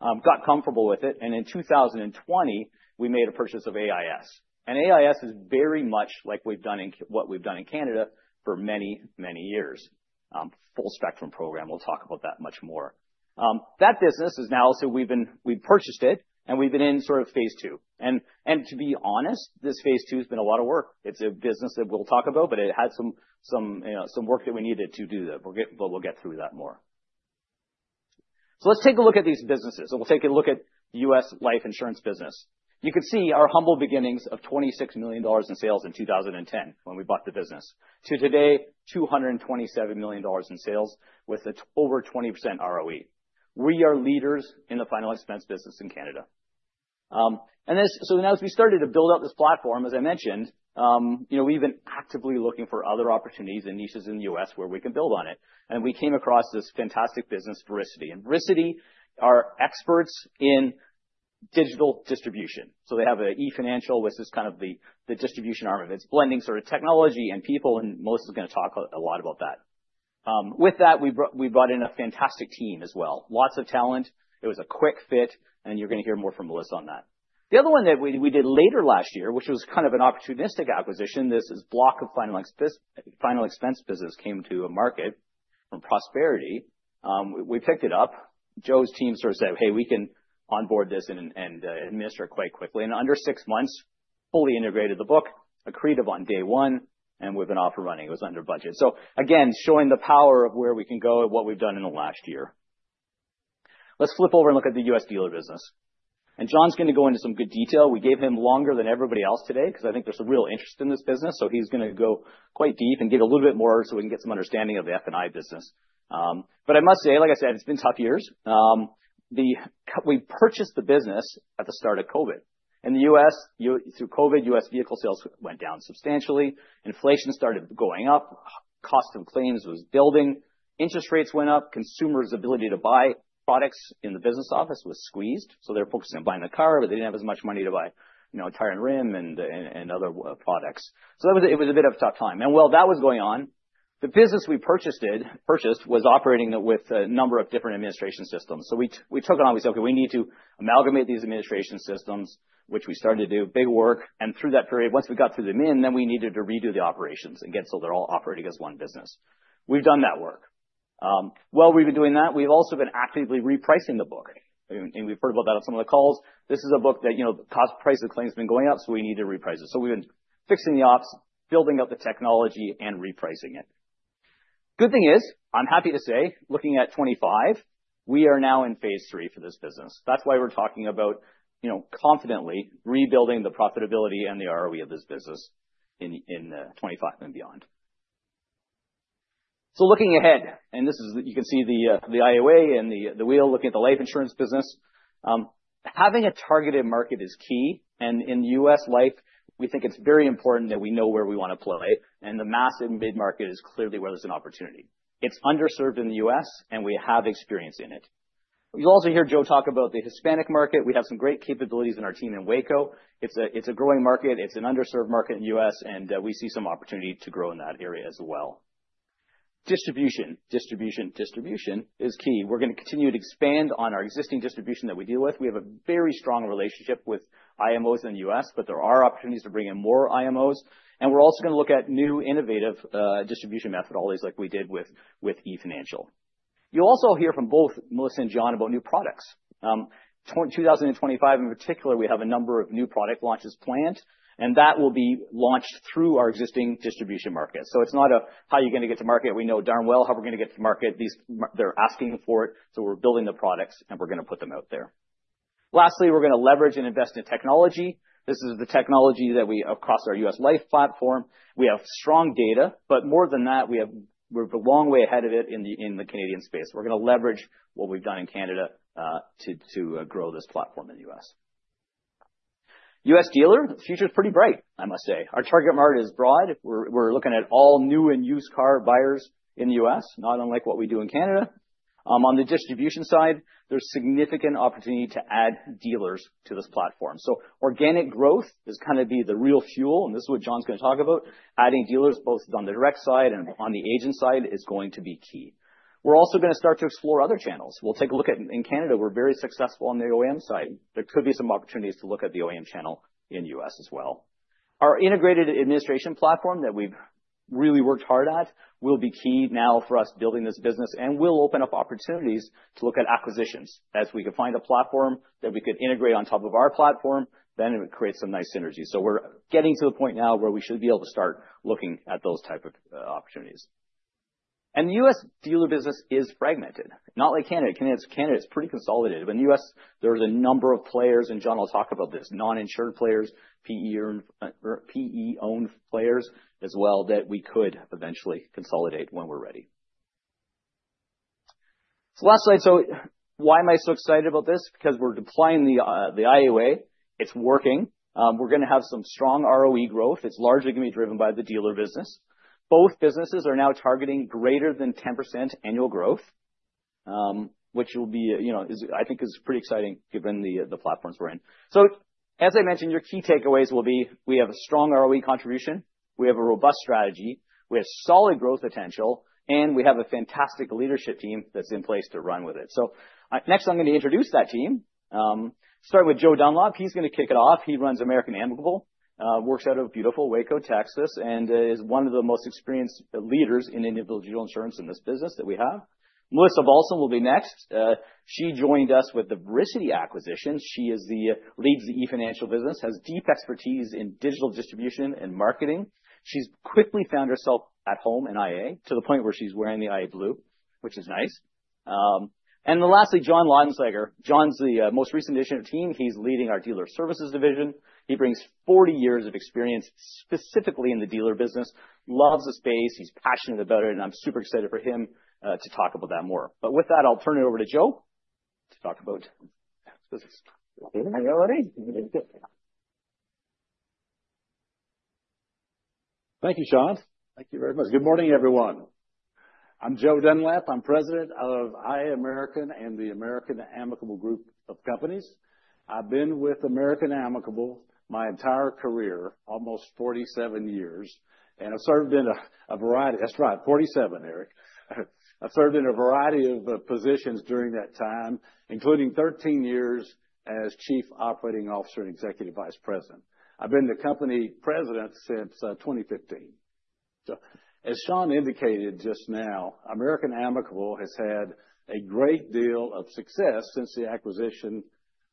Got comfortable with it. And in 2020, we made a purchase of IAS. And IAS is very much like what we've done in Canada for many, many years. Full spectrum program. We'll talk about that much more. That business is now also we've purchased it, and we've been in sort of phase two. And to be honest, this phase two has been a lot of work. It's a business that we'll talk about, but it had some work that we needed to do that. But we'll get through that more. So let's take a look at these businesses. And we'll take a look at the U.S. Life insurance business. You can see our humble beginnings of $26 million in sales in 2010 when we bought the business to today, $227 million in sales with over 20% ROE. We are leaders in the final expense business in Canada. And so now as we started to build out this platform, as I mentioned, we've been actively looking for other opportunities and niches in the U.S. where we can build on it. And we came across this fantastic business, Vericity. And Vericity are experts in digital distribution. So they have an eFinancial, which is kind of the distribution arm of it. It's blending sort of technology and people, and Melissa is going to talk a lot about that. With that, we brought in a fantastic team as well. Lots of talent. It was a quick fit, and you're going to hear more from Melissa on that. The other one that we did later last year, which was kind of an opportunistic acquisition, this is a block of final expense business came to market from Vericity. We picked it up. Joe's team sort of said, "Hey, we can onboard this and administer it quite quickly." And in under six months, fully integrated the book, accretive on day one, and we've been off and running. It was under budget. So again, showing the power of where we can go and what we've done in the last year. Let's flip over and look at the U.S. Dealer business. And John's going to go into some good detail. We gave him longer than everybody else today because I think there's some real interest in this business. So he's going to go quite deep and get a little bit more so we can get some understanding of the F&I business. But I must say, like I said, it's been tough years. We purchased the business at the start of COVID. In the U.S., through COVID, U.S. vehicle sales went down substantially. Inflation started going up. Cost of claims was building. Interest rates went up. Consumers' ability to buy products in the business office was squeezed. So they're focused on buying a car, but they didn't have as much money to buy tire and rim and other products. So it was a bit of a tough time. While that was going on, the business we purchased was operating with a number of different administration systems. So we took it on. We said, "Okay, we need to amalgamate these administration systems," which we started to do. Big work. Through that period, once we got through the mid, then we needed to redo the operations and get so they're all operating as one business. We've done that work. While we've been doing that, we've also been actively repricing the book. We've heard about that on some of the calls. This is a book that the price of claims has been going up, so we need to reprice it. We've been fixing the Ops, building up the technology, and repricing it. Good thing is, I'm happy to say, looking at 2025, we are now in phase III for this business. That's why we're talking about confidently rebuilding the profitability and the ROE of this business in 2025 and beyond. So looking ahead, and you can see the iA Way and the wheel looking at the life insurance business, having a targeted market is key. And in the U.S. Life, we think it's very important that we know where we want to play. And the mass mid-market is clearly where there's an opportunity. It's underserved in the U.S., and we have experience in it. You'll also hear Joe talk about the Hispanic market. We have some great capabilities in our team in Waco. It's a growing market. It's an underserved market in the U.S., and we see some opportunity to grow in that area as well. Distribution, distribution, distribution is key. We're going to continue to expand on our existing distribution that we deal with. We have a very strong relationship with IMOs in the U.S., but there are opportunities to bring in more IMOs, and we're also going to look at new innovative distribution methodologies like we did with eFinancial. You'll also hear from both Melissa and John about new products. In 2025, in particular, we have a number of new product launches planned, and that will be launched through our existing distribution market. So it's not a, "How are you going to get to market?" We know darn well how we're going to get to the market. They're asking for it, so we're building the products, and we're going to put them out there. Lastly, we're going to leverage and invest in technology. This is the technology that we across our U.S. Life platform. We have strong data, but more than that, we're a long way ahead of it in the Canadian space. We're going to leverage what we've done in Canada to grow this platform in the U.S. U.S. Dealer, the future is pretty bright, I must say. Our target market is broad. We're looking at all new and used car buyers in the U.S., not unlike what we do in Canada. On the distribution side, there's significant opportunity to add dealers to this platform. So organic growth is going to be the real fuel, and this is what John's going to talk about. Adding dealers, both on the direct side and on the agent side, is going to be key. We're also going to start to explore other channels. We'll take a look at, in Canada, we're very successful on the OEM side. There could be some opportunities to look at the OEM channel in the U.S. as well. Our integrated administration platform that we've really worked hard at will be key now for us building this business, and we'll open up opportunities to look at acquisitions as we can find a platform that we could integrate on top of our platform, then it would create some nice synergy. We're getting to the point now where we should be able to start looking at those types of opportunities. The U.S. Dealer business is fragmented. Not like Canada. Canada is pretty consolidated. In the U.S., there's a number of players, and John will talk about this, non-insured players, PE-owned players as well that we could eventually consolidate when we're ready. Last slide. Why am I so excited about this? Because we're deploying the iA Way. It's working. We're going to have some strong ROE growth. It's largely going to be driven by the dealer business. Both businesses are now targeting greater than 10% annual growth, which will be, I think, is pretty exciting given the platforms we're in. So as I mentioned, your key takeaways will be we have a strong ROE contribution, we have a robust strategy, we have solid growth potential, and we have a fantastic leadership team that's in place to run with it. So next, I'm going to introduce that team. Start with Joe Dunlop. He's going to kick it off. He runs American Amicable, works out of beautiful Waco, Texas, and is one of the most experienced leaders in individual insurance in this business that we have. Melissa Balsan will be next. She joined us with the Vericity acquisition. She leads the eFinancial business, has deep expertise in digital distribution and marketing. She's quickly found herself at home in iA to the point where she's wearing the iA blue, which is nice. And then lastly, John Laudenslager. John's the most recent addition to the team. He brings 40 years of experience specifically in the dealer business. Loves the space. He's passionate about it, and I'm super excited for him to talk about that more. But with that, I'll turn it over to Joe to talk about. Thank you, Sean. Thank you very much. Good morning, everyone. I'm Joe Dunlap. I'm President of iA American and the American-Amicable Group of Companies. I've been with American-Amicable my entire career, almost 47 years, and I've served in a variety. That's right, 47, Éric. I've served in a variety of positions during that time, including 13 years as Chief Operating Officer and Executive Vice President. I've been the company president since 2015. So as Sean indicated just now, American Amicable has had a great deal of success since the acquisition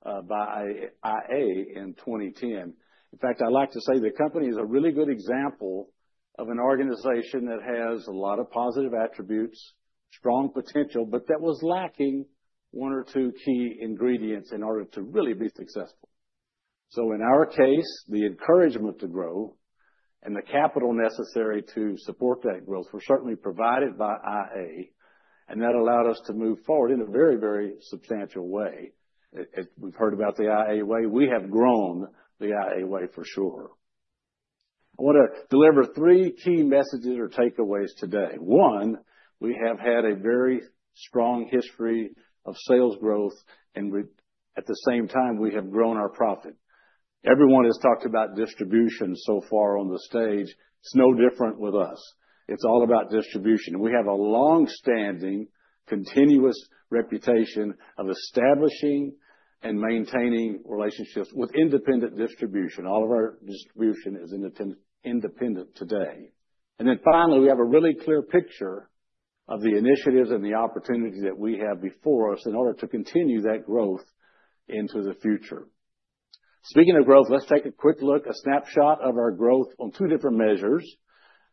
by IA in 2010. In fact, I like to say the company is a really good example of an organization that has a lot of positive attributes, strong potential, but that was lacking one or two key ingredients in order to really be successful. So in our case, the encouragement to grow and the capital necessary to support that growth were certainly provided by IA, and that allowed us to move forward in a very, very substantial way. We've heard about the IA way. We have grown the IA way for sure. I want to deliver three key messages or takeaways today. One, we have had a very strong history of sales growth, and at the same time, we have grown our profit. Everyone has talked about distribution so far on the stage. It's no different with us. It's all about distribution, and we have a long-standing continuous reputation of establishing and maintaining relationships with independent distribution. All of our distribution is independent today, and then finally, we have a really clear picture of the initiatives and the opportunities that we have before us in order to continue that growth into the future. Speaking of growth, let's take a quick look, a snapshot of our growth on two different measures.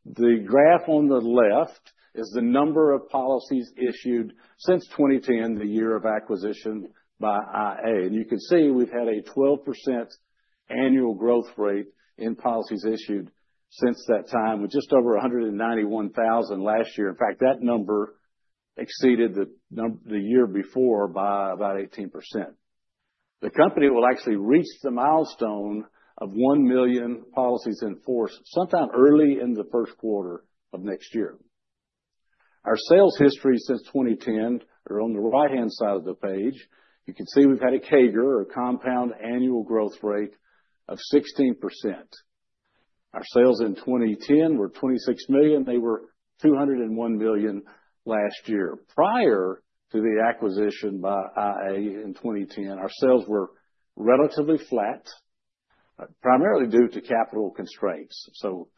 The graph on the left is the number of policies issued since 2010, the year of acquisition by iA. And you can see we've had a 12% annual growth rate in policies issued since that time with just over 191,000 last year. In fact, that number exceeded the year before by about 18%. The company will actually reach the milestone of 1 million policies in force sometime early in the first quarter of next year. Our sales history since 2010 are on the right-hand side of the page. You can see we've had a CAGR, a compound annual growth rate of 16%. Our sales in 2010 were 26 million. They were 201 million last year. Prior to the acquisition by iA in 2010, our sales were relatively flat, primarily due to capital constraints. So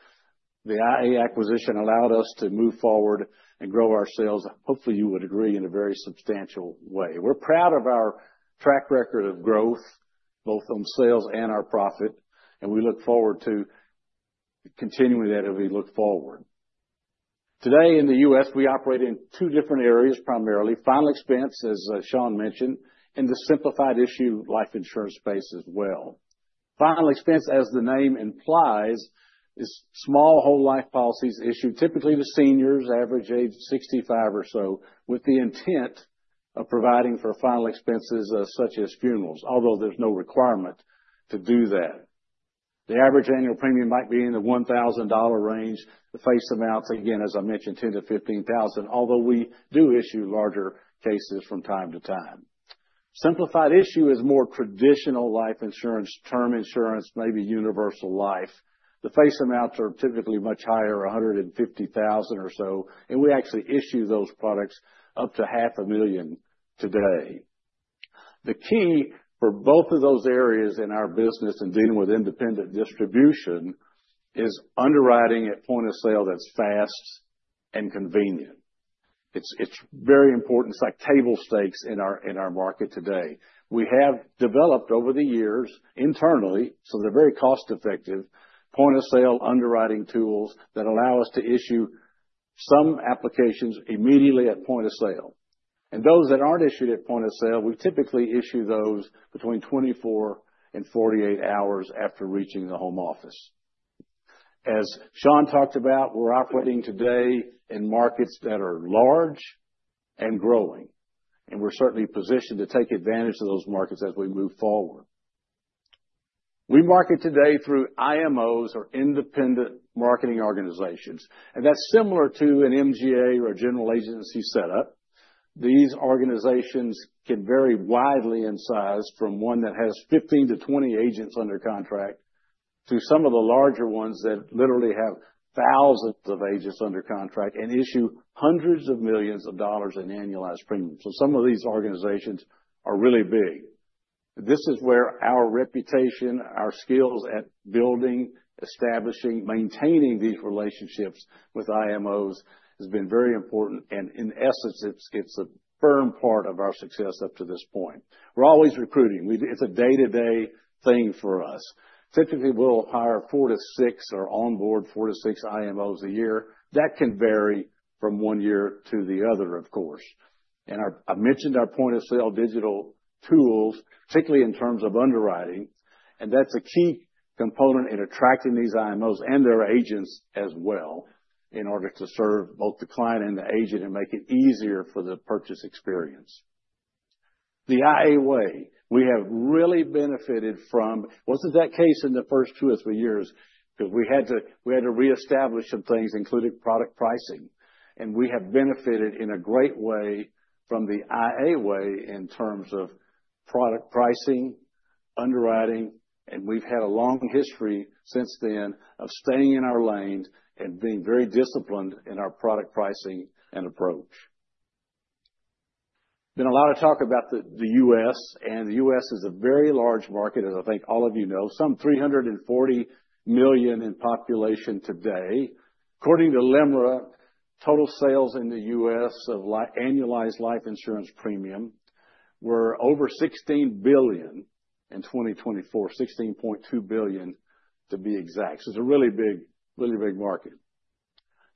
the iA acquisition allowed us to move forward and grow our sales. Hopefully, you would agree in a very substantial way. We're proud of our track record of growth, both on sales and our profit, and we look forward to continuing that as we look forward. Today in the U.S., we operate in two different areas primarily. Final expense, as Sean mentioned, and the simplified issue life insurance space as well. Final expense, as the name implies, is small whole life policies issued typically to seniors, average age 65 or so, with the intent of providing for final expenses such as funerals, although there's no requirement to do that. The average annual premium might be in the $1,000 range. The face amounts, again, as I mentioned, $10,000-$15,000, although we do issue larger cases from time to time. Simplified issue is more traditional life insurance, term insurance, maybe universal life. The face amounts are typically much higher, $150,000 or so, and we actually issue those products up to $500,000 today. The key for both of those areas in our business and dealing with independent distribution is underwriting at point of sale that's fast and convenient. It's very important. It's like table stakes in our market today. We have developed over the years internally, so they're very cost-effective, point of sale underwriting tools that allow us to issue some applications immediately at point of sale. And those that aren't issued at point of sale, we typically issue those between 24 and 48 hours after reaching the home office. As Sean talked about, we're operating today in markets that are large and growing, and we're certainly positioned to take advantage of those markets as we move forward. We market today through IMOs or independent marketing organizations, and that's similar to an MGA or a general agency setup. These organizations can vary widely in size from one that has 15-20 agents under contract to some of the larger ones that literally have thousands of agents under contract and issue hundreds of millions of dollars in annualized premiums. Some of these organizations are really big. This is where our reputation, our skills at building, establishing, maintaining these relationships with IMOs has been very important, and in essence, it's a firm part of our success up to this point. We're always recruiting. It's a day-to-day thing for us. Typically, we'll hire four to six or onboard four to six IMOs a year. That can vary from one year to the other, of course. I mentioned our point of sale digital tools, particularly in terms of underwriting, and that's a key component in attracting these IMOs and their agents as well in order to serve both the client and the agent and make it easier for the purchase experience. The iA Way, we have really benefited from, wasn't that case in the first two or three years because we had to reestablish some things, including product pricing, and we have benefited in a great way from the iA Way in terms of product pricing, underwriting, and we've had a long history since then of staying in our lanes and being very disciplined in our product pricing and approach. Been a lot of talk about the U.S., and the U.S. is a very large market, as I think all of you know, some 340 million in population today. According to LIMRA, total sales in the U.S. of annualized life insurance premium were over $16 billion in 2024, $16.2 billion to be exact. So it's a really big, really big market.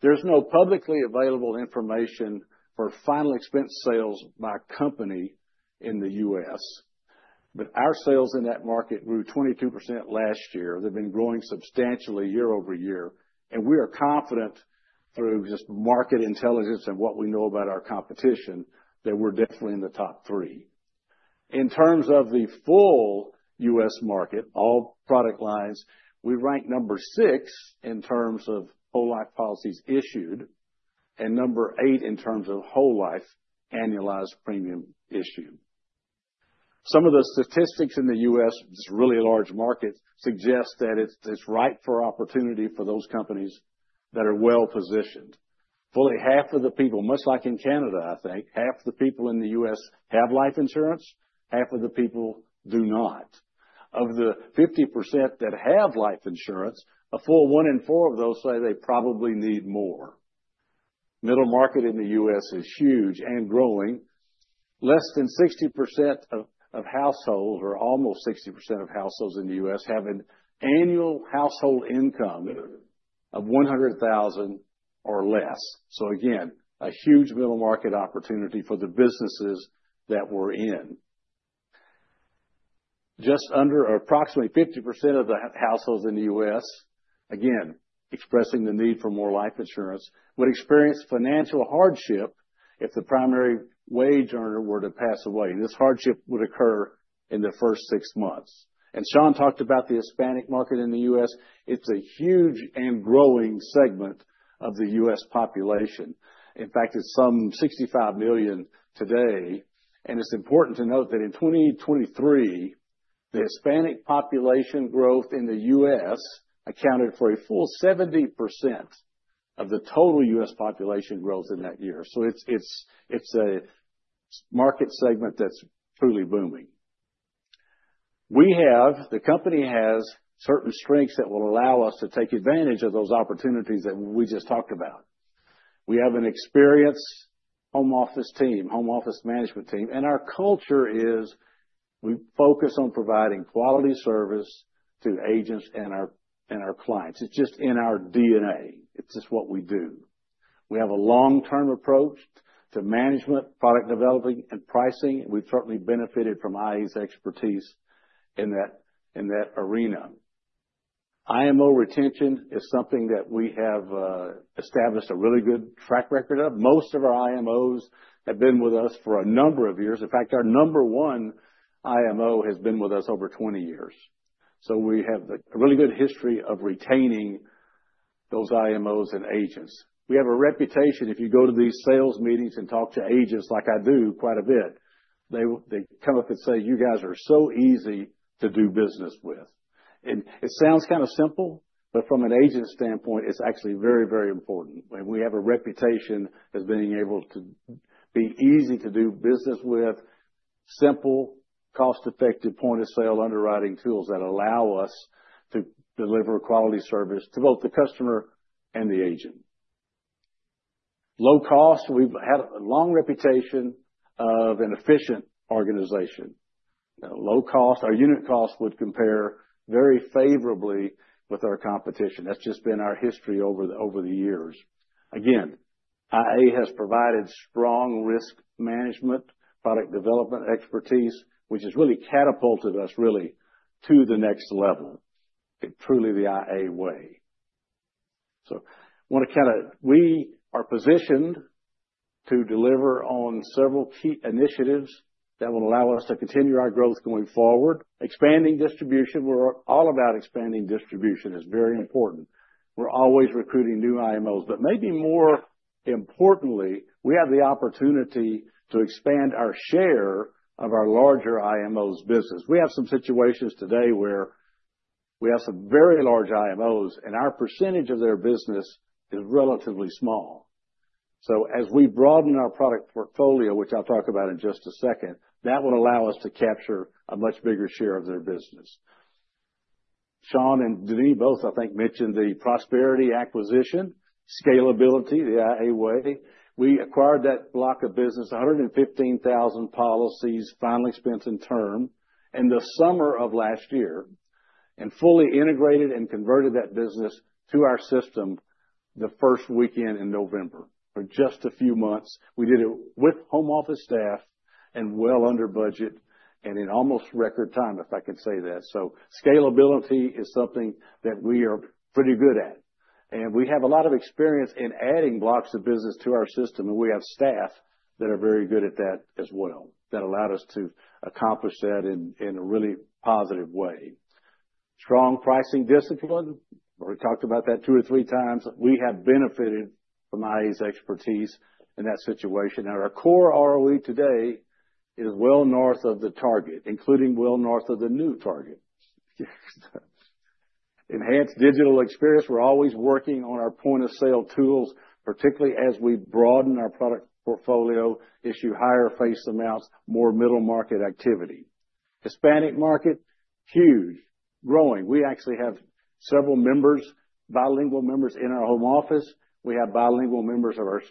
There's no publicly available information for final expense sales by company in the U.S., but our sales in that market grew 22% last year. They've been growing substantially year over year, and we are confident through just market intelligence and what we know about our competition that we're definitely in the top three. In terms of the full U.S. market, all product lines, we rank number six in terms of whole life policies issued and number eight in terms of whole life annualized premium issued. Some of the statistics in the U.S., just really large markets, suggest that it's ripe for opportunity for those companies that are well positioned. Fully half of the people, much like in Canada, I think, half of the people in the U.S. have life insurance. Half of the people do not. Of the 50% that have life insurance, a full one in four of those say they probably need more. Middle market in the U.S. is huge and growing. Less than 60% of households or almost 60% of households in the U.S. have an annual household income of 100,000 or less. So again, a huge middle market opportunity for the businesses that we're in. Just under approximately 50% of the households in the U.S., again, expressing the need for more life insurance, would experience financial hardship if the primary wage earner were to pass away. This hardship would occur in the first six months. And Sean talked about the Hispanic market in the U.S. It's a huge and growing segment of the U.S. population. In fact, it's some 65 million today. It's important to note that in 2023, the Hispanic population growth in the U.S. accounted for a full 70% of the total U.S. population growth in that year. It's a market segment that's truly booming. We have, the company has certain strengths that will allow us to take advantage of those opportunities that we just talked about. We have an experienced home office team, home office management team, and our culture is we focus on providing quality service to agents and our clients. It's just in our DNA. It's just what we do. We have a long-term approach to management, product developing, and pricing. We've certainly benefited from iA's expertise in that arena. IMO retention is something that we have established a really good track record of. Most of our IMOs have been with us for a number of years. In fact, our number one IMO has been with us over 20 years. So we have a really good history of retaining those IMOs and agents. We have a reputation. If you go to these sales meetings and talk to agents like I do quite a bit, they come up and say, "You guys are so easy to do business with." And it sounds kind of simple, but from an agent standpoint, it's actually very, very important. And we have a reputation as being able to be easy to do business with, simple, cost-effective point of sale underwriting tools that allow us to deliver quality service to both the customer and the agent. Low cost, we've had a long reputation of an efficient organization. Low cost, our unit cost would compare very favorably with our competition. That's just been our history over the years. Again, iA has provided strong risk management, product development expertise, which has really catapulted us really to the next level. Truly the iA Way. So I want to kind of, we are positioned to deliver on several key initiatives that will allow us to continue our growth going forward. Expanding distribution, we're all about expanding distribution. It's very important. We're always recruiting new IMOs, but maybe more importantly, we have the opportunity to expand our share of our larger IMOs business. We have some situations today where we have some very large IMOs, and our percentage of their business is relatively small. So as we broaden our product portfolio, which I'll talk about in just a second, that will allow us to capture a much bigger share of their business. Sean and Denis both, I think, mentioned the Vericity Acquisition, Scalability, the iA Way. We acquired that block of business, 115,000 policies, final expense and term, in the summer of last year and fully integrated and converted that business to our system the first weekend in November. For just a few months, we did it with home office staff and well under budget and in almost record time, if I can say that. So scalability is something that we are pretty good at. And we have a lot of experience in adding blocks of business to our system, and we have staff that are very good at that as well that allowed us to accomplish that in a really positive way. Strong pricing discipline, we talked about that two or three times. We have benefited from iA's expertise in that situation. And our core ROE today is well north of the target, including well north of the new target. Enhanced digital experience. We're always working on our point of sale tools, particularly as we broaden our product portfolio, issue higher face amounts, more middle market activity. Hispanic market, huge, growing. We actually have several bilingual members in our home office. We have bilingual members of our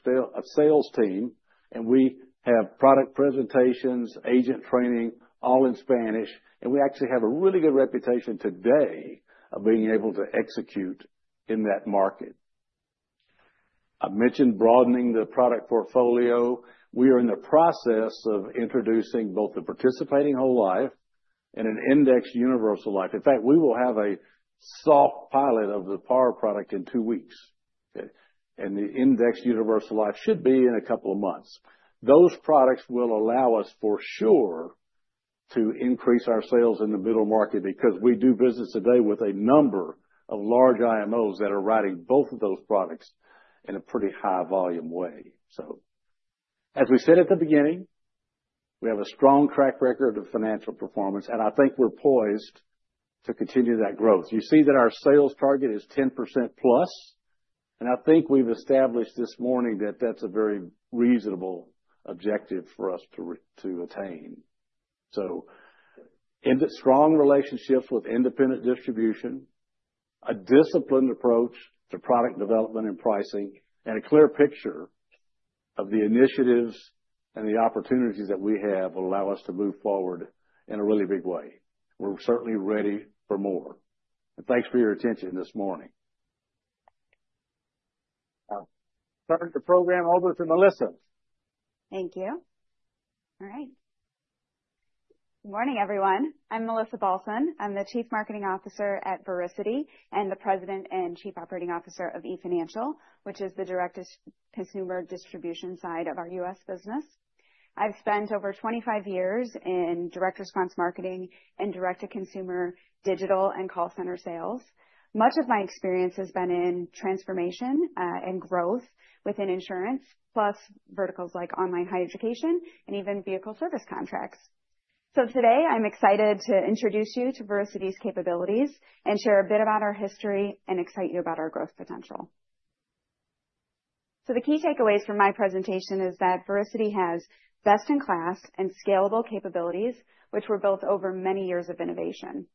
sales team, and we have product presentations, agent training, all in Spanish. We actually have a really good reputation today of being able to execute in that market. I mentioned broadening the product portfolio. We are in the process of introducing both the participating whole life and an indexed universal life. In fact, we will have a soft pilot of the par product in two weeks. The indexed universal life should be in a couple of months. Those products will allow us for sure to increase our sales in the middle market because we do business today with a number of large IMOs that are writing both of those products in a pretty high volume way. So as we said at the beginning, we have a strong track record of financial performance, and I think we're poised to continue that growth. You see that our sales target is 10%+, and I think we've established this morning that that's a very reasonable objective for us to attain. So strong relationships with independent distribution, a disciplined approach to product development and pricing, and a clear picture of the initiatives and the opportunities that we have will allow us to move forward in a really big way. We're certainly ready for more. And thanks for your attention this morning. Turn the program over to Melissa. Thank you. All right. Good morning, everyone. I'm Melissa Balsan. I'm the Chief Marketing Officer at Vericity and the President and Chief Operating Officer of eFinancial, which is the direct-to-consumer distribution side of our U.S. business. I've spent over 25 years in direct response marketing and direct-to-consumer digital and call center sales. Much of my experience has been in transformation and growth within insurance, plus verticals like online higher education and even vehicle service contracts. So today, I'm excited to introduce you to Vericity's capabilities and share a bit about our history and excite you about our growth potential. So the key takeaways from my presentation is that Vericity has best-in-class and scalable capabilities, which were built over many years of innovation.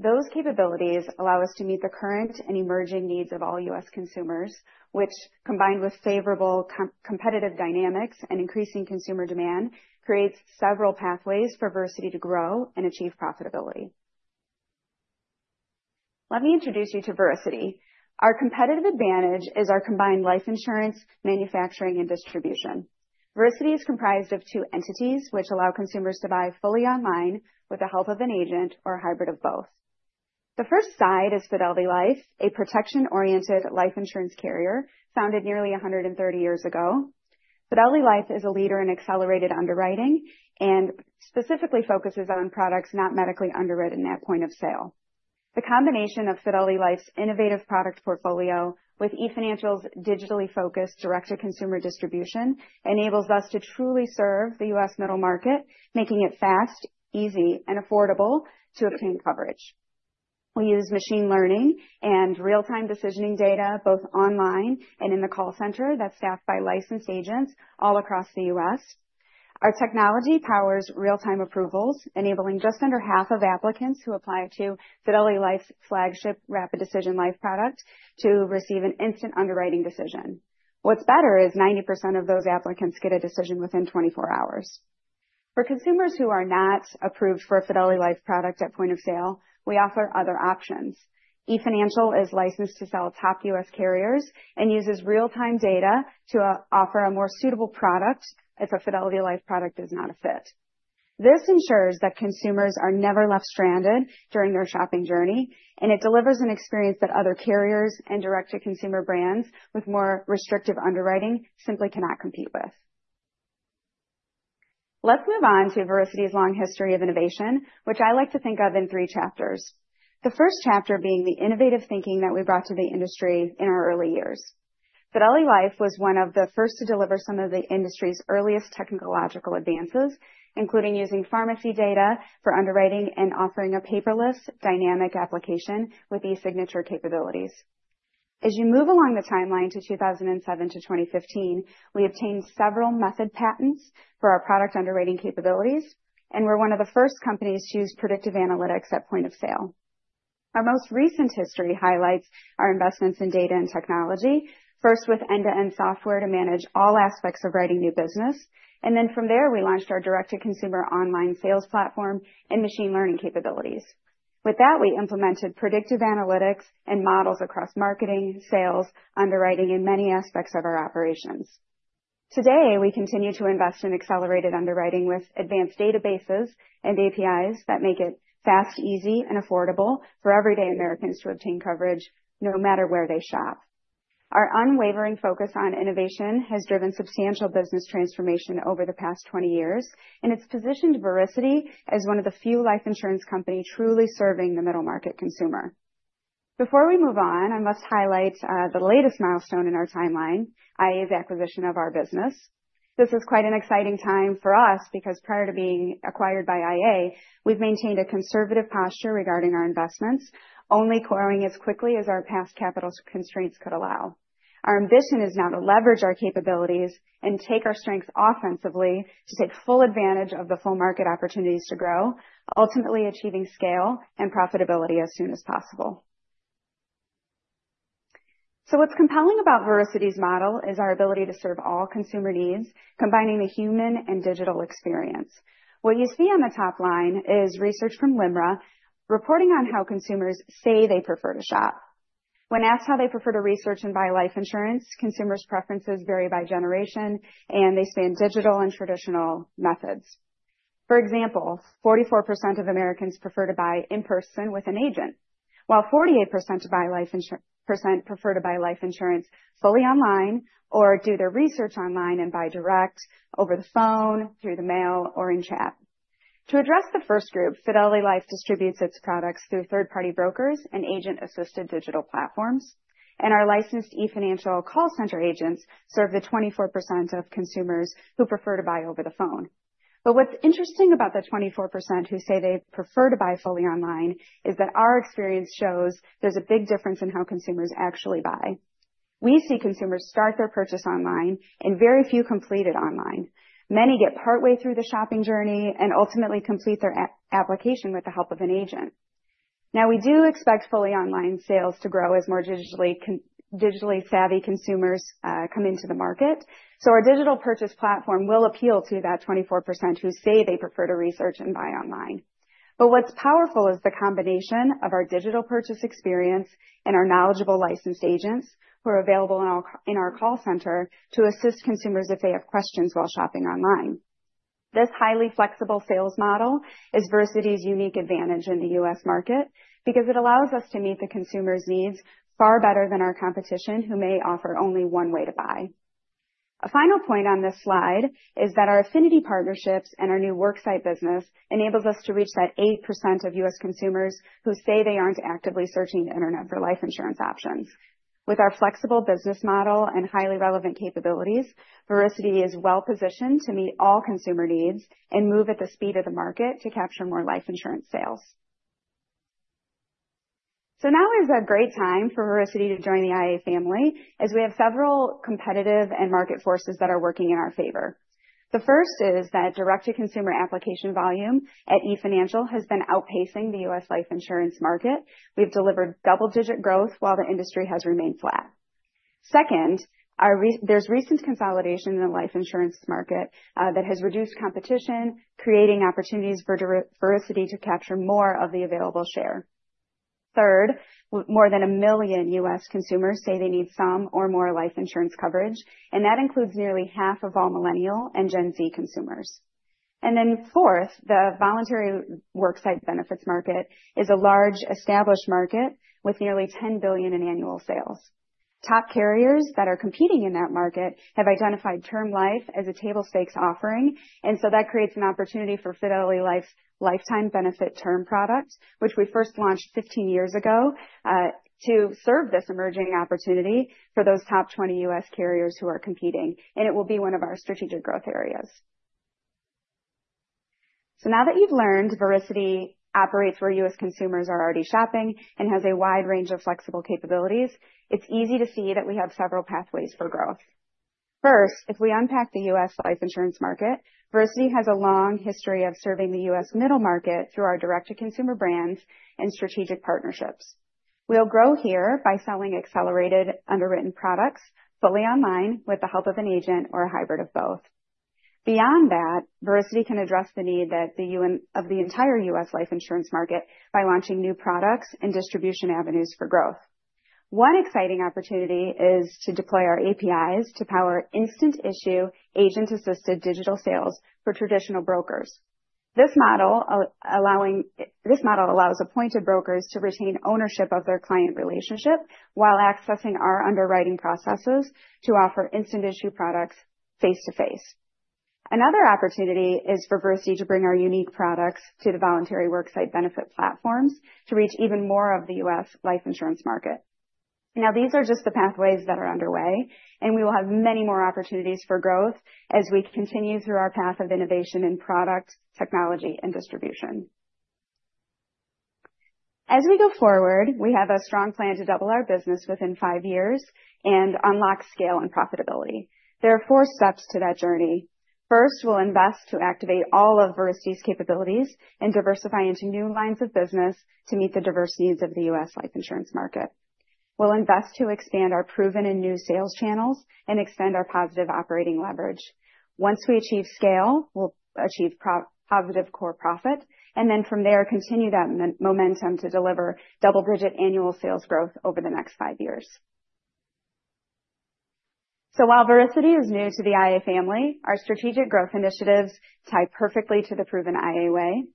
Those capabilities allow us to meet the current and emerging needs of all U.S. consumers, which, combined with favorable competitive dynamics and increasing consumer demand, creates several pathways for Vericity to grow and achieve profitability. Let me introduce you to Vericity. Our competitive advantage is our combined life insurance, manufacturing, and distribution. Vericity is comprised of two entities, which allow consumers to buy fully online with the help of an agent or a hybrid of both. The first side is Fidelity Life, a protection-oriented life insurance carrier founded nearly 130 years ago. Fidelity Life is a leader in accelerated underwriting and specifically focuses on products not medically underwritten at point of sale. The combination of Fidelity Life's innovative product portfolio with eFinancial's digitally focused direct-to-consumer distribution enables us to truly serve the U.S. middle market, making it fast, easy, and affordable to obtain coverage. We use machine learning and real-time decisioning data, both online and in the call center that's staffed by licensed agents all across the U.S. Our technology powers real-time approvals, enabling just under half of applicants who apply to Fidelity Life's flagship Rapid Decision Life product to receive an instant underwriting decision. What's better is 90% of those applicants get a decision within 24 hours. For consumers who are not approved for a Fidelity Life product at point of sale, we offer other options. eFinancial is licensed to sell top U.S. carriers and uses real-time data to offer a more suitable product if a Fidelity Life product is not a fit. This ensures that consumers are never left stranded during their shopping journey, and it delivers an experience that other carriers and direct-to-consumer brands with more restrictive underwriting simply cannot compete with. Let's move on to Vericity's long history of innovation, which I like to think of in three chapters. The first chapter being the innovative thinking that we brought to the industry in our early years. Fidelity Life was one of the first to deliver some of the industry's earliest technological advances, including using pharmacy data for underwriting and offering a paperless dynamic application with eSignature capabilities. As you move along the timeline to 2007-2015, we obtained several method patents for our product underwriting capabilities, and we're one of the first companies to use predictive analytics at point of sale. Our most recent history highlights our investments in data and technology, first with end-to-end software to manage all aspects of writing new business, and then from there, we launched our direct-to-consumer online sales platform and machine learning capabilities. With that, we implemented predictive analytics and models across marketing, sales, underwriting, and many aspects of our operations. Today, we continue to invest in accelerated underwriting with advanced databases and APIs that make it fast, easy, and affordable for everyday Americans to obtain coverage no matter where they shop. Our unwavering focus on innovation has driven substantial business transformation over the past 20 years, and it's positioned Vericity as one of the few life insurance companies truly serving the middle market consumer. Before we move on, I must highlight the latest milestone in our timeline, i.e., the acquisition of our business. This is quite an exciting time for us because prior to being acquired by iA, we've maintained a conservative posture regarding our investments, only growing as quickly as our past capital constraints could allow. Our ambition is now to leverage our capabilities and take our strengths offensively to take full advantage of the full market opportunities to grow, ultimately achieving scale and profitability as soon as possible. What's compelling about Vericity's model is our ability to serve all consumer needs, combining the human and digital experience. What you see on the top line is research from LIMRA reporting on how consumers say they prefer to shop. When asked how they prefer to research and buy life insurance, consumers' preferences vary by generation, and they span digital and traditional methods. For example, 44% of Americans prefer to buy in person with an agent, while 48% prefer to buy life insurance fully online or do their research online and buy direct over the phone, through the mail, or in chat. To address the first group, Fidelity Life distributes its products through third-party brokers and agent-assisted digital platforms, and our licensed eFinancial call center agents serve the 24% of consumers who prefer to buy over the phone. But what's interesting about the 24% who say they prefer to buy fully online is that our experience shows there's a big difference in how consumers actually buy. We see consumers start their purchase online, and very few complete it online. Many get partway through the shopping journey and ultimately complete their application with the help of an agent. Now, we do expect fully online sales to grow as more digitally savvy consumers come into the market. So our digital purchase platform will appeal to that 24% who say they prefer to research and buy online. But what's powerful is the combination of our digital purchase experience and our knowledgeable licensed agents who are available in our call center to assist consumers if they have questions while shopping online. This highly flexible sales model is Vericity's unique advantage in the U.S. market because it allows us to meet the consumer's needs far better than our competition, who may offer only one way to buy. A final point on this slide is that our affinity partnerships and our new worksite business enables us to reach that 8% of U.S. consumers who say they aren't actively searching the internet for life insurance options. With our flexible business model and highly relevant capabilities, Vericity is well positioned to meet all consumer needs and move at the speed of the market to capture more life insurance sales. Now is a great time for Vericity to join the iA family as we have several competitive and market forces that are working in our favor. The first is that direct-to-consumer application volume at eFinancial has been outpacing the U.S. life insurance market. We've delivered double-digit growth while the industry has remained flat. Second, there's recent consolidation in the life insurance market that has reduced competition, creating opportunities for Vericity to capture more of the available share. Third, more than 1 million U.S. consumers say they need some or more life insurance coverage, and that includes nearly half of all millennial and Gen Z consumers. And then fourth, the voluntary worksite benefits market is a large established market with nearly $10 billion in annual sales. Top carriers that are competing in that market have identified term life as a table stakes offering, and so that creates an opportunity for Fidelity Life's Lifetime Benefit Term product, which we first launched 15 years ago to serve this emerging opportunity for those top 20 U.S. carriers who are competing, and it will be one of our strategic growth areas. So now that you've learned Vericity operates where U.S. consumers are already shopping and has a wide range of flexible capabilities, it's easy to see that we have several pathways for growth. First, if we unpack the U.S. life insurance market, Vericity has a long history of serving the U.S. middle market through our direct-to-consumer brands and strategic partnerships. We'll grow here by selling accelerated underwritten products fully online with the help of an agent or a hybrid of both. Beyond that, Vericity can address the need of the entire U.S. life insurance market by launching new products and distribution avenues for growth. One exciting opportunity is to deploy our APIs to power instant issue agent-assisted digital sales for traditional brokers. This model allows appointed brokers to retain ownership of their client relationship while accessing our underwriting processes to offer instant issue products face-to-face. Another opportunity is for Vericity to bring our unique products to the voluntary worksite benefit platforms to reach even more of the U.S. life insurance market. Now, these are just the pathways that are underway, and we will have many more opportunities for growth as we continue through our path of innovation in product, technology, and distribution. As we go forward, we have a strong plan to double our business within five years and unlock scale and profitability. There are four steps to that journey. First, we'll invest to activate all of Vericity's capabilities and diversify into new lines of business to meet the diverse needs of the U.S. life insurance market. We'll invest to expand our proven and new sales channels and extend our positive operating leverage. Once we achieve scale, we'll achieve positive core profit, and then from there, continue that momentum to deliver double-digit annual sales growth over the next five years. So while Vericity is new to the IA family, our strategic growth initiatives tie perfectly to the proven IA way.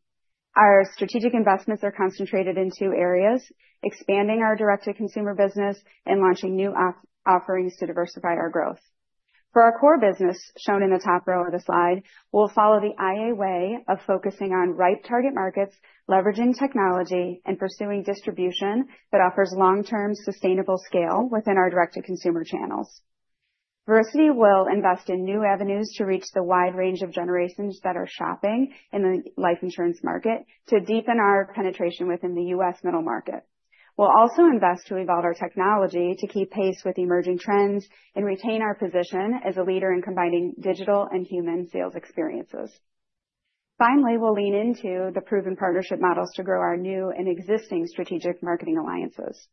Our strategic investments are concentrated in two areas: expanding our direct-to-consumer business and launching new offerings to diversify our growth. For our core business, shown in the top row of the slide, we'll follow the IA way of focusing on ripe target markets, leveraging technology, and pursuing distribution that offers long-term sustainable scale within our direct-to-consumer channels. Vericity will invest in new avenues to reach the wide range of generations that are shopping in the life insurance market to deepen our penetration within the U.S. middle market. We'll also invest to evolve our technology to keep pace with emerging trends and retain our position as a leader in combining digital and human sales experiences. Finally, we'll lean into the proven partnership models to grow our new and existing strategic marketing alliances.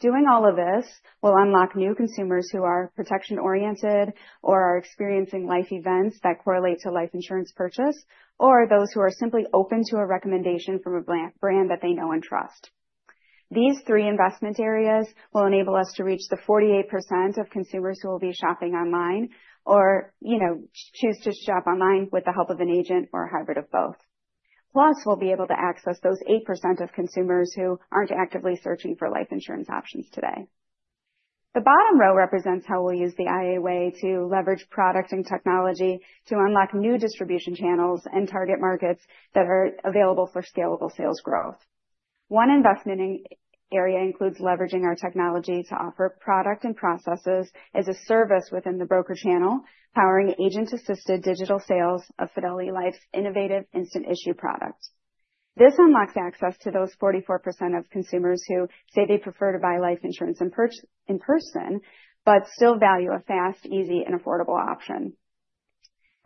Doing all of this, we'll unlock new consumers who are protection-oriented or are experiencing life events that correlate to life insurance purchase, or those who are simply open to a recommendation from a brand that they know and trust. These three investment areas will enable us to reach the 48% of consumers who will be shopping online or, you know, choose to shop online with the help of an agent or a hybrid of both. Plus, we'll be able to access those 8% of consumers who aren't actively searching for life insurance options today. The bottom row represents how we'll use the iA Way to leverage product and technology to unlock new distribution channels and target markets that are available for scalable sales growth. One investment area includes leveraging our technology to offer product and processes as a service within the broker channel, powering agent-assisted digital sales of Fidelity Life's innovative instant issue product. This unlocks access to those 44% of consumers who say they prefer to buy life insurance in person but still value a fast, easy, and affordable option.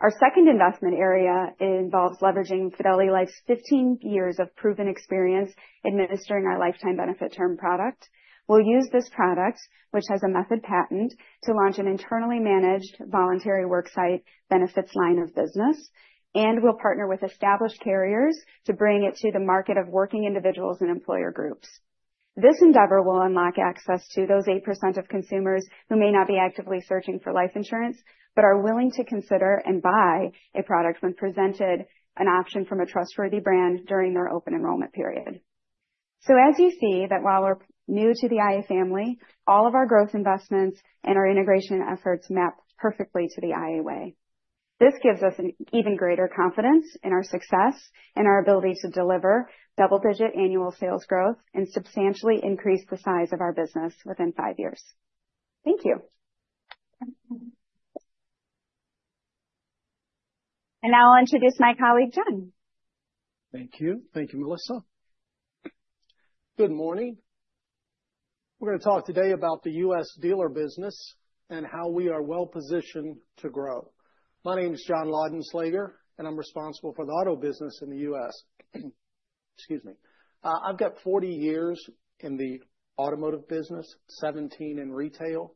Our second investment area involves leveraging Fidelity Life's 15 years of proven experience administering our Lifetime Benefit Term product. We'll use this product, which has a method patent, to launch an internally managed voluntary worksite benefits line of business, and we'll partner with established carriers to bring it to the market of working individuals and employer groups. This endeavor will unlock access to those 8% of consumers who may not be actively searching for life insurance but are willing to consider and buy a product when presented an option from a trustworthy brand during their open enrollment period, so as you see that while we're new to the iA family, all of our growth investments and our integration efforts map perfectly to the iA Way. This gives us an even greater confidence in our success and our ability to deliver double-digit annual sales growth and substantially increase the size of our business within five years. Thank you, and now I'll introduce my colleague, John. Thank you. Thank you, Melissa. Good morning. We're going to talk today about the U.S. Dealer business and how we are well positioned to grow. My name is John Laudenslager, and I'm responsible for the auto business in the U.S.. Excuse me. I've got 40 years in the automotive business, 17 in retail,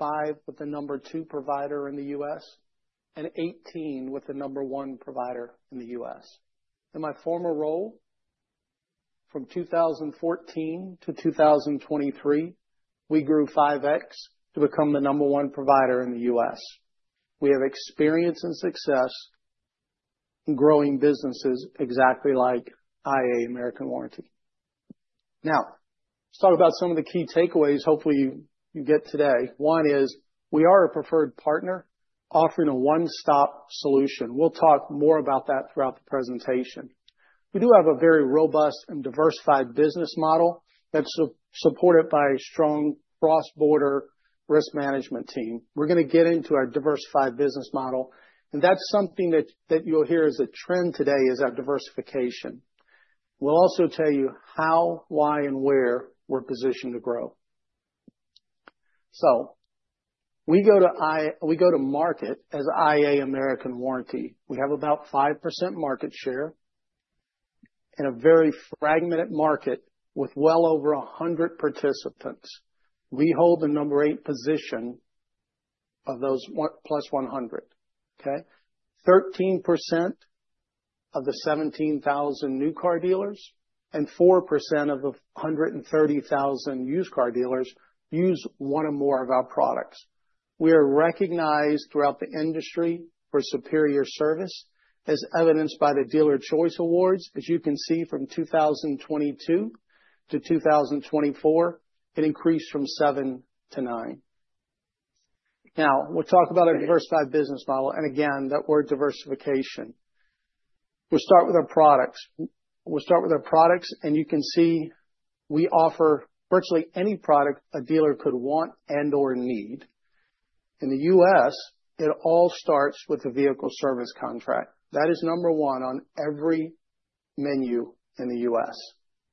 five with the number two provider in the U.S., and 18 with the number one provider in the U.S.. In my former role, from 2014-2023, we grew 5X to become the number one provider in the U.S.. We have experience and success in growing businesses exactly like iA American Warranty. Now, let's talk about some of the key takeaways hopefully you get today. One is we are a preferred partner offering a one-stop solution. We'll talk more about that throughout the presentation. We do have a very robust and diversified business model that's supported by a strong cross-border risk management team. We're going to get into our diversified business model, and that's something that you'll hear as a trend today is our diversification. We'll also tell you how, why, and where we're positioned to grow. So we go to market as iA American Warranty. We have about 5% market share in a very fragmented market with well over 100 participants. We hold the number eight position of those +100. Okay? 13% of the 17,000 new car dealers and 4% of the 130,000 used car dealers use one or more of our products. We are recognized throughout the industry for superior service, as evidenced by the Dealers' Choice Awards. As you can see, from 2022-2024, it increased from seven to nine. Now, we'll talk about our diversified business model, and again, that word diversification. We'll start with our products. We'll start with our products, and you can see we offer virtually any product a dealer could want and/or need. In the U.S., it all starts with the vehicle service contract. That is number one on every menu in the U.S.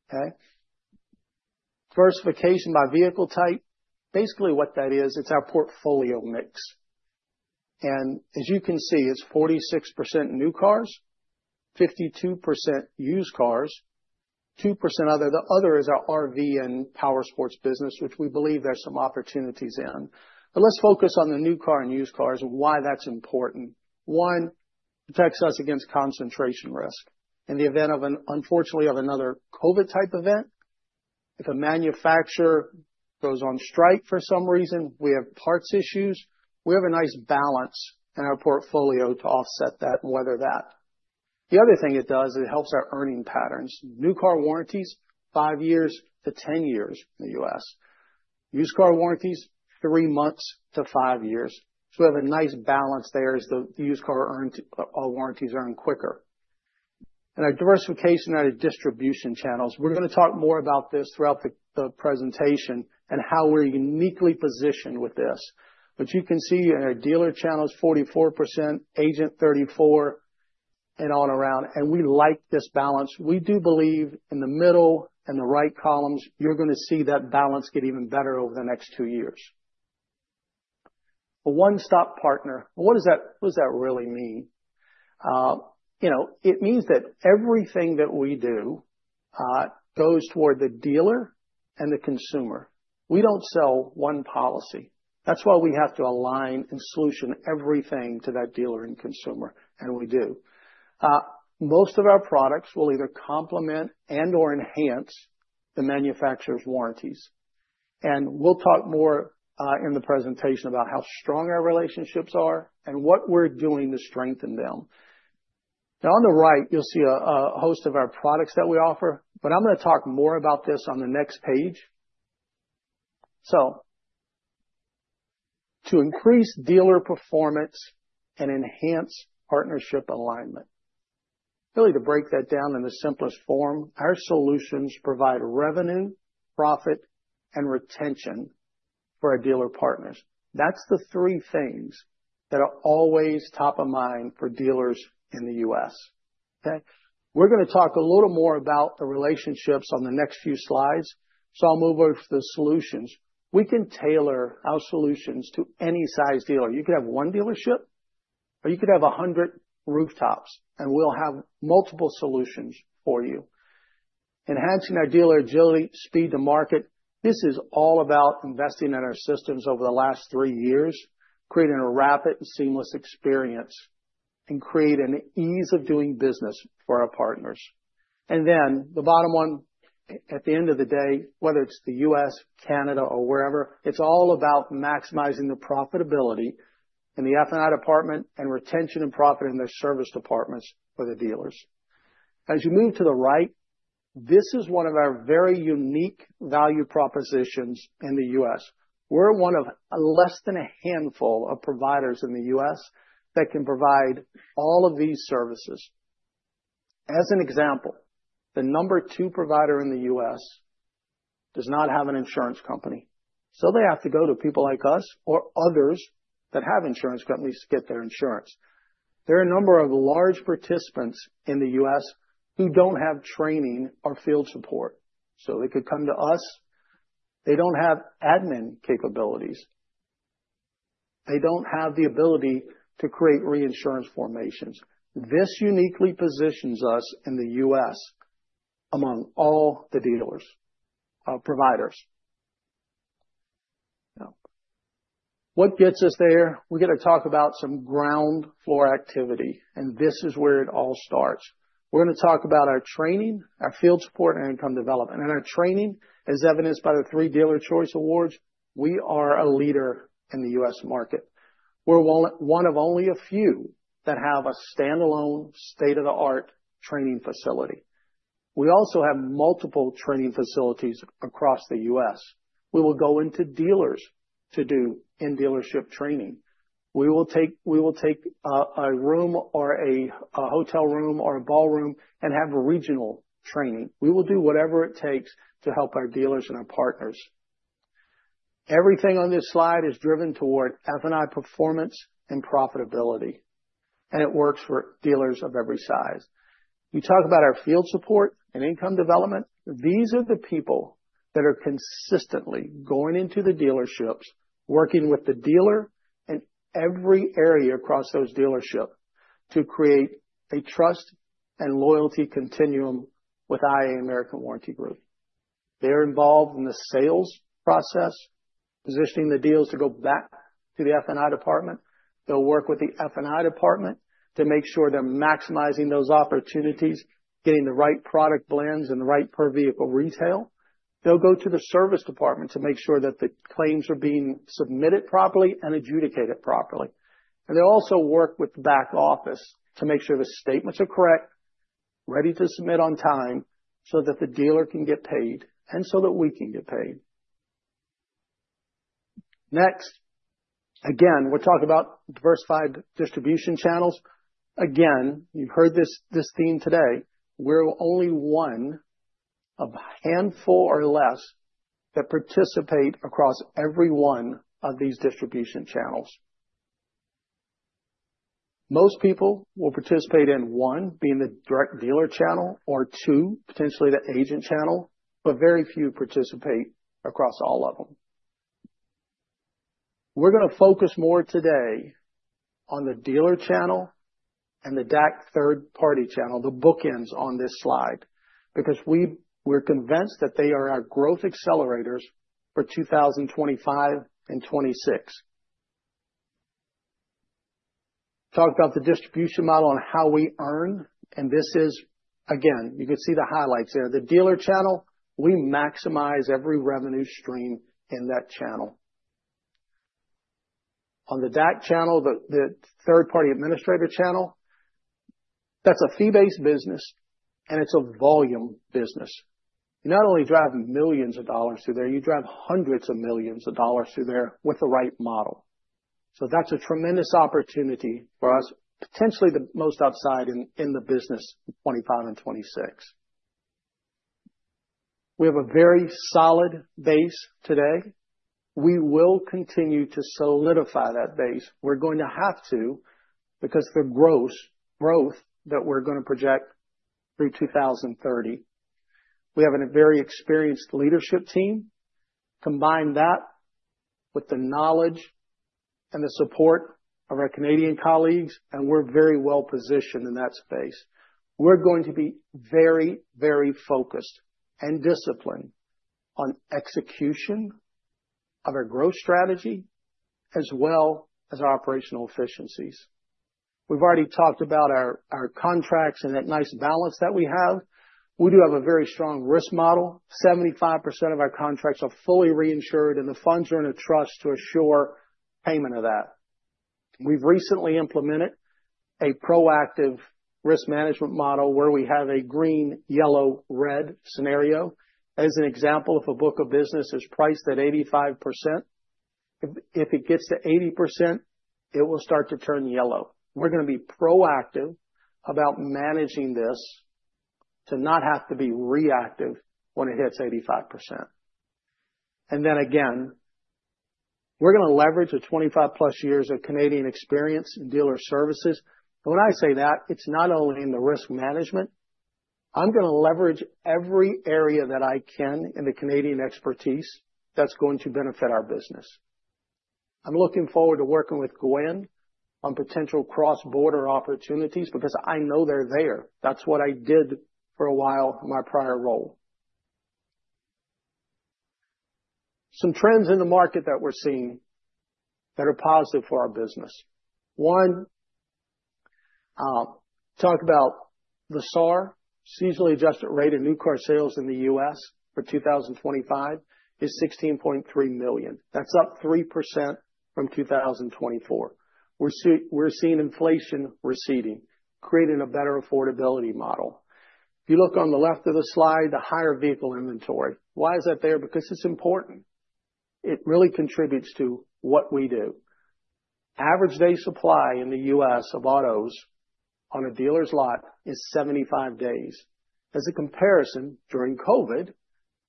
Okay? Diversification by vehicle type. Basically, what that is, it's our portfolio mix. And as you can see, it's 46% new cars, 52% used cars, 2% other. The other is our RV and power sports business, which we believe there's some opportunities in. But let's focus on the new car and used cars and why that's important. One, it protects us against concentration risk. In the event of, unfortunately, another COVID-type event, if a manufacturer goes on strike for some reason, we have parts issues. We have a nice balance in our portfolio to offset that and weather that. The other thing it does is it helps our earning patterns. New car warranties, five to 10 years in the U.S. Used car warranties, three months to five years. So we have a nice balance there as the used car warranties are earned quicker. And our diversification out of distribution channels. We're going to talk more about this throughout the presentation and how we're uniquely positioned with this. But you can see in our dealer channels, 44%, agent 34%, and on around. And we like this balance. We do believe in the middle and the right columns, you're going to see that balance get even better over the next two years. A one-stop partner. What does that really mean? You know, it means that everything that we do goes toward the dealer and the consumer. We don't sell one policy. That's why we have to align and solution everything to that dealer and consumer, and we do. Most of our products will either complement and/or enhance the manufacturer's warranties. And we'll talk more in the presentation about how strong our relationships are and what we're doing to strengthen them. Now, on the right, you'll see a host of our products that we offer, but I'm going to talk more about this on the next page, so to increase dealer performance and enhance partnership alignment, really to break that down in the simplest form, our solutions provide revenue, profit, and retention for our dealer partners. That's the three things that are always top of mind for dealers in the U.S. Okay? We're going to talk a little more about the relationships on the next few slides, so I'll move over to the solutions. We can tailor our solutions to any size dealer. You could have one dealership, or you could have 100 rooftops, and we'll have multiple solutions for you. Enhancing our dealer agility, speed to market, this is all about investing in our systems over the last three years, creating a rapid and seamless experience, and creating an ease of doing business for our partners, and then the bottom one, at the end of the day, whether it's the U.S., Canada, or wherever, it's all about maximizing the profitability in the F&I department and retention and profit in their service departments for the dealers. As you move to the right, this is one of our very unique value propositions in the U.S.. We're one of less than a handful of providers in the U.S. that can provide all of these services. As an example, the number two provider in the U.S. does not have an insurance company, so they have to go to people like us or others that have insurance companies to get their insurance. There are a number of large participants in the U.S. who don't have training or field support, so they could come to us. They don't have admin capabilities. They don't have the ability to create reinsurance formations. This uniquely positions us in the U.S. among all the Dealer Services providers. Now, what gets us there? We're going to talk about some ground floor activity, and this is where it all starts. We're going to talk about our training, our field support, and income development. And our training, as evidenced by the three Dealers' Choice Awards, we are a leader in the U.S. market. We're one of only a few that have a standalone state-of-the-art training facility. We also have multiple training facilities across the U.S. We will go into dealers to do in-dealership training. We will take a room or a hotel room or a ballroom and have regional training. We will do whatever it takes to help our dealers and our partners. Everything on this slide is driven toward F&I performance and profitability, and it works for dealers of every size. We talk about our field support and income development. These are the people that are consistently going into the dealerships, working with the dealer in every area across those dealerships to create a trust and loyalty continuum with iA American Warranty Group. They're involved in the sales process, positioning the deals to go back to the F&I department. They'll work with the F&I department to make sure they're maximizing those opportunities, getting the right product blends and the right per vehicle retail. They'll go to the service department to make sure that the claims are being submitted properly and adjudicated properly. And they also work with the back office to make sure the statements are correct, ready to submit on time so that the dealer can get paid and so that we can get paid. Next, again, we'll talk about diversified distribution channels. Again, you've heard this theme today. We're only one of a handful or less that participate across every one of these distribution channels. Most people will participate in one being the direct dealer channel or two, potentially the agent channel, but very few participate across all of them. We're going to focus more today on the dealer channel and the DAC third-party channel, the bookends on this slide, because we're convinced that they are our growth accelerators for 2025 and 2026. Talk about the distribution model and how we earn, and this is, again, you can see the highlights there. The dealer channel, we maximize every revenue stream in that channel. On the DAC channel, the third-party administrator channel, that's a fee-based business, and it's a volume business. You not only drive millions of dollars through there, you drive 100s of millions of dollars through there with the right model. So that's a tremendous opportunity for us, potentially the most upside in the business in 2025 and 2026. We have a very solid base today. We will continue to solidify that base. We're going to have to because the growth that we're going to project through 2030. We have a very experienced leadership team. Combine that with the knowledge and the support of our Canadian colleagues, and we're very well positioned in that space. We're going to be very, very focused and disciplined on execution of our growth strategy as well as our operational efficiencies. We've already talked about our contracts and that nice balance that we have. We do have a very strong risk model. 75% of our contracts are fully reinsured, and the funds are in a trust to assure payment of that. We've recently implemented a proactive risk management model where we have a green, yellow, red scenario. As an example, if a book of business is priced at 85%, if it gets to 80%, it will start to turn yellow. We're going to be proactive about managing this to not have to be reactive when it hits 85%. And then again, we're going to leverage the 25+ years of Canadian experience in Dealer Services. And when I say that, it's not only in the risk management. I'm going to leverage every area that I can in the Canadian expertise that's going to benefit our business. I'm looking forward to working with Gwen on potential cross-border opportunities because I know they're there. That's what I did for a while in my prior role. Some trends in the market that we're seeing that are positive for our business. One, talk about the SAAR, Seasonally Adjusted Rate of New Car Sales in the U.S. for 2025 is 16.3 million. That's up 3% from 2024. We're seeing inflation receding, creating a better affordability model. If you look on the left of the slide, the higher vehicle inventory. Why is that there? Because it's important. It really contributes to what we do. Average day supply in the U.S. of autos on a dealer's lot is 75 days. As a comparison, during COVID,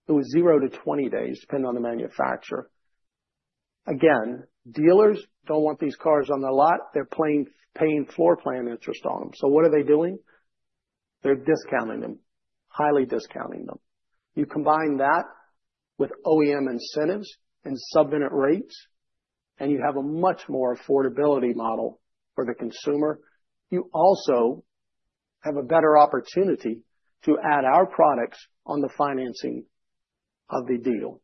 it was zero to 20 days, depending on the manufacturer. Again, dealers don't want these cars on their lot. They're paying floor plan interest on them. So what are they doing? They're discounting them, highly discounting them. You combine that with OEM incentives and sub-unit rates, and you have a much more affordability model for the consumer. You also have a better opportunity to add our products on the financing of the deal.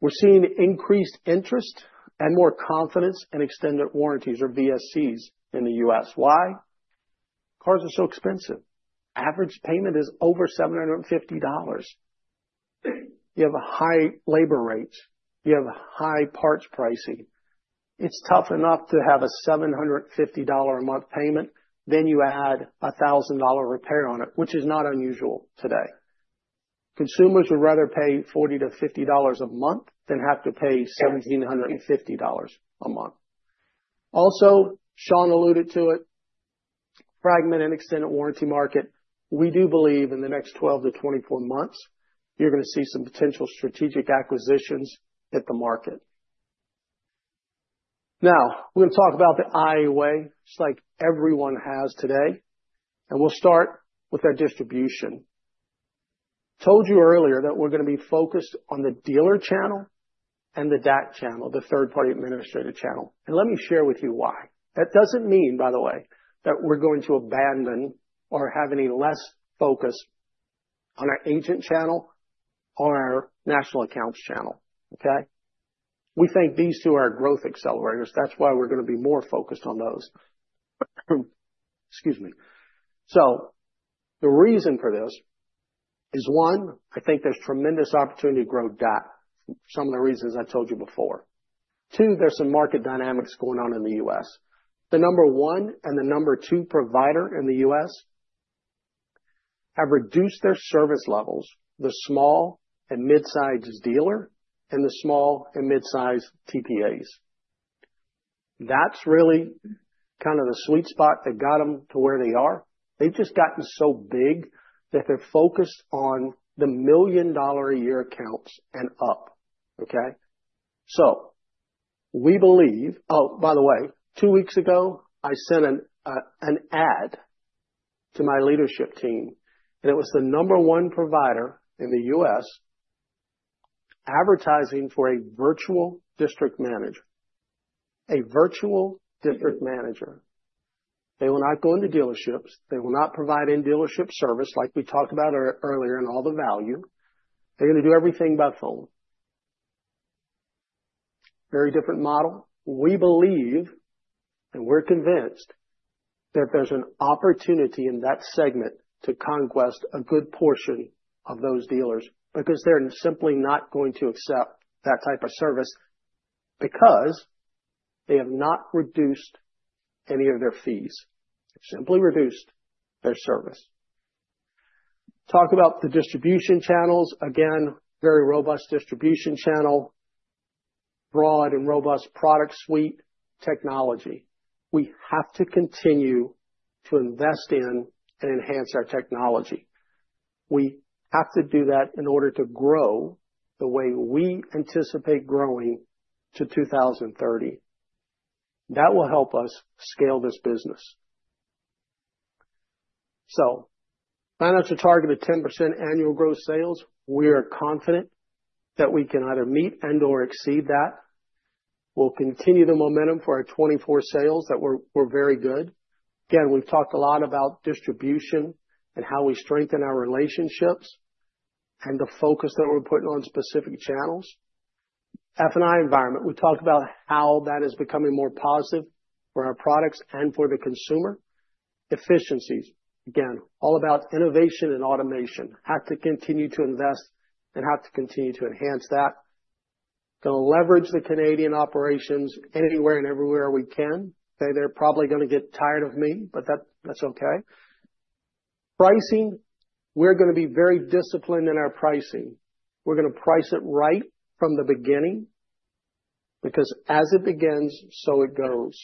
We're seeing increased interest and more confidence in extended warranties or VSCs in the U.S. Why? Cars are so expensive. Average payment is over $750. You have a high labor rate. You have high parts pricing. It's tough enough to have a $750 a month payment. Then you add a $1,000 repair on it, which is not unusual today. Consumers would rather pay $40-$50 a month than have to pay $1,750 a month. Also, Sean alluded to it, fragmented and extended warranty market. We do believe in the next 12-24 months, you're going to see some potential strategic acquisitions hit the market. Now, we're going to talk about the iA Way, just like everyone has today. We'll start with our distribution. Told you earlier that we're going to be focused on the dealer channel and the DAC channel, the third-party administrator channel. Let me share with you why. That doesn't mean, by the way, that we're going to abandon or have any less focus on our agent channel or our national accounts channel. Okay? We think these two are growth accelerators. That's why we're going to be more focused on those. Excuse me. So the reason for this is, one, I think there's tremendous opportunity to grow DAC, some of the reasons I told you before. Two, there's some market dynamics going on in the U.S. The number one and the number two provider in the U.S. have reduced their service levels, the small and midsize dealer and the small and midsize TPAs. That's really kind of the sweet spot that got them to where they are. They've just gotten so big that they're focused on the million-dollar-a-year accounts and up. Okay? So we believe, oh, by the way, two weeks ago, I sent an ad to my leadership team, and it was the number one provider in the U.S. advertising for a virtual district manager, a virtual district manager. They will not go into dealerships. They will not provide in-dealership service like we talked about earlier and all the value. They're going to do everything by phone. Very different model. We believe, and we're convinced, that there's an opportunity in that segment to conquest a good portion of those dealers because they're simply not going to accept that type of service because they have not reduced any of their fees. They've simply reduced their service. Talk about the distribution channels. Again, very robust distribution channel, broad and robust product suite technology. We have to continue to invest in and enhance our technology. We have to do that in order to grow the way we anticipate growing to 2030. That will help us scale this business. So planning to target a 10% annual gross sales. We are confident that we can either meet and/or exceed that. We'll continue the momentum for our 2024 sales that were very good. Again, we've talked a lot about distribution and how we strengthen our relationships and the focus that we're putting on specific channels. F&I environment, we talked about how that is becoming more positive for our products and for the consumer. Efficiencies, again, all about innovation and automation. Have to continue to invest and have to continue to enhance that. Going to leverage the Canadian operations anywhere and everywhere we can. They're probably going to get tired of me, but that's okay. Pricing, we're going to be very disciplined in our pricing. We're going to price it right from the beginning because as it begins, so it goes.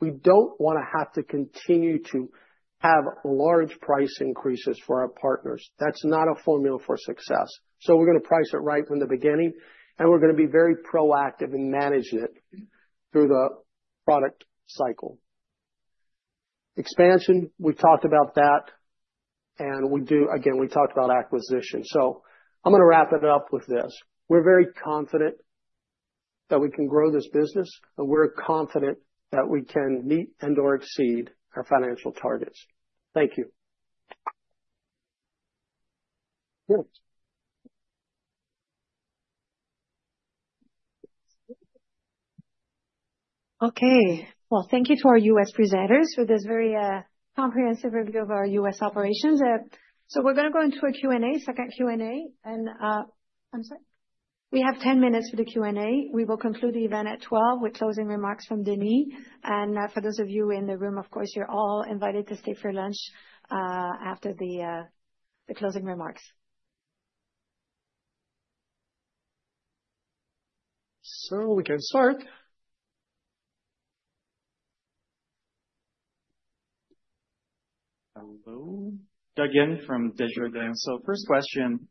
We don't want to have to continue to have large price increases for our partners. That's not a formula for success. So we're going to price it right from the beginning, and we're going to be very proactive in managing it through the product cycle. Expansion, we talked about that, and we do, again, we talked about acquisition. So I'm going to wrap it up with this. We're very confident that we can grow this business, and we're confident that we can meet and/or exceed our financial targets. Thank you. Okay. Well, thank you to our U.S. presenters for this very comprehensive review of our U.S. operations. So we're going to go into a Q&A, second Q&A, and I'm sorry. We have 10 minutes for the Q&A. We will conclude the event at 12:00 P.M. with closing remarks from Denis. And for those of you in the room, of course, you're all invited to stay for lunch after the closing remarks. So we can start. Hello. Doug from Desjardins. So first question.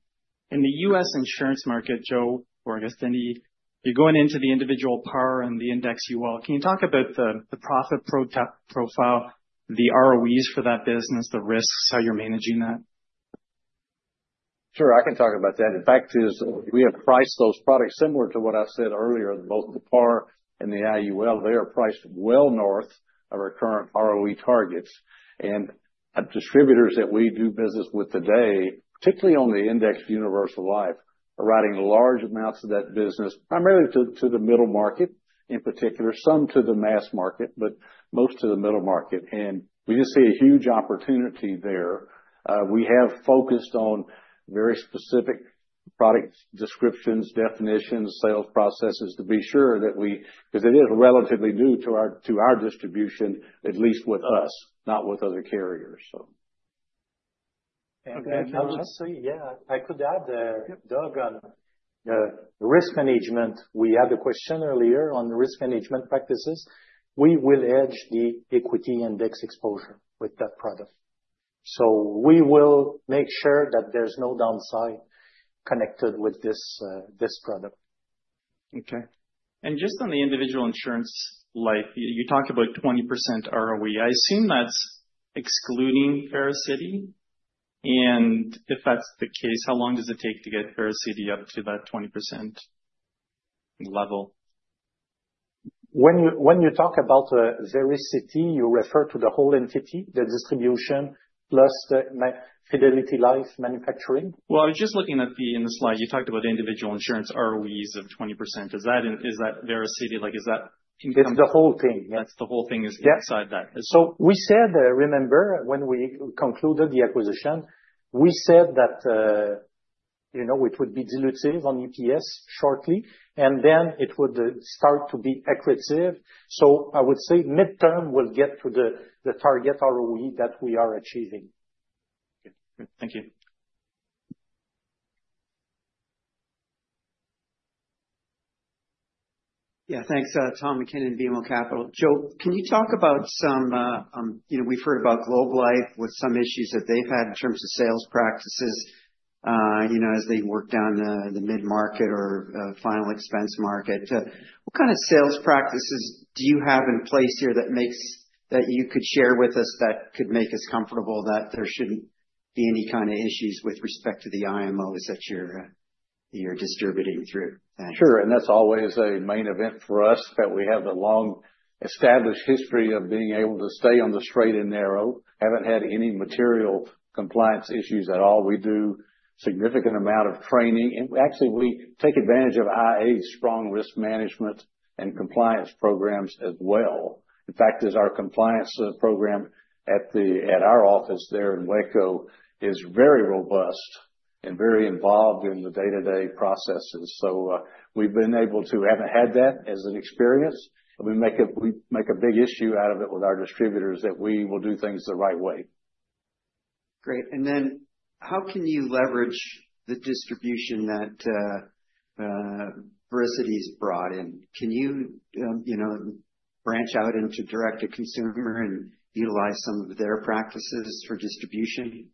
In the U.S. insurance market, Joe, or I guess Denis, you're going into the individual par and the index UL. Can you talk about the profit profile, the ROEs for that business, the risks, how you're managing that? Sure. I can talk about that. In fact, we have priced those products similar to what I said earlier, both the par and the IUL. They are priced well north of our current ROE targets. And distributors that we do business with today, particularly on the index universal life, are writing large amounts of that business, primarily to the middle market in particular, some to the mass market, but most to the middle market. And we just see a huge opportunity there. We have focused on very specific product descriptions, definitions, sales processes to be sure that we, because it is relatively new to our distribution, at least with us, not with other carriers. Thank you. Let's see. Yeah. I could add, Doug, on the risk management. We had a question earlier on risk management practices. We will hedge the equity index exposure with that product. So we will make sure that there's no downside connected with this product. Okay. And just on the individual insurance life, you talked about 20% ROE. I assume that's excluding Vericity. And if that's the case, how long does it take to get Vericity up to that 20% level? When you talk about Vericity, you refer to the whole entity, the distribution plus the Fidelity Life manufacturing? Well, I was just looking at the slide. You talked about individual insurance ROEs of 20%. Is that Vericity? Is that income? It's the whole thing. That's the whole thing is inside that. So we said, remember, when we concluded the acquisition, we said that it would be dilutive on EPS shortly, and then it would start to be accretive. So I would say midterm we'll get to the target ROE that we are achieving. Thank you. Yeah. Thanks, Tom MacKinnon, BMO Capital. Joe, can you talk about some we've heard about Globe Life with some issues that they've had in terms of sales practices as they work down the mid-market or final expense market. What kind of sales practices do you have in place here that you could share with us that could make us comfortable that there shouldn't be any kind of issues with respect to the IMOs that you're distributing through? Sure. And that's always a main event for us that we have a long established history of being able to stay on the straight and narrow. Haven't had any material compliance issues at all. We do a significant amount of training. And actually, we take advantage of iA's strong risk management and compliance programs as well. In fact, our compliance program at our office there in Waco is very robust and very involved in the day-to-day processes. So we've been able to. Haven't had that as an experience. We make a big issue out of it with our distributors that we will do things the right way. Great. And then how can you leverage the distribution that Vericity's brought in? Can you branch out into direct-to-consumer and utilize some of their practices for distribution?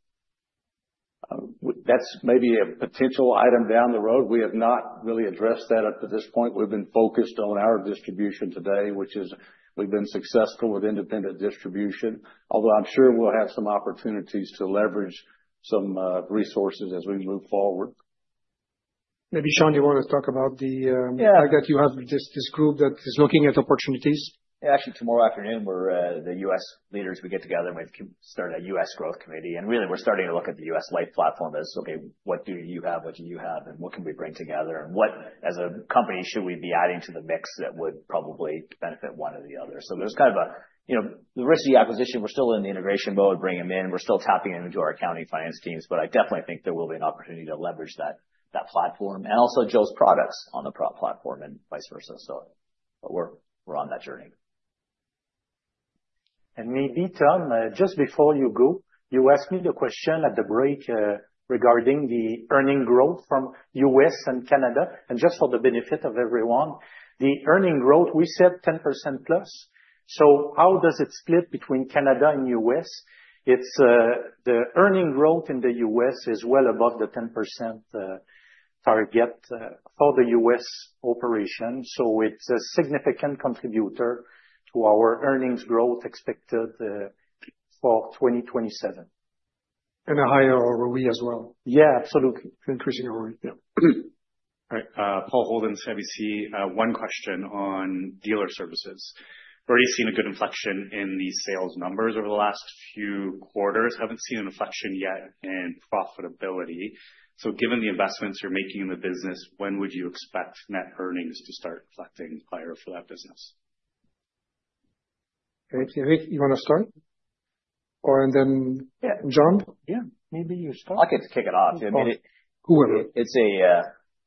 That's maybe a potential item down the road. We have not really addressed that up to this point. We've been focused on our distribution today, which is we've been successful with independent distribution, although I'm sure we'll have some opportunities to leverage some resources as we move forward. Maybe Sean, do you want to talk about the fact that you have this group that is looking at opportunities? Actually, tomorrow afternoon, the U.S. leaders we get together with start a U.S. growth committee. And really, we're starting to look at the U.S. Life platform as, okay, what do you have? What do you have? And what can we bring together? And what, as a company, should we be adding to the mix that would probably benefit one or the other? So there's kind of a the Vericity acquisition, we're still in the integration mode, bringing them in. We're still tapping into our accounting finance teams, but I definitely think there will be an opportunity to leverage that platform and also Joe's products on the platform and vice versa. So we're on that journey. And maybe, Tom, just before you go, you asked me the question at the break regarding the earnings growth from U.S. and Canada. And just for the benefit of everyone, the earnings growth, we said 10% plus. So how does it split between Canada and U.S.? The earnings growth in the U.S. is well above the 10% target for the U.S. operation. So it's a significant contributor to our earnings growth expected for 2027. And a higher ROE as well. Yeah, absolutely. Increasing ROE. Yeah. All right. Paul Holden, CIBC, one question on Dealer Services. We've already seen a good inflection in the sales numbers over the last few quarters. Haven't seen an inflection yet in profitability. So given the investments you're making in the business, when would you expect net earnings to start reflecting higher for that business? Great, Éric, you want to start? Or then John? Yeah, maybe you start. I'll get to kick it off. Whoever it is.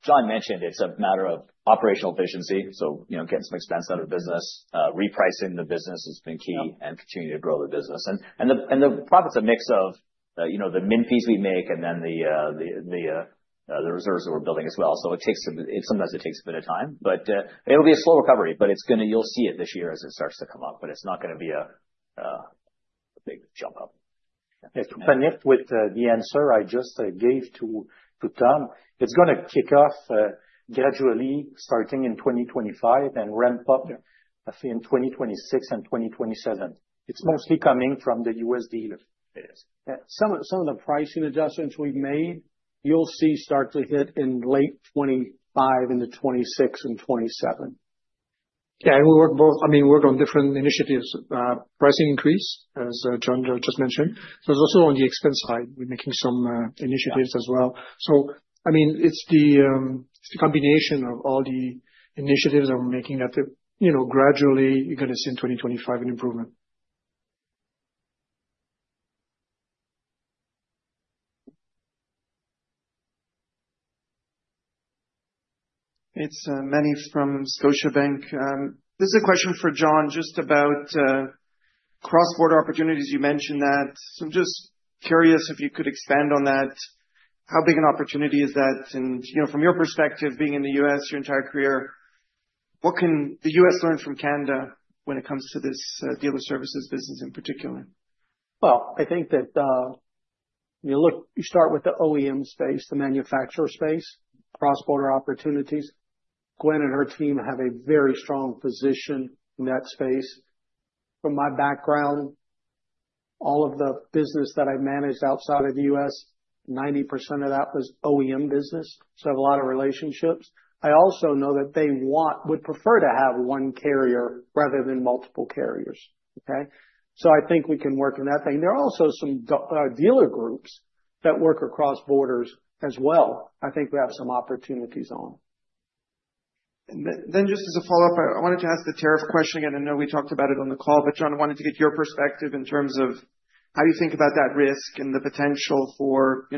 John mentioned it's a matter of operational efficiency. So getting some expense out of the business, repricing the business has been key and continuing to grow the business. And the profit's a mix of the premium fees we make and then the reserves that we're building as well. So it takes a bit of time sometimes. But it'll be a slow recovery, but you'll see it this year as it starts to come up. But it's not going to be a big jump up. It's connected with the answer I just gave to Tom. It's going to kick off gradually starting in 2025 and ramp up in 2026 and 2027. It's mostly coming from the U.S. Dealer. Some of the pricing adjustments we've made, you'll see start to hit in late 2025 into 2026 and 2027. Yeah, and we work both, I mean, work on different initiatives. Pricing increase, as John just mentioned. There's also on the expense side, we're making some initiatives as well. So I mean, it's the combination of all the initiatives that we're making that gradually you're going to see in 2025 an improvement. It's Meny from Scotiabank. This is a question for John just about cross-border opportunities. You mentioned that. So I'm just curious if you could expand on that. How big an opportunity is that? From your perspective, being in the U.S. your entire career, what can the U.S. learn from Canada when it comes to this Dealer Services business in particular? I think that you start with the OEM space, the manufacturer space, cross-border opportunities. Gwen and her team have a very strong position in that space. From my background, all of the business that I've managed outside of the U.S., 90% of that was OEM business. So I have a lot of relationships. I also know that they would prefer to have one carrier rather than multiple carriers. Okay? So I think we can work in that thing. There are also some dealer groups that work across borders as well. I think we have some opportunities on. Just as a follow-up, I wanted to ask the tariff question again. I know we talked about it on the call, but John, I wanted to get your perspective in terms of how you think about that risk and the potential for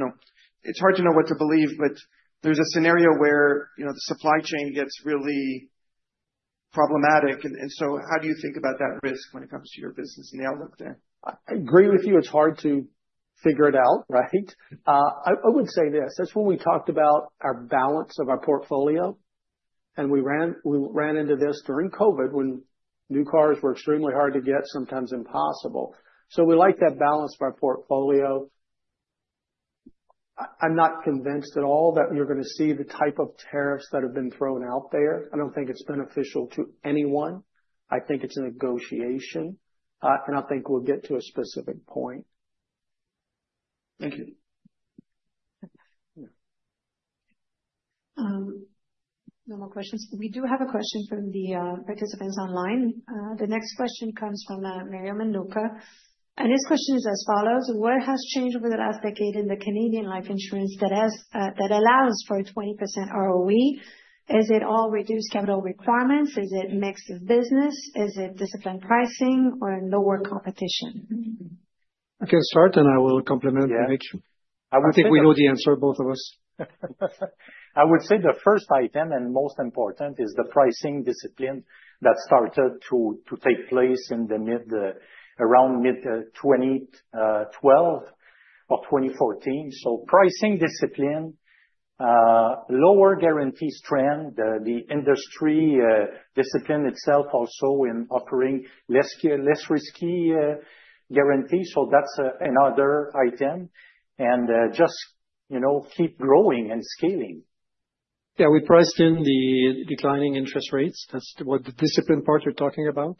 it's hard to know what to believe, but there's a scenario where the supply chain gets really problematic, and so how do you think about that risk when it comes to your business and the outlook there? I agree with you. It's hard to figure it out, right? I would say this. That's when we talked about our balance of our portfolio. And we ran into this during COVID when new cars were extremely hard to get, sometimes impossible. So we like that balance of our portfolio. I'm not convinced at all that you're going to see the type of tariffs that have been thrown out there. I don't think it's beneficial to anyone. I think it's a negotiation. And I think we'll get to a specific point. Thank you. No more questions. We do have a question from the participants online. The next question comes from Mario Mendonca. And his question is as follows. What has changed over the last decade in the Canadian life insurance that allows for a 20% ROE? Is it all reduced capital requirements? Is it mixed business? Is it disciplined pricing or lower competition? I can start, and I will complement Éric. I would think we know the answer, both of us. I would say the first item and most important is the pricing discipline that started to take place around mid-2012 or 2014. So pricing discipline, lower guarantees trend, the industry discipline itself also in offering less risky guarantees. So that's another item. And just keep growing and scaling. Yeah, we priced in the declining interest rates. That's what the discipline part you're talking about.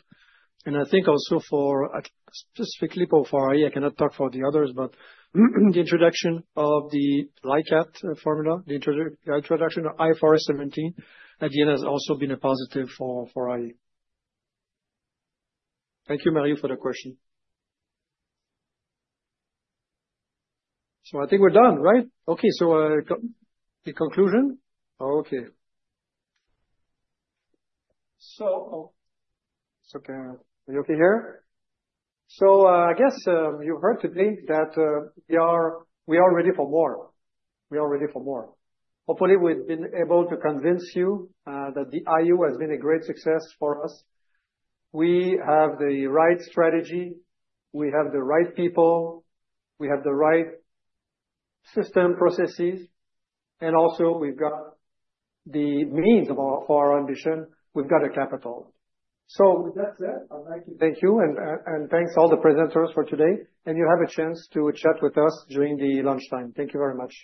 And I think also for specifically both for IE, I cannot talk for the others, but the introduction of the LICAT formula, the introduction of IFRS 17 at the end has also been a positive for IE. Thank you, Mario, for the question. So I think we're done, right? Okay. So the conclusion? Okay. So are you okay here? So I guess you've heard today that we are ready for more. We are ready for more. Hopefully, we've been able to convince you that the IU has been a great success for us. We have the right strategy. We have the right people. We have the right system processes. And also, we've got the means for our ambition. We've got the capital. So with that said, I'd like to thank you. And thanks to all the presenters for today. You have a chance to chat with us during the lunchtime. Thank you very much.